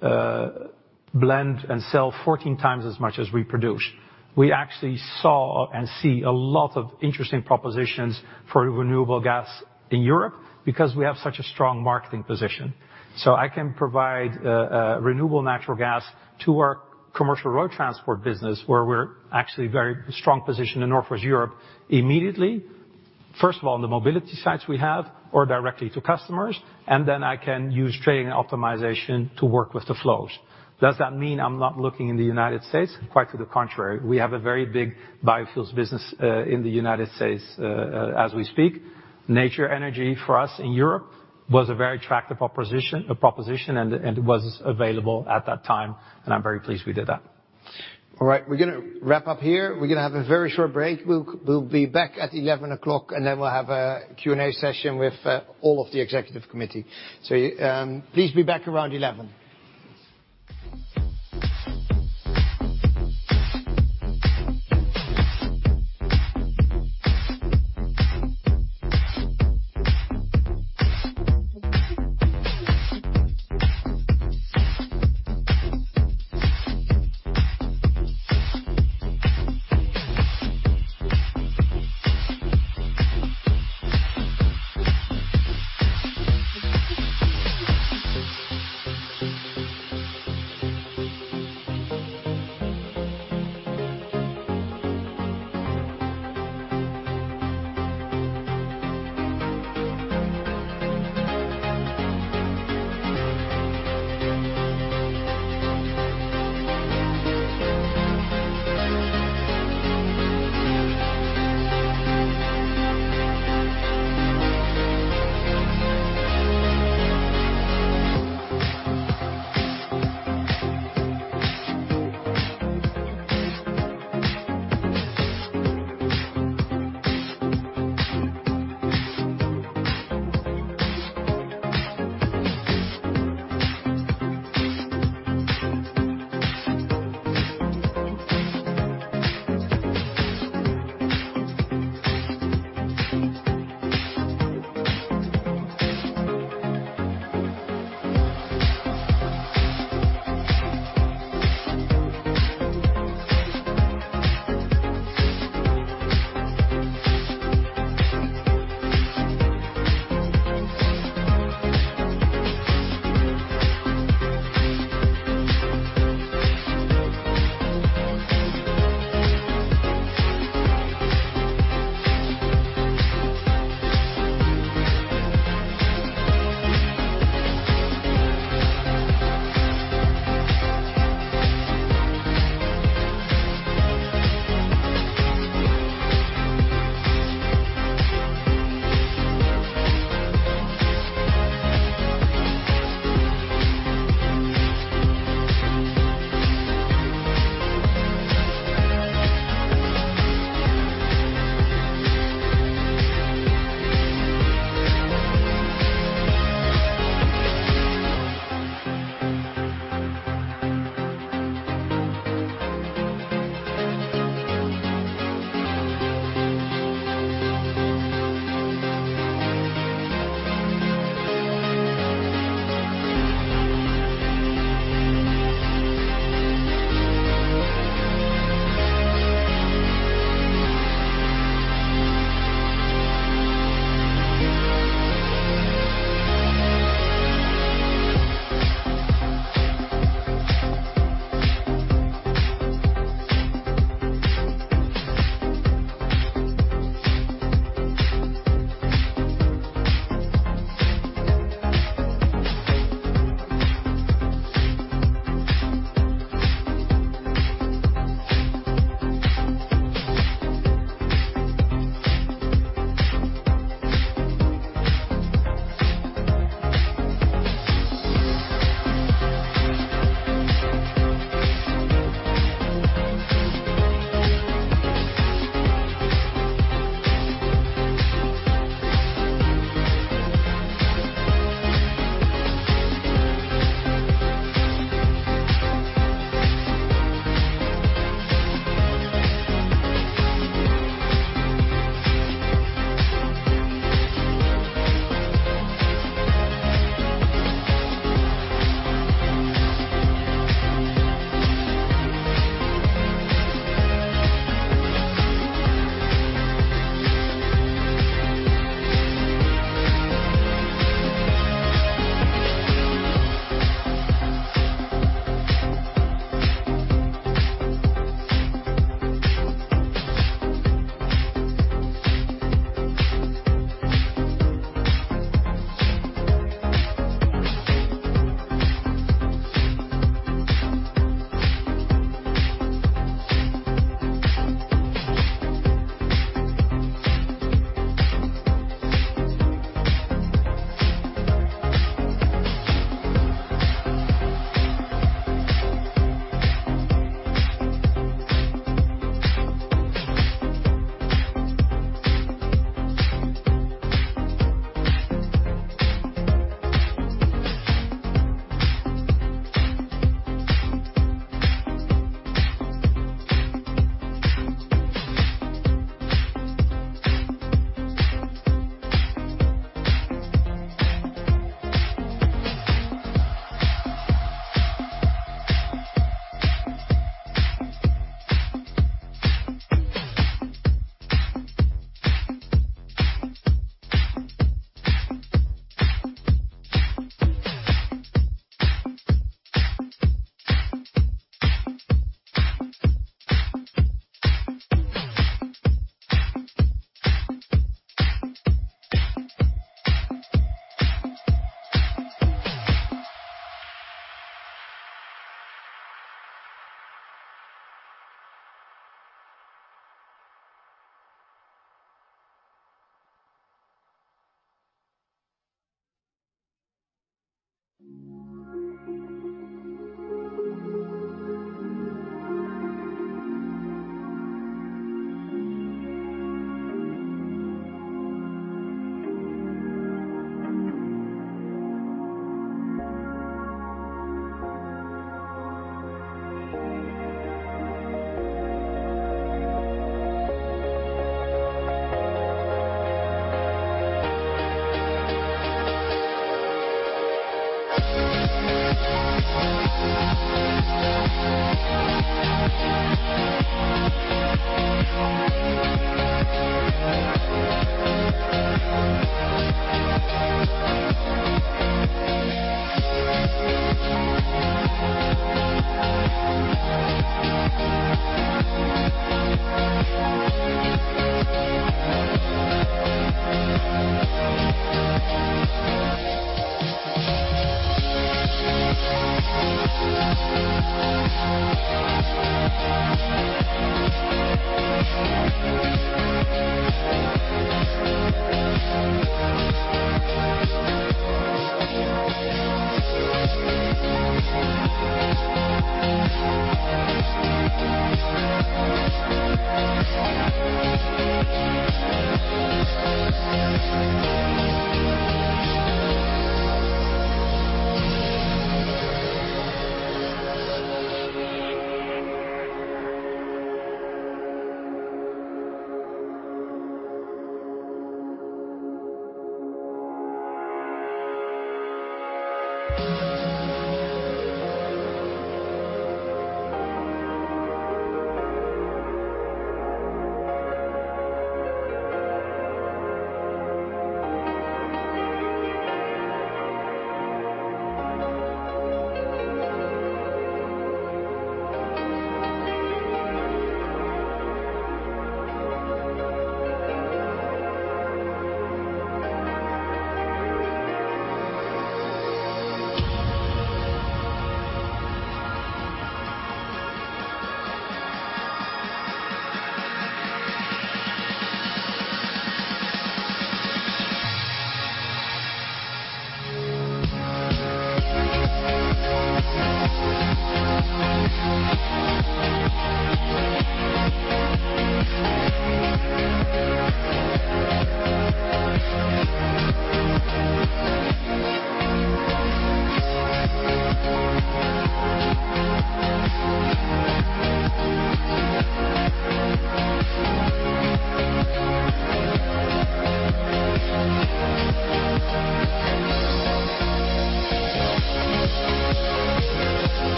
blend and sell 14 times as much as we produce. We actually saw and see a lot of interesting propositions for renewable gas in Europe because we have such a strong marketing position. I can provide renewable natural gas to our commercial road transport business, where we're actually very strong position in Northwest Europe immediately. First of all, the mobility sites we have or directly to customers, and then I can use trading optimization to work with the flows. Does that mean I'm not looking in the United States? Quite to the contrary, we have a very big biofuels business in the United States as we speak. Nature Energy for us in Europe was a very attractive proposition, and it was available at that time, and I'm very pleased we did that. All right, we're gonna wrap up here. We're gonna have a very short break. We'll be back at 11:00, we'll have a Q&A session with all of the Executive Committee. Please be back around 11.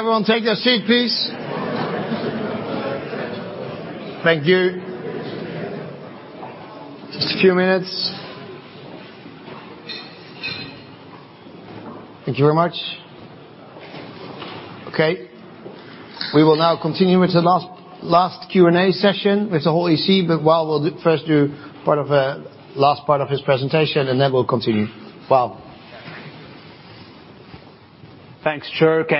Can everyone take their seat, please? Thank you. Just a few minutes. Thank you very much. We will now continue with the last Q&A session with the whole EC, but Wael will first do part of last part of his presentation, and then we'll continue. Wael? Thanks, Tjerk.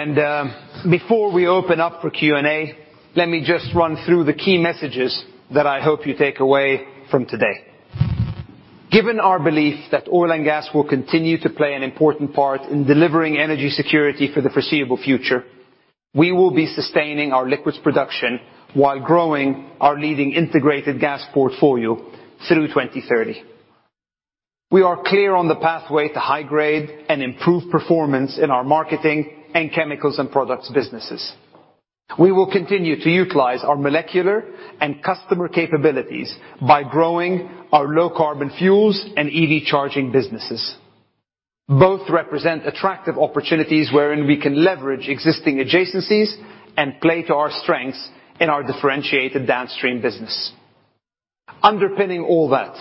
Before we open up for Q&A, let me just run through the key messages that I hope you take away from today. Given our belief that oil and gas will continue to play an important part in delivering energy security for the foreseeable future, we will be sustaining our liquids production while growing our leading Integrated Gas portfolio through 2030. We are clear on the pathway to high grade and improved performance in our marketing and chemicals and products businesses. We will continue to utilize our molecular and customer capabilities by growing our Low Carbon Fuels and EV charging businesses. Both represent attractive opportunities wherein we can leverage existing adjacencies and play to our strengths in our differentiated Downstream business. Underpinning all that,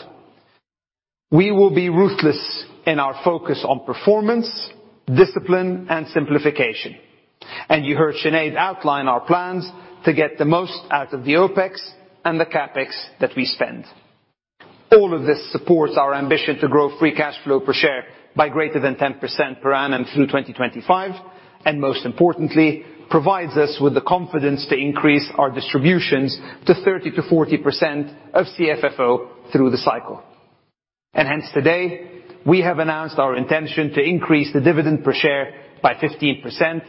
we will be ruthless in our focus on performance, discipline, and simplification. You heard Sinead outline our plans to get the most out of the OpEx and the CapEx that we spend. All of this supports our ambition to grow free cash flow per share by greater than 10% per annum through 2025, and most importantly, provides us with the confidence to increase our distributions to 30%-40% of CFFO through the cycle. Hence, today, we have announced our intention to increase the dividend per share by 15%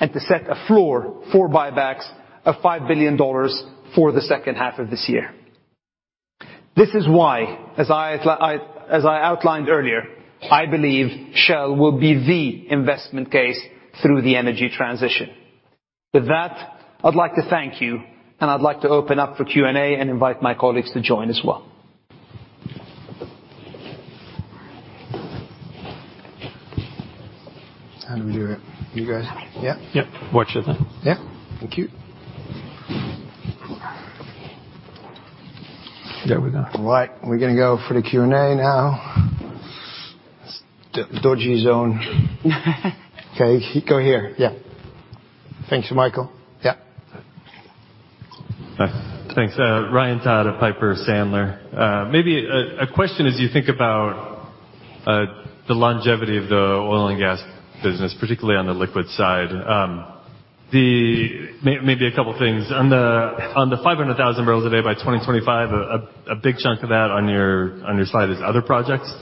and to set a floor for buybacks of $5 billion for the second half of this year. This is why, as I outlined earlier, I believe Shell will be the investment case through the energy transition. With that, I'd like to thank you, and I'd like to open up for Q&A and invite my colleagues to join as well. How do we do it? You guys- Yeah. Yeah. Yeah, watch it then. Yeah. Thank you. There we go. All right, we're gonna go for the Q&A now. Let's. Dodgy zone. Okay, go here. Yeah. Thanks, Michael. Yeah. Hi. Thanks. Ryan Todd of Piper Sandler. Maybe a question as you think about the longevity of the oil and gas business, particularly on the liquid side. Maybe a couple of things. On the 500,000 barrels a day by 2025, a big chunk of that on your slide is other projects.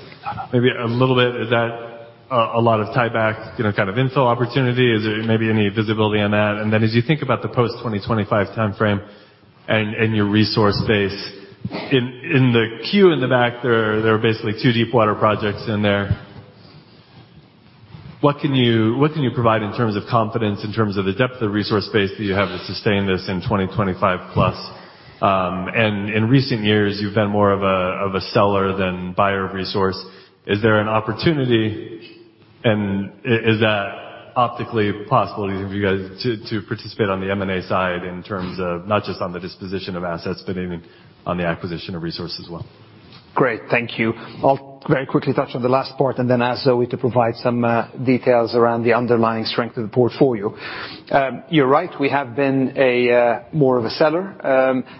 Maybe a little bit, is that a lot of tieback, you know, kind of info opportunity? Is there maybe any visibility on that? As you think about the post-2025 time frame and your resource base, in the queue in the back, there are basically two deepwater projects in there. What can you provide in terms of confidence, in terms of the depth of resource base that you have to sustain this in 2025 plus? In recent years, you've been more of a seller than buyer of resource. Is there an opportunity, is that optically possible for you guys to participate on the M&A side in terms of not just on the disposition of assets, but even on the acquisition of resource as well? Great. Thank you. I'll very quickly touch on the last part, then ask Zoë to provide some details around the underlying strength of the portfolio. You're right, we have been a more of a seller,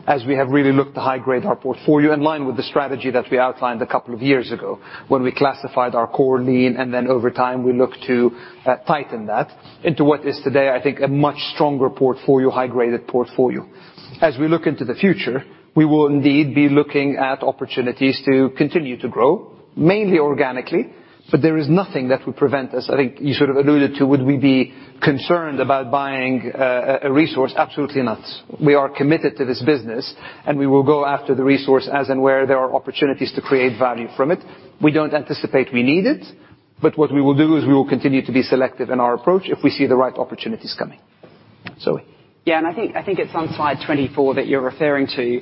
as we have really looked to high-grade our portfolio, in line with the strategy that we outlined a couple of years ago when we classified our core lean, then over time, we looked to tighten that into what is today, I think, a much stronger portfolio, high-graded portfolio. As we look into the future, we will indeed be looking at opportunities to continue to grow, mainly organically, there is nothing that would prevent us. I think you sort of alluded to, would we be concerned about buying a resource? Absolutely not. We are committed to this business, and we will go after the resource as and where there are opportunities to create value from it. We don't anticipate we need it, but what we will do is we will continue to be selective in our approach if we see the right opportunities coming. Zoë? I think it's on slide 24 that you're referring to.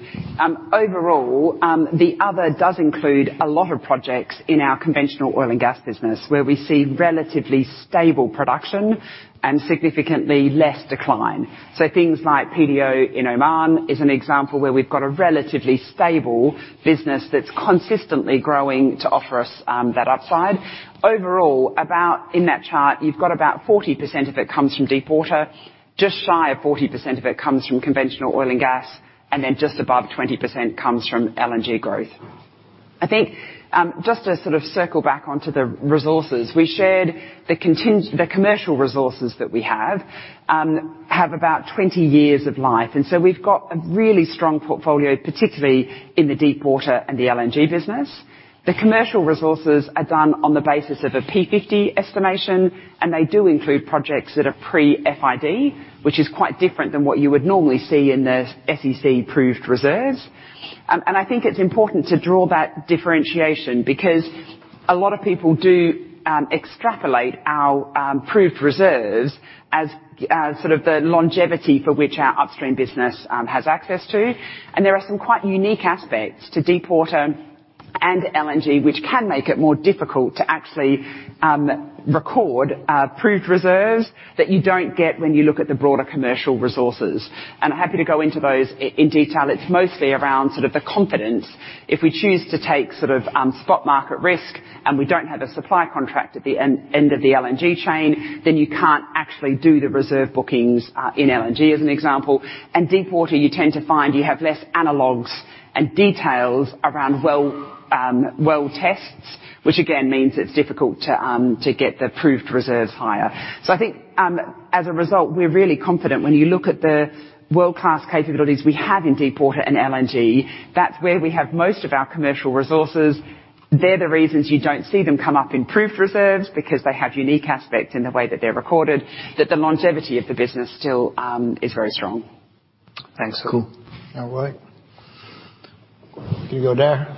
Overall, the other does include a lot of projects in our conventional oil and gas business, where we see relatively stable production and significantly less decline. Things like PDO in Oman is an example where we've got a relatively stable business that's consistently growing to offer us that upside. Overall, in that chart, you've got about 40% of it comes from deep water, just shy of 40% of it comes from conventional oil and gas, and then just above 20% comes from LNG growth. I think, just to sort of circle back onto the resources, we shared the commercial resources that we have about 20 years of life. We've got a really strong portfolio, particularly in the deep water and the LNG business. The commercial resources are done on the basis of a P50 estimation. They do include projects that are pre-FID, which is quite different than what you would normally see in the SEC proved reserves. I think it's important to draw that differentiation, because a lot of people do extrapolate our proved reserves as sort of the longevity for which our Upstream business has access to. There are some quite unique aspects to deep water and LNG, which can make it more difficult to actually record proved reserves that you don't get when you look at the broader commercial resources. I'm happy to go into those in detail. It's mostly around sort of the confidence. If we choose to take sort of spot market risk, and we don't have a supply contract at the end of the LNG chain, then you can't actually do the reserve bookings in LNG, as an example. Deep water, you tend to find you have less analogues and details around well, well tests, which again, means it's difficult to get the proved reserves higher. I think, as a result, we're really confident when you look at the world-class capabilities we have in deep water and LNG, that's where we have most of our commercial resources. They're the reasons you don't see them come up in proved reserves, because they have unique aspects in the way that they're recorded, that the longevity of the business still is very strong. Thanks. Cool. All right. You go there,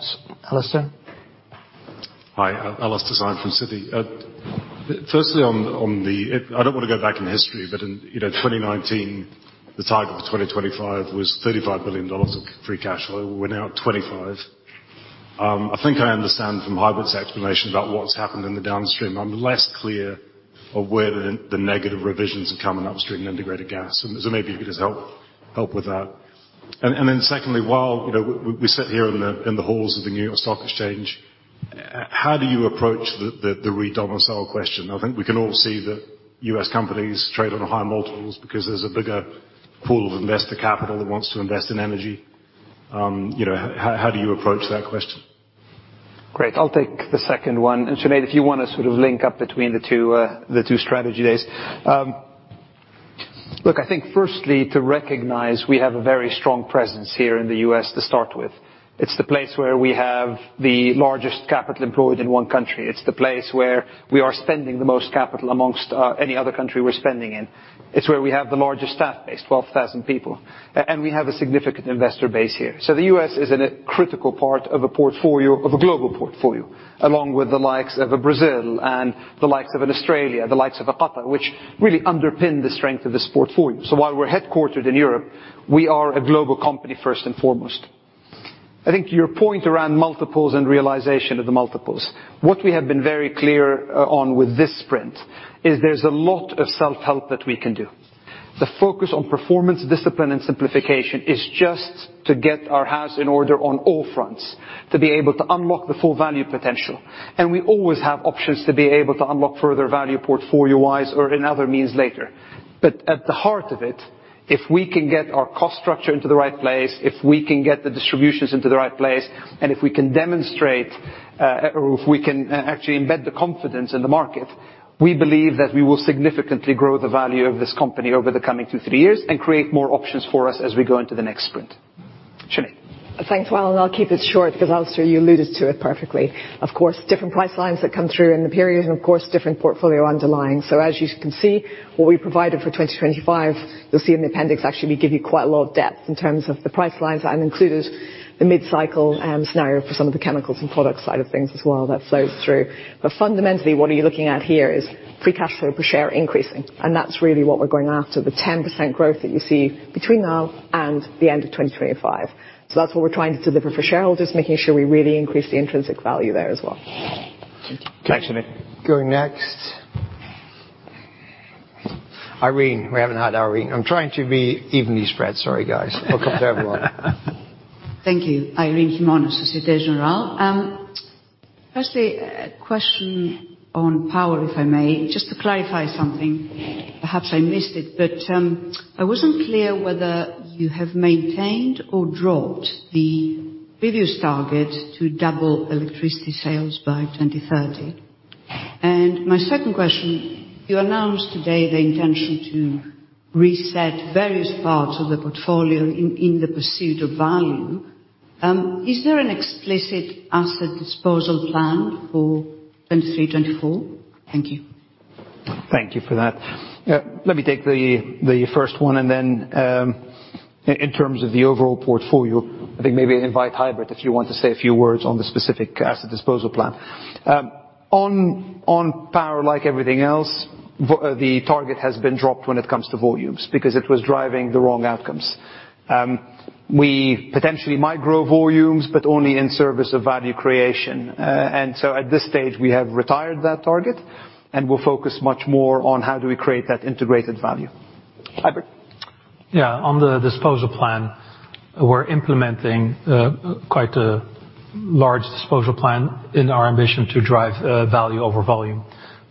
Alastair. Hi, Alastair Syme from Citi. Firstly, on the I don't want to go back in history, in, you know, 2019, the target for 2025 was $35 billion of free cash flow. We're now at $25. I think I understand from Huibert's explanation about what's happened in the Downstream. I'm less clear of where the negative revisions are coming Upstream in Integrated Gas. Maybe you could just help with that. Then secondly, while, you know, we sit here in the halls of the New York Stock Exchange, how do you approach the redomicile question? I think we can all see that U.S. companies trade on higher multiples because there's a bigger pool of investor capital that wants to invest in energy. You know, how do you approach that question? Great. I'll take the second one. Sinead, if you want to sort of link up between the two, the two strategy days. Look, I think firstly, to recognize we have a very strong presence here in the U.S. to start with. It's the place where we have the largest capital employed in one country. It's the place where we are spending the most capital amongst any other country we're spending in. It's where we have the largest staff base, 12,000 people, and we have a significant investor base here. The U.S. is in a critical part of a portfolio, of a global portfolio, along with the likes of a Brazil and the likes of an Australia, the likes of a Qatar, which really underpin the strength of this portfolio. While we're headquartered in Europe, we are a global company first and foremost. I think your point around multiples and realization of the multiples, what we have been very clear on with this sprint is there's a lot of self-help that we can do. The focus on performance, discipline, and simplification is just to get our house in order on all fronts, to be able to unlock the full value potential. We always have options to be able to unlock further value portfolio-wise or in other means later. At the heart of it, if we can get our cost structure into the right place, if we can get the distributions into the right place, and if we can demonstrate, or if we can actually embed the confidence in the market, we believe that we will significantly grow the value of this company over the coming two, three years and create more options for us as we go into the next sprint. Sinead. Thanks. I'll keep it short, because Alastair, you alluded to it perfectly. Different price lines that come through in the period, and different portfolio underlying. As you can see, what we provided for 2025, you'll see in the appendix, actually, we give you quite a lot of depth in terms of the price lines. I've included the mid-cycle scenario for some of the chemicals and product side of things as well. That flows through. Fundamentally, what you are looking at here is free cash flow per share increasing, and that's really what we're going after, the 10% growth that you see between now and the end of 2025. That's what we're trying to deliver for shareholders, making sure we really increase the intrinsic value there as well. Thanks, Sinead. Going next. Irene, we haven't had Irene. I'm trying to be evenly spread. Sorry, guys. Welcome to everyone. Thank you. Irene Himona, Societe Generale. Firstly, a question on power, if I may, just to clarify something, perhaps I missed it, but I wasn't clear whether you have maintained or dropped the previous target to double electricity sales by 2030. My second question: you announced today the intention to reset various parts of the portfolio in the pursuit of value. Is there an explicit asset disposal plan for 2023, 2024? Thank you. Thank you for that. Let me take the first one, then in terms of the overall portfolio, I think maybe I invite Huibert, if you want to say a few words on the specific asset disposal plan. On power, like everything else, the target has been dropped when it comes to volumes, because it was driving the wrong outcomes. At this stage, we have retired that target, and we'll focus much more on how do we create that integrated value. Huibert? On the disposal plan, we're implementing quite a large disposal plan in our ambition to drive value over volume.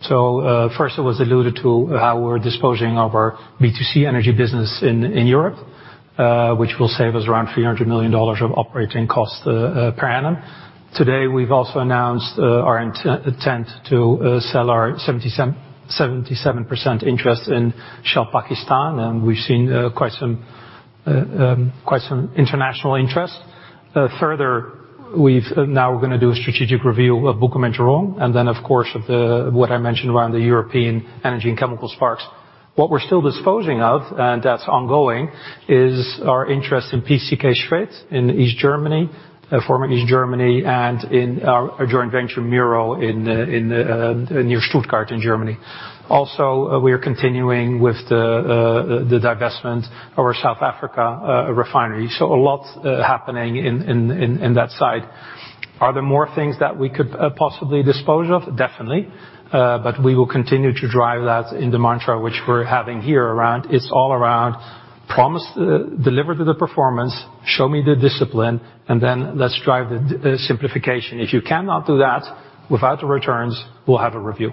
First, it was alluded to how we're disposing of our B2C energy business in Europe, which will save us around $300 million of operating costs per annum. Today, we've also announced our intent to sell our 77% interest in Shell Pakistan, and we've seen quite some international interest. Further, we've now we're gonna do a strategic review of Bukom and Jurong, and then, of course, of the, what I mentioned around the European energy and chemical sparks. What we're still disposing of, and that's ongoing, is our interest in PCK Schwedt in East Germany, former East Germany, and in our joint venture, MiRO, in near Stuttgart, in Germany. Also, we are continuing with the divestment of our South Africa refinery. A lot happening in that side. Are there more things that we could possibly dispose of? Definitely. We will continue to drive that in the mantra which we're having here around... It's all around promise, deliver to the performance, show me the discipline, and then let's drive the simplification. If you cannot do that without the returns, we'll have a review.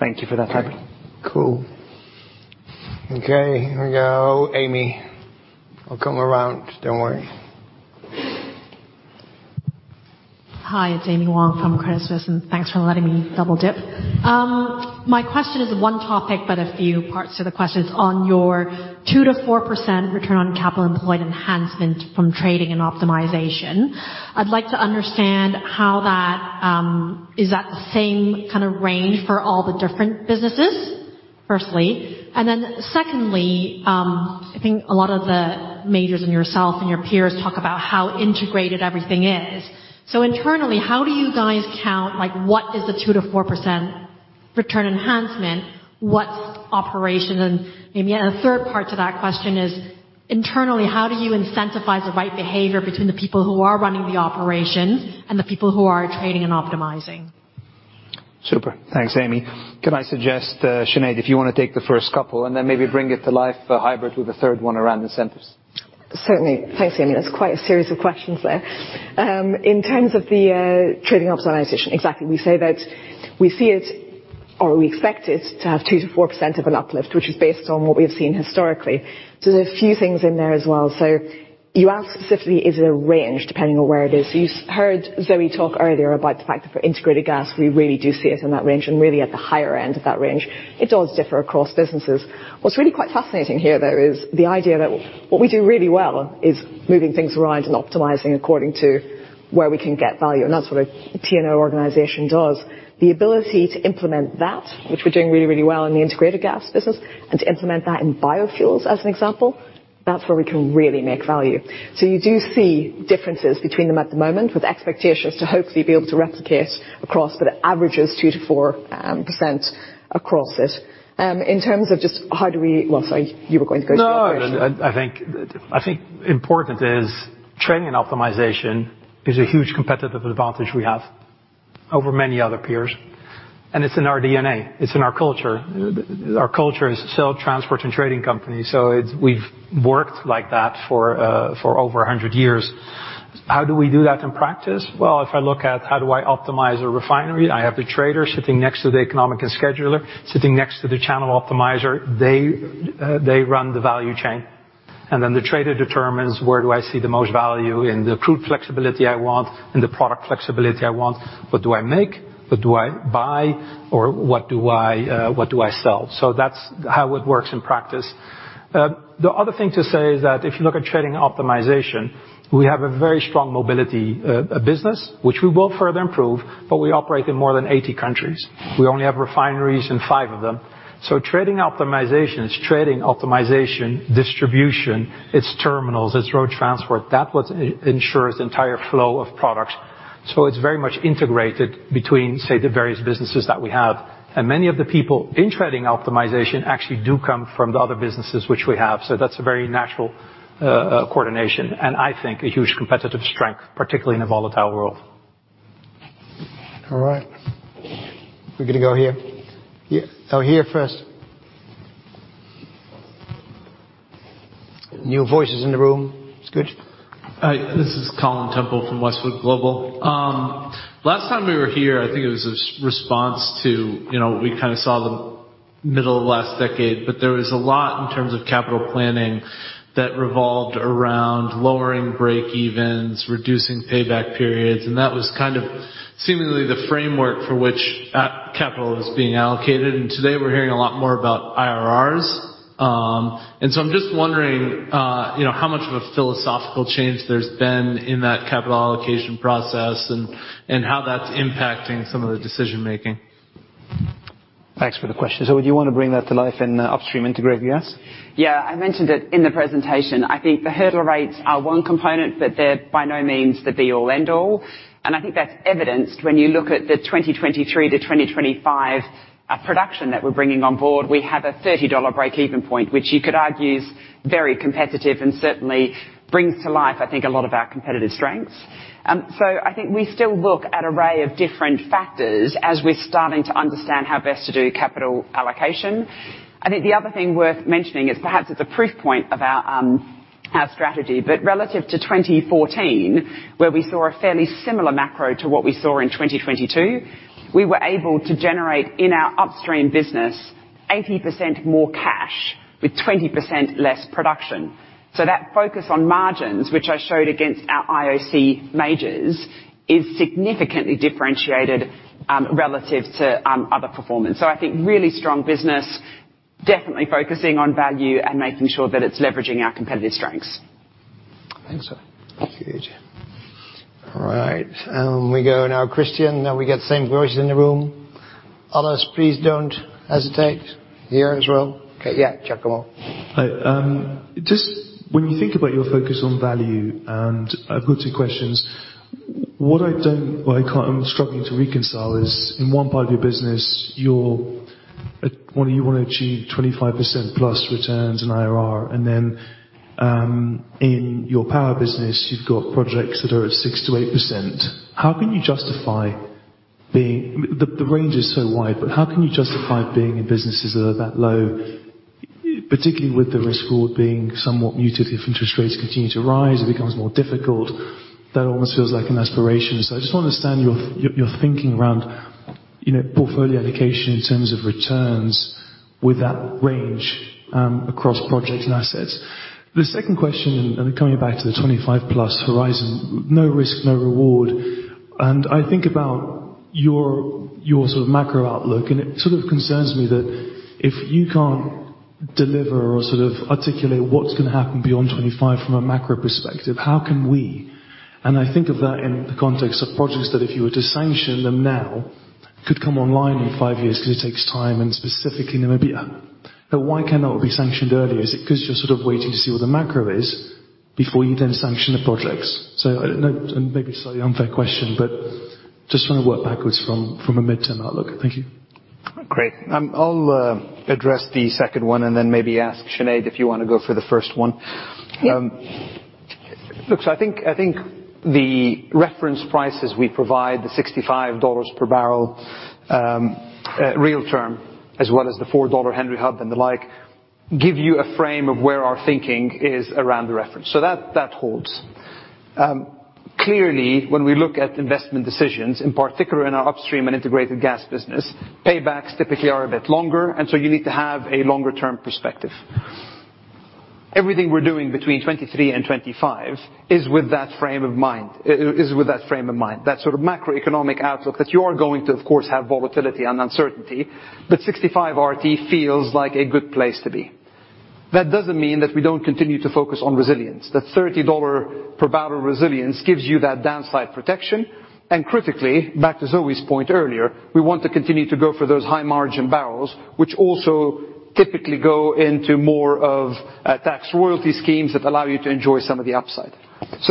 Thank you for that, Huibert. Cool. Okay, here we go. Amy. I'll come around, don't worry. Hi, it's Amy Wong from Credit Suisse, thanks for letting me double-dip. My question is one topic, a few parts to the questions. On your 2%-4% return on capital employed enhancement from trading and optimization, I'd like to understand how that is that the same kind of range for all the different businesses, firstly? Secondly, I think a lot of the majors and yourself and your peers talk about how integrated everything is. Internally, how do you guys count, like, what is the 2%-4% return enhancement, what's operation? Maybe a third part to that question is, internally, how do you incentivize the right behavior between the people who are running the operations and the people who are trading and optimizing? Super. Thanks, Amy. Can I suggest, Sinead, if you want to take the first couple and then maybe bring it to life for Huibert with the third one around incentives? Certainly. Thanks, Amy. That's quite a series of questions there. In terms of the trading optimization, exactly, we say that we see it or we expect it to have 2%-4% of an uplift, which is based on what we've seen historically. There's a few things in there as well. You asked specifically, is it a range, depending on where it is. You heard Zoë talk earlier about the fact that for Integrated Gas, we really do see it in that range and really at the higher end of that range. It does differ across businesses. What's really quite fascinating here, though, is the idea that what we do really well is moving things around and optimizing according to where we can get value, and that's what a TNO organization does. The ability to implement that, which we're doing really, really well in the Integrated Gas business, and to implement that in biofuels, as an example, that's where we can really make value. You do see differences between them at the moment, with expectations to hopefully be able to replicate across, but it averages 2%-4% across it. You were going to go to that. I think important is trading and optimization is a huge competitive advantage we have over many other peers, and it's in our DNA. It's in our culture. Our culture is still a transport and trading company, so we've worked like that for over 100 years. How do we do that in practice? If I look at how do I optimize a refinery, I have the trader sitting next to the economic and scheduler, sitting next to the channel optimizer. They run the value chain, and then the trader determines where do I see the most value in the crude flexibility I want, in the product flexibility I want? What do I make, what do I buy, or what do I sell? That's how it works in practice. The other thing to say is that if you look at trading optimization, we have a very strong mobility business, which we will further improve, but we operate in more than 80 countries. We only have refineries in 5 of them. Trading optimization is trading optimization, distribution, it's terminals, it's road transport. That's what ensures the entire flow of products. It's very much integrated between, say, the various businesses that we have. Many of the people in trading optimization actually do come from the other businesses which we have. That's a very natural coordination, and I think a huge competitive strength, particularly in a volatile world. All right. We're gonna go here. Yeah. Oh, here first. New voices in the room. It's good. Hi, this is Colin Temple from Westwood Global. Last time we were here, I think it was a response to, you know, we kind of saw the middle of last decade, but there was a lot in terms of capital planning that revolved around lowering break-evens, reducing payback periods, and that was kind of seemingly the framework for which capital is being allocated. Today, we're hearing a lot more about IRRs. I'm just wondering, you know, how much of a philosophical change there's been in that capital allocation process and how that's impacting some of the decision-making? Thanks for the question. Would you want to bring that to life in Upstream Integrated Gas? Yeah, I mentioned it in the presentation. I think the hurdle rates are one component, but they're by no means the be all, end all. I think that's evidenced when you look at the 2023 to 2025 production that we're bringing on board. We have a $30 breakeven point, which you could argue is very competitive and certainly brings to life, I think, a lot of our competitive strengths. I think we still look at array of different factors as we're starting to understand how best to do capital allocation. I think the other thing worth mentioning is perhaps it's a proof point of our strategy, but relative to 2014, where we saw a fairly similar macro to what we saw in 2022, we were able to generate, in our Upstream business, 80% more cash with 20% less production. That focus on margins, which I showed against our IOC majors, is significantly differentiated, relative to, other performance. I think really strong business, definitely focusing on value and making sure that it's leveraging our competitive strengths. Thanks, sir. Huge. We go now, Christian. We get the same voices in the room. Others, please don't hesitate. You as well. Okay. Just go on. Hi. Just when you think about your focus on value, I've got two questions. What I can't, I'm struggling to reconcile is, in one part of your business, well, you wanna achieve 25% plus returns in IRR. In your power business, you've got projects that are at 6%-8%. How can you justify the range is so wide, how can you justify being in businesses that are that low, particularly with the risk/reward being somewhat muted if interest rates continue to rise, it becomes more difficult? That almost feels like an aspiration. I just want to understand your thinking around, you know, portfolio allocation in terms of returns with that range across projects and assets. The second question, coming back to the 25+ horizon, no risk, no reward. I think about your sort of macro outlook, and it sort of concerns me that if you can't deliver or sort of articulate what's going to happen beyond 25 from a macro perspective, how can we? I think of that in the context of projects that if you were to sanction them now, could come online in five years, because it takes time, and specifically Namibia. Why can't that be sanctioned earlier? Is it because you're sort of waiting to see what the macro is before you then sanction the projects? I know, and maybe slightly unfair question, but just wanna work backwards from a midterm outlook. Thank you. Great. I'll address the second one and then maybe ask Sinead if you want to go for the first one. Yeah. Look, I think the reference prices we provide, the $65 per barrel real term, as well as the $4 Henry Hub and the like, give you a frame of where our thinking is around the reference. That holds. Clearly, when we look at investment decisions, in particular in our Upstream and Integrated Gas business, paybacks typically are a bit longer, and so you need to have a longer-term perspective. Everything we're doing between 2023 and 2025 is with that frame of mind, that sort of macroeconomic outlook, that you are going to, of course, have volatility and uncertainty, but $65 RT feels like a good place to be. That doesn't mean that we don't continue to focus on resilience. The $30 per barrel resilience gives you that downside protection. Critically, back to Zoë's point earlier, we want to continue to go for those high-margin barrels, which also typically go into more of tax royalty schemes that allow you to enjoy some of the upside.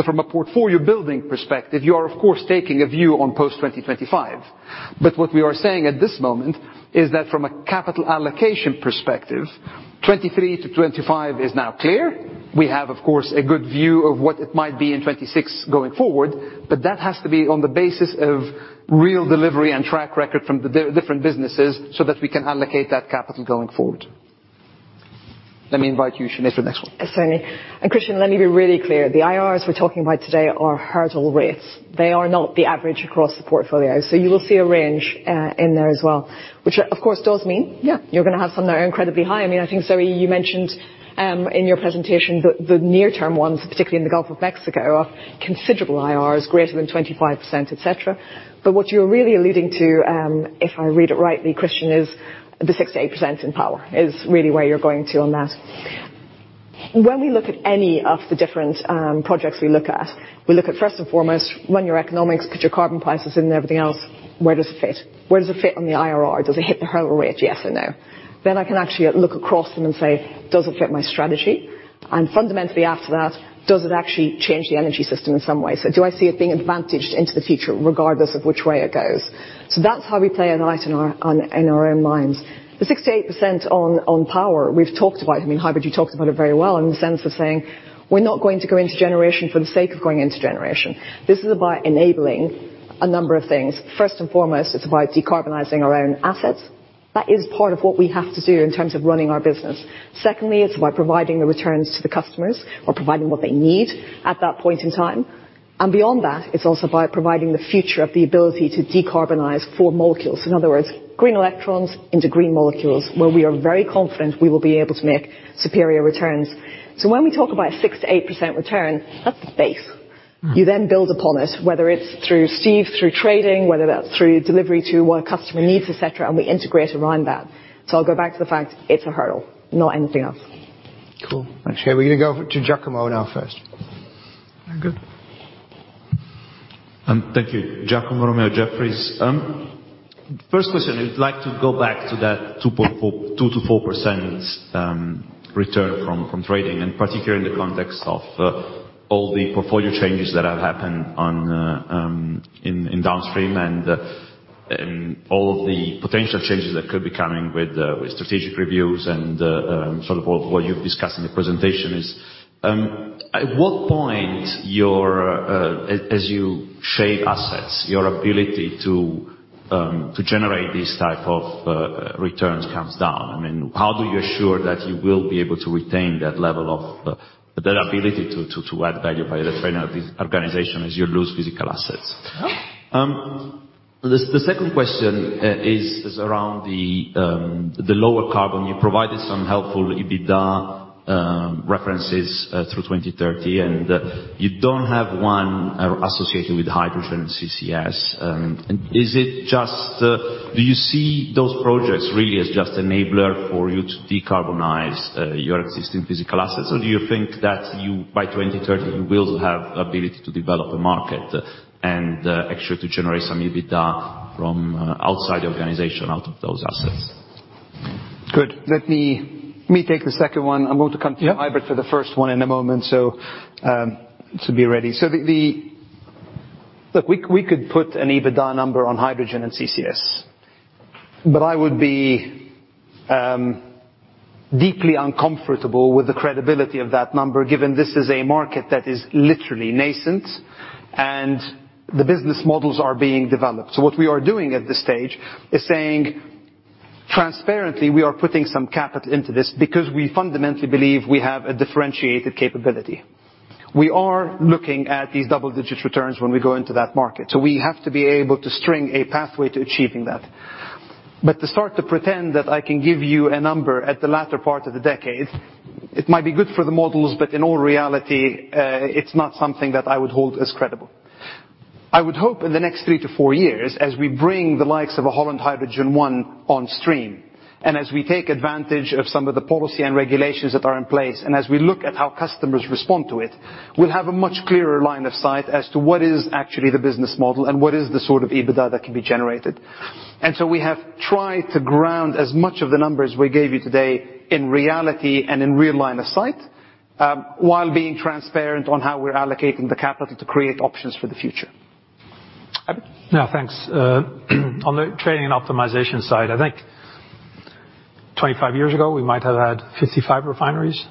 From a portfolio building perspective, you are, of course, taking a view on post-2025. What we are saying at this moment is that from a capital allocation perspective, 23-25 is now clear. We have, of course, a good view of what it might be in 2026 going forward, but that has to be on the basis of real delivery and track record from the different businesses so that we can allocate that capital going forward. Let me invite you, Sinead, for the next one. Certainly. Christian, let me be really clear: the IRRs we're talking about today are hurdle rates. They are not the average across the portfolio. You will see a range in there as well, which, of course, does mean, yeah, you're gonna have some that are incredibly high. I mean, I think, Zoë, you mentioned in your presentation, the near-term ones, particularly in the Gulf of Mexico, are considerable IRRs, greater than 25%, et cetera. What you're really alluding to, if I read it rightly, Christian, is the 6%-8% in power is really where you're going to on that. When we look at any of the different projects we look at, we look at, first and foremost, run your economics, put your carbon prices in and everything else, where does it fit? Where does it fit on the IRR? Does it hit the hurdle rate? Yes or no. I can actually look across them and say: Does it fit my strategy? Fundamentally after that, does it actually change the energy system in some way? Do I see it being advantaged into the future, regardless of which way it goes? That's how we play it out in our own minds. The 6%-8% on power, we've talked about. I mean, Huibert, you talked about it very well in the sense of saying: We're not going to go into generation for the sake of going into generation. This is about enabling a number of things. First and foremost, it's about decarbonizing our own assets. That is part of what we have to do in terms of running our business. Secondly, it's by providing the returns to the customers or providing what they need at that point in time. Beyond that, it's also by providing the future of the ability to decarbonize for molecules. In other words, green electrons into green molecules, where we are very confident we will be able to make superior returns. When we talk about a 6%-8% return, that's the base. You then build upon it, whether it's through Steve, through trading, whether that's through delivery to what a customer needs, et cetera, and we integrate around that. I'll go back to the fact it's a hurdle, not anything else. Cool. Thanks. We're gonna go over to Giacomo now first. Good. Thank you. Giacomo Romeo, Jefferies. First question, I'd like to go back to that 2%-4% return from trading, and particularly in the context of all the portfolio changes that have happened on the in Downstream, and all of the potential changes that could be coming with strategic reviews and sort of all what you've discussed in the presentation is. At what point your as you shape assets, your ability to generate these type of returns comes down? I mean, how do you assure that you will be able to retain that level of that ability to add value by the trader organization as you lose physical assets? The second question is around the lower carbon. You provided some helpful EBITDA references through 2030, and you don't have one associated with Hydrogen & CCS. Do you see those projects really as just enabler for you to decarbonize your existing physical assets, or do you think that you, by 2030, you will have ability to develop the market and actually to generate some EBITDA from outside the organization, out of those assets? Good. Let me take the second one. I'm going to come to. Yeah... Huibert for the first one in a moment, to be ready. Look, we could put an EBITDA number on Hydrogen & CCS, but I would be deeply uncomfortable with the credibility of that number, given this is a market that is literally nascent, and the business models are being developed. What we are doing at this stage is saying transparently, we are putting some capital into this because we fundamentally believe we have a differentiated capability. We are looking at these double-digit returns when we go into that market, so we have to be able to string a pathway to achieving that. To start to pretend that I can give you a number at the latter part of the decade, it might be good for the models, but in all reality, it's not something that I would hold as credible. I would hope in the next three to four years, as we bring the likes of a Holland Hydrogen I on stream, and as we take advantage of some of the policy and regulations that are in place, and as we look at how customers respond to it, we'll have a much clearer line of sight as to what is actually the business model and what is the sort of EBITDA that can be generated. We have tried to ground as much of the numbers we gave you today in reality and in real line of sight, while being transparent on how we're allocating the capital to create options for the future. Huibert? Yeah, thanks. On the trading and optimization side, I think 25 years ago, we might have had 55 refineries.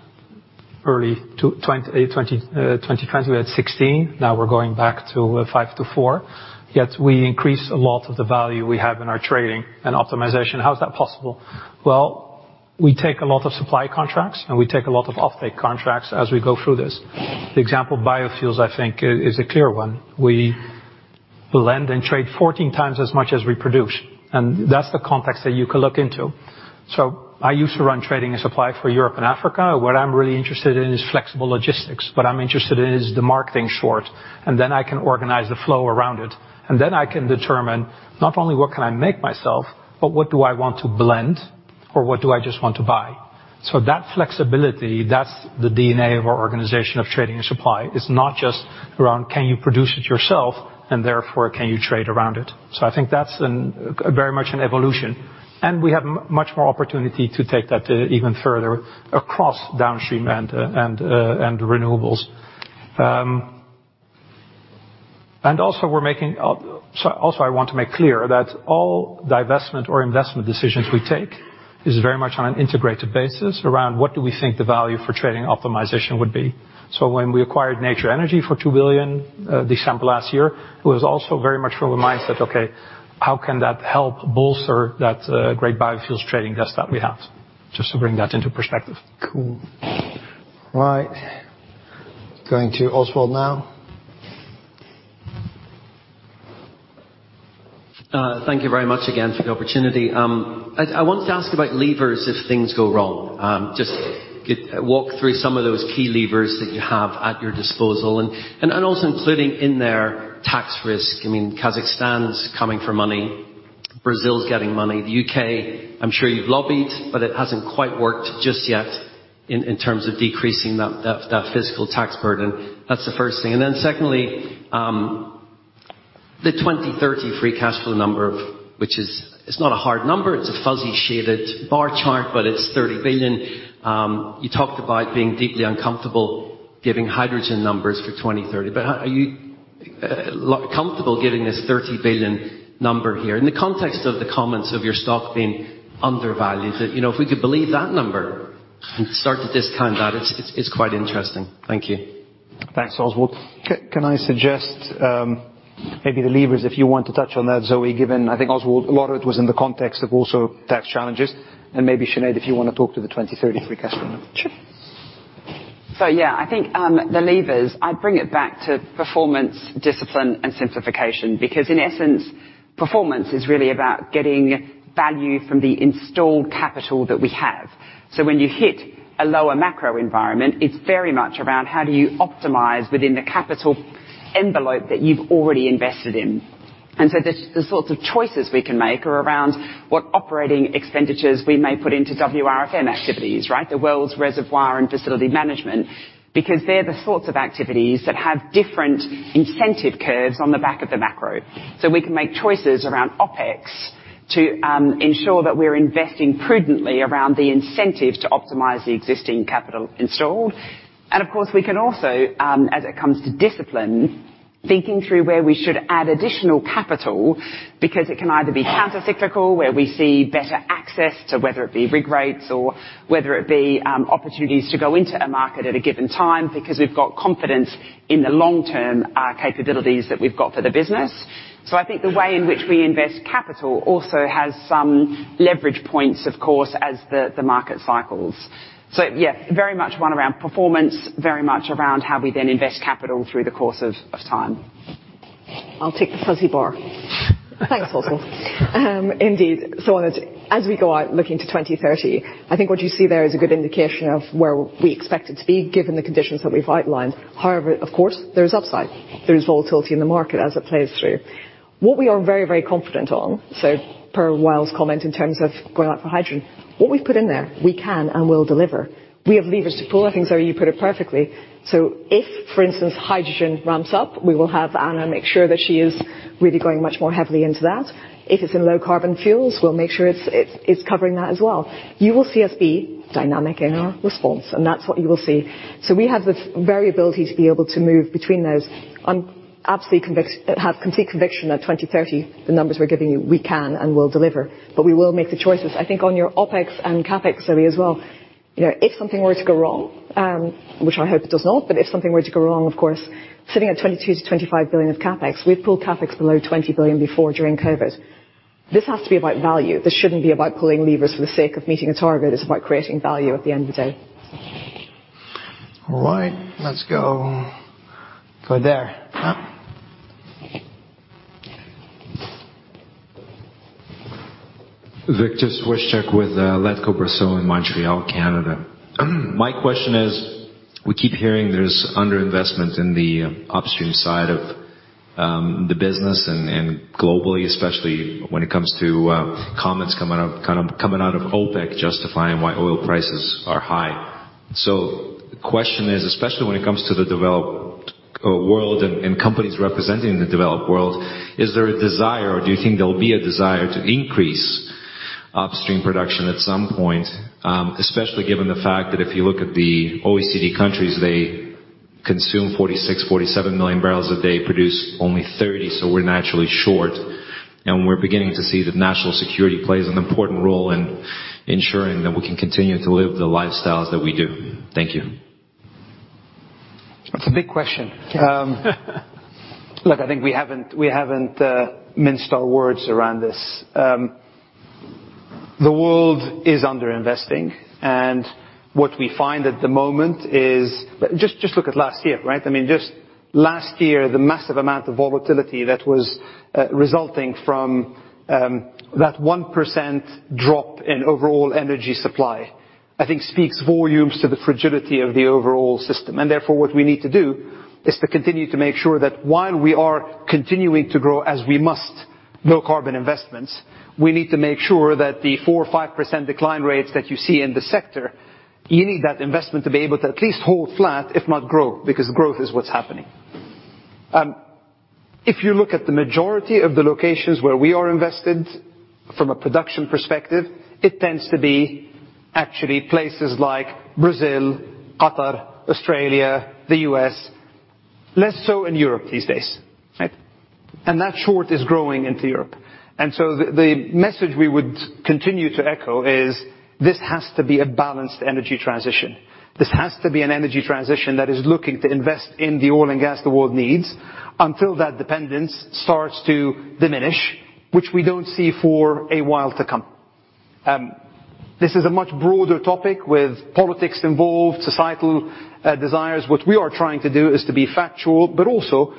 Early to 2020, we had 16. Now we're going back to five to four, yet we increased a lot of the value we have in our trading and optimization. How is that possible? Well, we take a lot of supply contracts, and we take a lot of offtake contracts as we go through this. The example, biofuels, I think, is a clear one. We blend and trade 14 times as much as we produce, and that's the context that you can look into. I used to run trading and supply for Europe and Africa. What I'm really interested in is flexible logistics. What I'm interested in is the marketing short, and then I can organize the flow around it. Then I can determine not only what can I make myself, but what do I want to blend, or what do I just want to buy? That flexibility, that's the DNA of our organization of trading and supply. It's not just around, can you produce it yourself, and therefore, can you trade around it? I think that's very much an evolution, and we have much more opportunity to take that even further across Downstream and Renewables. Also we're making. Also I want to make clear that all divestment or investment decisions we take is very much on an integrated basis around what do we think the value for trading optimization would be. When we acquired Nature Energy for $2 billion, December last year, it was also very much from the mindset, okay, how can that help bolster that great biofuels trading desk that we have? Just to bring that into perspective. Cool. Right. Going to Oswald now. Thank you very much again for the opportunity. I want to ask about levers if things go wrong. Just walk through some of those key levers that you have at your disposal, and also including in there tax risk. I mean, Kazakhstan's coming for money, Brazil's getting money. The UK, I'm sure you've lobbied, but it hasn't quite worked just yet in terms of decreasing that fiscal tax burden. That's the first thing. Secondly, the 2030 free cash flow number, which is not a hard number, it's a fuzzy, shaded bar chart, but it's $30 billion. You talked about being deeply uncomfortable giving hydrogen numbers for 2030, but are you comfortable giving this $30 billion number here? In the context of the comments of your stock being undervalued, you know, if we could believe that number and start to discount that, it's quite interesting. Thank you. Thanks, Oswald. Can I suggest maybe the levers, if you want to touch on that, Zoë, given I think, Oswald, a lot of it was in the context of also tax challenges, and maybe Sinead, if you want to talk to the 2030 forecast number? Sure. Yeah, I think, the levers, I'd bring it back to performance, discipline, and simplification, because in essence, performance is really about getting value from the installed capital that we have. When you hit a lower macro environment, it's very much around how do you optimize within the capital envelope that you've already invested in? The sorts of choices we can make are around what operating expenditures we may put into WRFM activities, right? The Wells & Reservoir Facility Management, because they're the sorts of activities that have different incentive curves on the back of the macro. We can make choices around OpEx to ensure that we're investing prudently around the incentive to optimize the existing capital installed. We can also, as it comes to discipline, thinking through where we should add additional capital, because it can either be countercyclical, where we see better access to whether it be rig rates or whether it be opportunities to go into a market at a given time, because we've got confidence in the long-term capabilities that we've got for the business. The way in which we invest capital also has some leverage points, of course, as the market cycles. Very much one around performance, very much around how we then invest capital through the course of time. I'll take the fuzzy bar. Thanks, Oswald. Indeed, as we go out looking to 2030, I think what you see there is a good indication of where we expect it to be, given the conditions that we've outlined. However, of course, there is upside. There is volatility in the market as it plays through. What we are very confident on, per Wael's comment, in terms of going out for hydrogen, what we've put in there, we can and will deliver. We have levers to pull. I think, Zoë, you put it perfectly. If, for instance, hydrogen ramps up, we will have Anna make sure that she is really going much more heavily into that. If it's in Low Carbon fuels, we'll make sure it's covering that as well. You will see us be dynamic in our response, and that's what you will see. We have the variability to be able to move between those. I have complete conviction that 2030, the numbers we're giving you, we can and will deliver, but we will make the choices. I think on your OpEx and CapEx, Zoë, as well, you know, if something were to go wrong, which I hope it does not, but if something were to go wrong, of course, sitting at $22 billion-$25 billion of CapEx, we've pulled CapEx below $20 billion before during COVID. This has to be about value. This shouldn't be about pulling levers for the sake of meeting a target. It's about creating value at the end of the day. All right, let's go there. Viktor Svyntkivsky with Letco Brazil in Montreal, Canada. My question is, we keep hearing there's underinvestment in the Upstream side of the business and globally, especially when it comes to comments coming out of OPEC, justifying why oil prices are high. The question is, especially when it comes to the developed world and companies representing the developed world, is there a desire, or do you think there will be a desire to increase Upstream production at some point? Especially given the fact that if you look at the OECD countries, they consume 46, 47 million barrels a day, produce only 30, so we're naturally short, and we're beginning to see that national security plays an important role in ensuring that we can continue to live the lifestyles that we do. Thank you. That's a big question. Look, I think we haven't minced our words around this. The world is underinvesting, what we find at the moment is just look at last year, right? I mean, just last year, the massive amount of volatility that was resulting from that 1% drop in overall energy supply, I think speaks volumes to the fragility of the overall system. Therefore, what we need to do is to continue to make sure that while we are continuing to grow, as we must, Low Carbon investments, we need to make sure that the 4% or 5% decline rates that you see in the sector, you need that investment to be able to at least hold flat, if not grow, because growth is what's happening. If you look at the majority of the locations where we are invested from a production perspective, it tends to be actually places like Brazil, Qatar, Australia, the U.S., less so in Europe these days, right? That short is growing into Europe. The message we would continue to echo is, this has to be a balanced energy transition. This has to be an energy transition that is looking to invest in the oil and gas the world needs until that dependence starts to diminish, which we don't see for a while to come. This is a much broader topic with politics involved, societal desires. What we are trying to do is to be factual, but also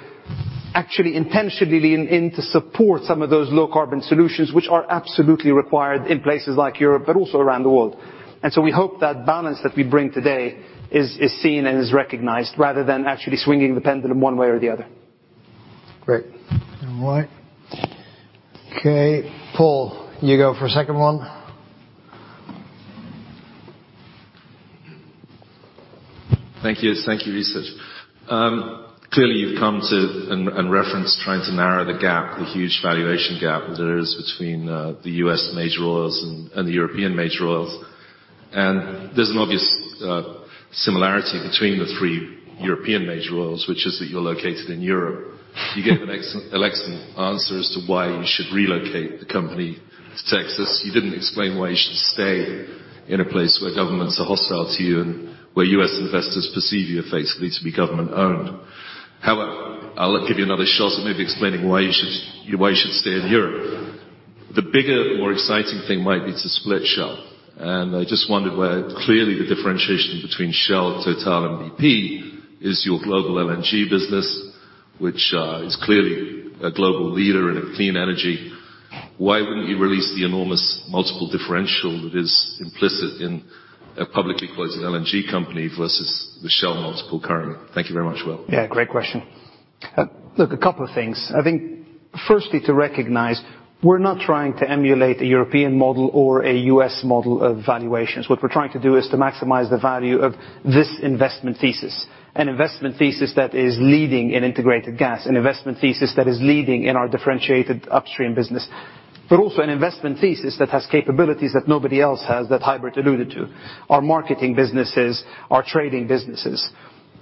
actually intentionally lean in to support some of those low-carbon solutions, which are absolutely required in places like Europe, but also around the world. We hope that balance that we bring today is seen and is recognized, rather than actually swinging the pendulum one way or the other. Great. All right. Okay, Paul, you go for a second one. Thank you. Thank you, Research. clearly, you've come to and referenced trying to narrow the gap, the huge valuation gap there is between, the U.S. major oils and the European major oils. There's an obvious similarity between the three European major oils, which is that you're located in Europe. You gave an excellent answer as to why you should relocate the company to Texas. You didn't explain why you should stay in a place where governments are hostile to you and where U.S. investors perceive you effectively to be government-owned. However, I'll give you another shot at maybe explaining why you should, why you should stay in Europe. The bigger, more exciting thing might be to split Shell, and I just wondered where clearly the differentiation between Shell, TotalEnergies, and BP is your global LNG business, which is clearly a global leader in a clean energy. Why wouldn't you release the enormous multiple differential that is implicit in a publicly quoted LNG company versus the Shell multiple currently? Thank you very much, Will. Yeah, great question. Look, a couple of things. I think firstly, to recognize we're not trying to emulate a European model or a U.S. model of valuations. What we're trying to do is to maximize the value of this investment thesis. An investment thesis that is leading in Integrated Gas, an investment thesis that is leading in our differentiated Upstream business, but also an investment thesis that has capabilities that nobody else has, that Huibert alluded to, our marketing businesses, our trading businesses.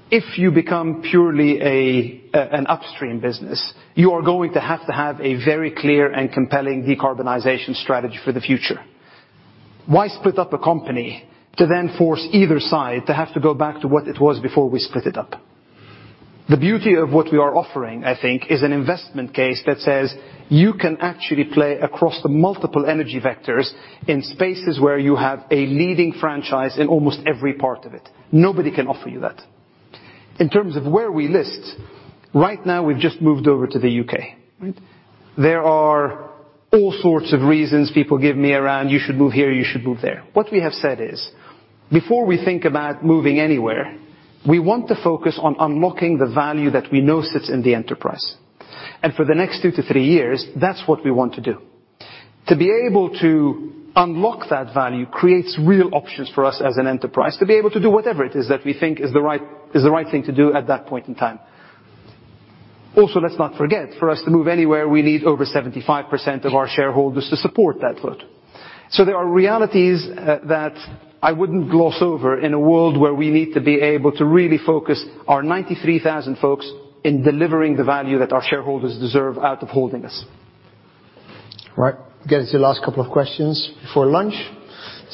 If you become purely a an Upstream business, you are going to have to have a very clear and compelling decarbonization strategy for the future. Why split up a company to then force either side to have to go back to what it was before we split it up? The beauty of what we are offering, I think, is an investment case that says you can actually play across the multiple energy vectors in spaces where you have a leading franchise in almost every part of it. Nobody can offer you that. In terms of where we list, right now, we've just moved over to the UK, right? There are all sorts of reasons people give me around, "You should move here, you should move there." What we have said is, before we think about moving anywhere, we want to focus on unlocking the value that we know sits in the enterprise. For the next two to three years, that's what we want to do. To be able to unlock that value creates real options for us as an enterprise to be able to do whatever it is that we think is the right, is the right thing to do at that point in time. Also, let's not forget, for us to move anywhere, we need over 75% of our shareholders to support that vote. There are realities that I wouldn't gloss over in a world where we need to be able to really focus our 93,000 folks in delivering the value that our shareholders deserve out of holding us. All right. Get us to the last couple of questions before lunch.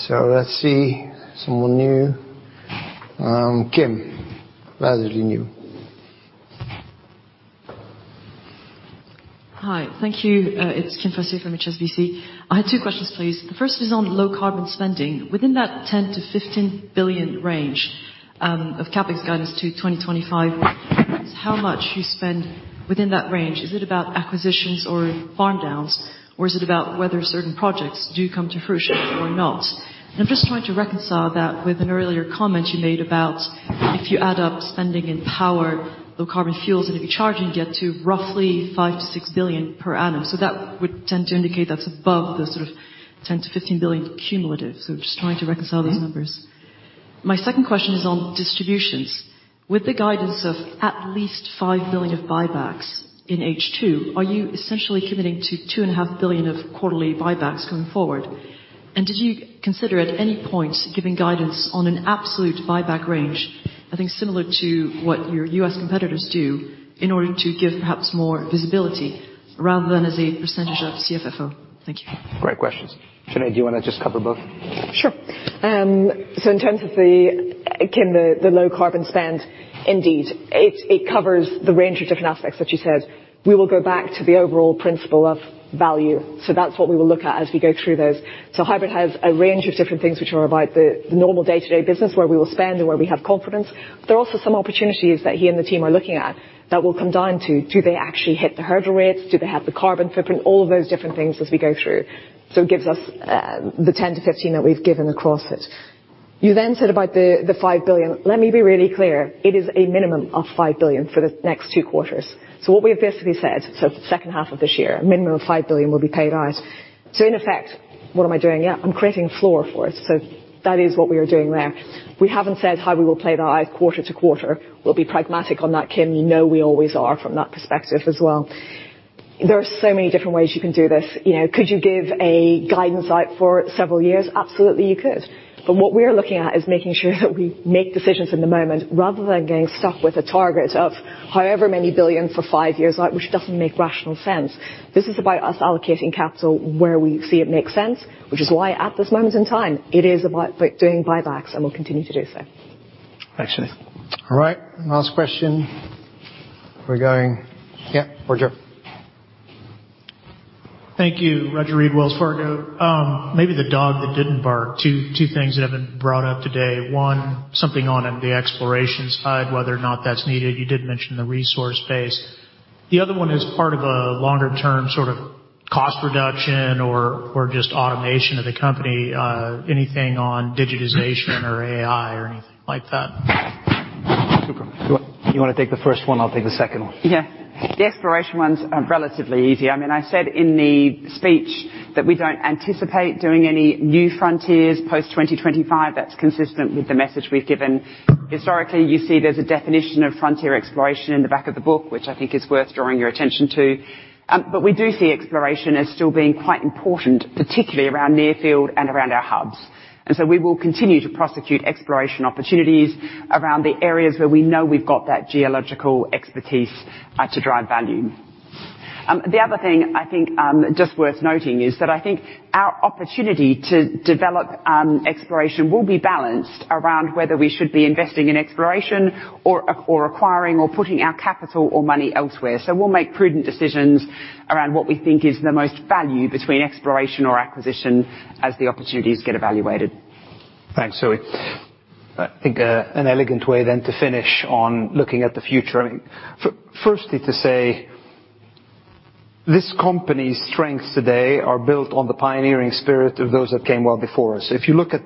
Let's see. Someone new, Kim, relatively new. Hi. Thank you. It's Kim Fustier from HSBC. I had two questions, please. The first is on Low Carbon spending. Within that $10 billion-$15 billion range of CapEx guidance to 2025, how much you spend within that range? Is it about acquisitions or farm downs, or is it about whether certain projects do come to fruition or not? I'm just trying to reconcile that with an earlier comment you made about if you add up spending in power, Low Carbon fuels, and if you're charging, you get to roughly $5 billion-$6 billion per annum. That would tend to indicate that's above the sort of $10 billion-$15 billion cumulative. Just trying to reconcile those numbers. My second question is on distributions. With the guidance of at least $5 billion of buybacks in H2, are you essentially committing to two and a half billion of quarterly buybacks going forward? Did you consider at any point, giving guidance on an absolute buyback range, I think, similar to what your US competitors do, in order to give perhaps more visibility rather than as a percentage of CFFO? Thank you. Great questions. Sinead, do you wanna just cover both? Sure. In terms of the Kim, the Low Carbon spend, indeed, it covers the range of different aspects that she said. We will go back to the overall principle of value. That's what we will look at as we go through those. Huibert has a range of different things which are about the normal day-to-day business where we will spend and where we have confidence. There are also some opportunities that he and the team are looking at that will come down to, do they actually hit the hurdle rates? Do they have the carbon footprint? All of those different things as we go through. It gives us the $10 billion-$15 billion that we've given across it. You said about the $5 billion. Let me be really clear. It is a minimum of $5 billion for the next two quarters. What we have basically said, so the second half of this year, a minimum of $5 billion will be paid out. In effect, what am I doing? Yeah, I'm creating a floor for it. That is what we are doing there. We haven't said how we will play that out quarter-to-quarter. We'll be pragmatic on that, Kim. You know we always are from that perspective as well. There are so many different ways you can do this. You know, could you give a guidance out for several years? Absolutely, you could. What we are looking at is making sure that we make decisions in the moment, rather than getting stuck with a target of however many billion for five years, like, which doesn't make rational sense. This is about us allocating capital where we see it make sense, which is why at this moment in time, it is about doing buybacks, and we'll continue to do so. Thanks, Sinead. All right, last question. Yeah, Roger Read. Thank you. Roger Read, Wells Fargo. Maybe the dog that didn't bark. Two things that haven't been brought up today. One, something on the exploration side, whether or not that's needed. You did mention the resource base. The other one is part of a longer-term sort of cost reduction or just automation of the company, anything on digitization or AI or anything like that? Super. You want to take the first one? I'll take the second one. Yeah. The exploration one's relatively easy. I mean, I said in the speech that we don't anticipate doing any new frontiers post-2025. That's consistent with the message we've given. Historically, you see there's a definition of frontier exploration in the back of the book, which I think is worth drawing your attention to. We do see exploration as still being quite important, particularly around near field and around our hubs. We will continue to prosecute exploration opportunities around the areas where we know we've got that geological expertise to drive value. The other thing I think, just worth noting is that I think our opportunity to develop, exploration will be balanced around whether we should be investing in exploration or acquiring or putting our capital or money elsewhere. We'll make prudent decisions around what we think is the most value between exploration or acquisition as the opportunities get evaluated. Thanks, Zoë. I think, an elegant way then to finish on looking at the future. I mean, firstly, to say this company's strengths today are built on the pioneering spirit of those that came well before us. If you look at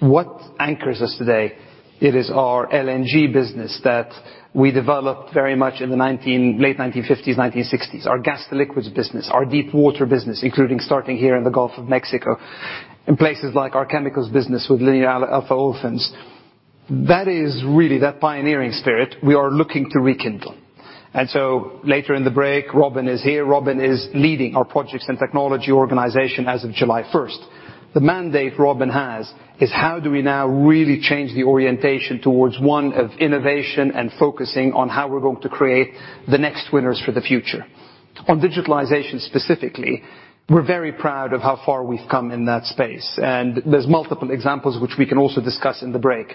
what anchors us today, it is our LNG business that we developed very much in the late 1950s, 1960s. Our gas to liquids business, our deep water business, including starting here in the Gulf of Mexico, in places like our chemicals business with linear alpha olefins. That is really, that pioneering spirit we are looking to rekindle. Later in the break, Robin is here. Robin is leading our projects and technology organization as of July 1st. The mandate Robin has, is how do we now really change the orientation towards one of innovation and focusing on how we're going to create the next winners for the future? On digitalization specifically, we're very proud of how far we've come in that space, and there's multiple examples which we can also discuss in the break.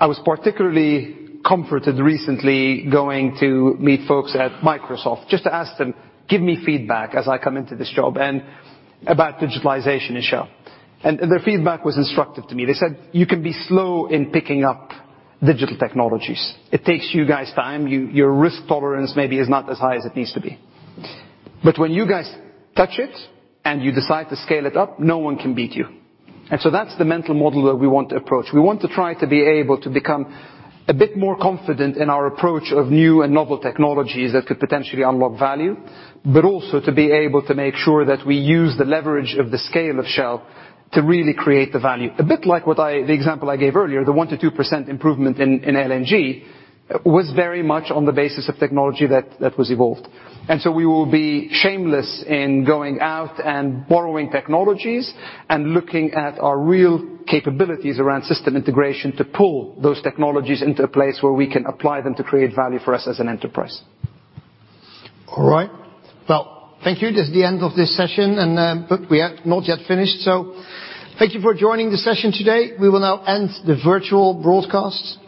I was particularly comforted recently going to meet folks at Microsoft, just to ask them, "Give me feedback as I come into this job, and about digitalization in Shell." Their feedback was instructive to me. They said, "You can be slow in picking up digital technologies. It takes you guys time. You, your risk tolerance maybe is not as high as it needs to be. When you guys touch it, and you decide to scale it up, no one can beat you." That's the mental model that we want to approach. We want to try to be able to become a bit more confident in our approach of new and novel technologies that could potentially unlock value, but also to be able to make sure that we use the leverage of the scale of Shell to really create the value. A bit like what I, the example I gave earlier, the 1%-2% improvement in LNG, was very much on the basis of technology that was evolved. We will be shameless in going out and borrowing technologies, and looking at our real capabilities around system integration, to pull those technologies into a place where we can apply them to create value for us as an enterprise. All right. Well, thank you. This is the end of this session, and, but we have not yet finished. Thank you for joining the session today. We will now end the virtual broadcast.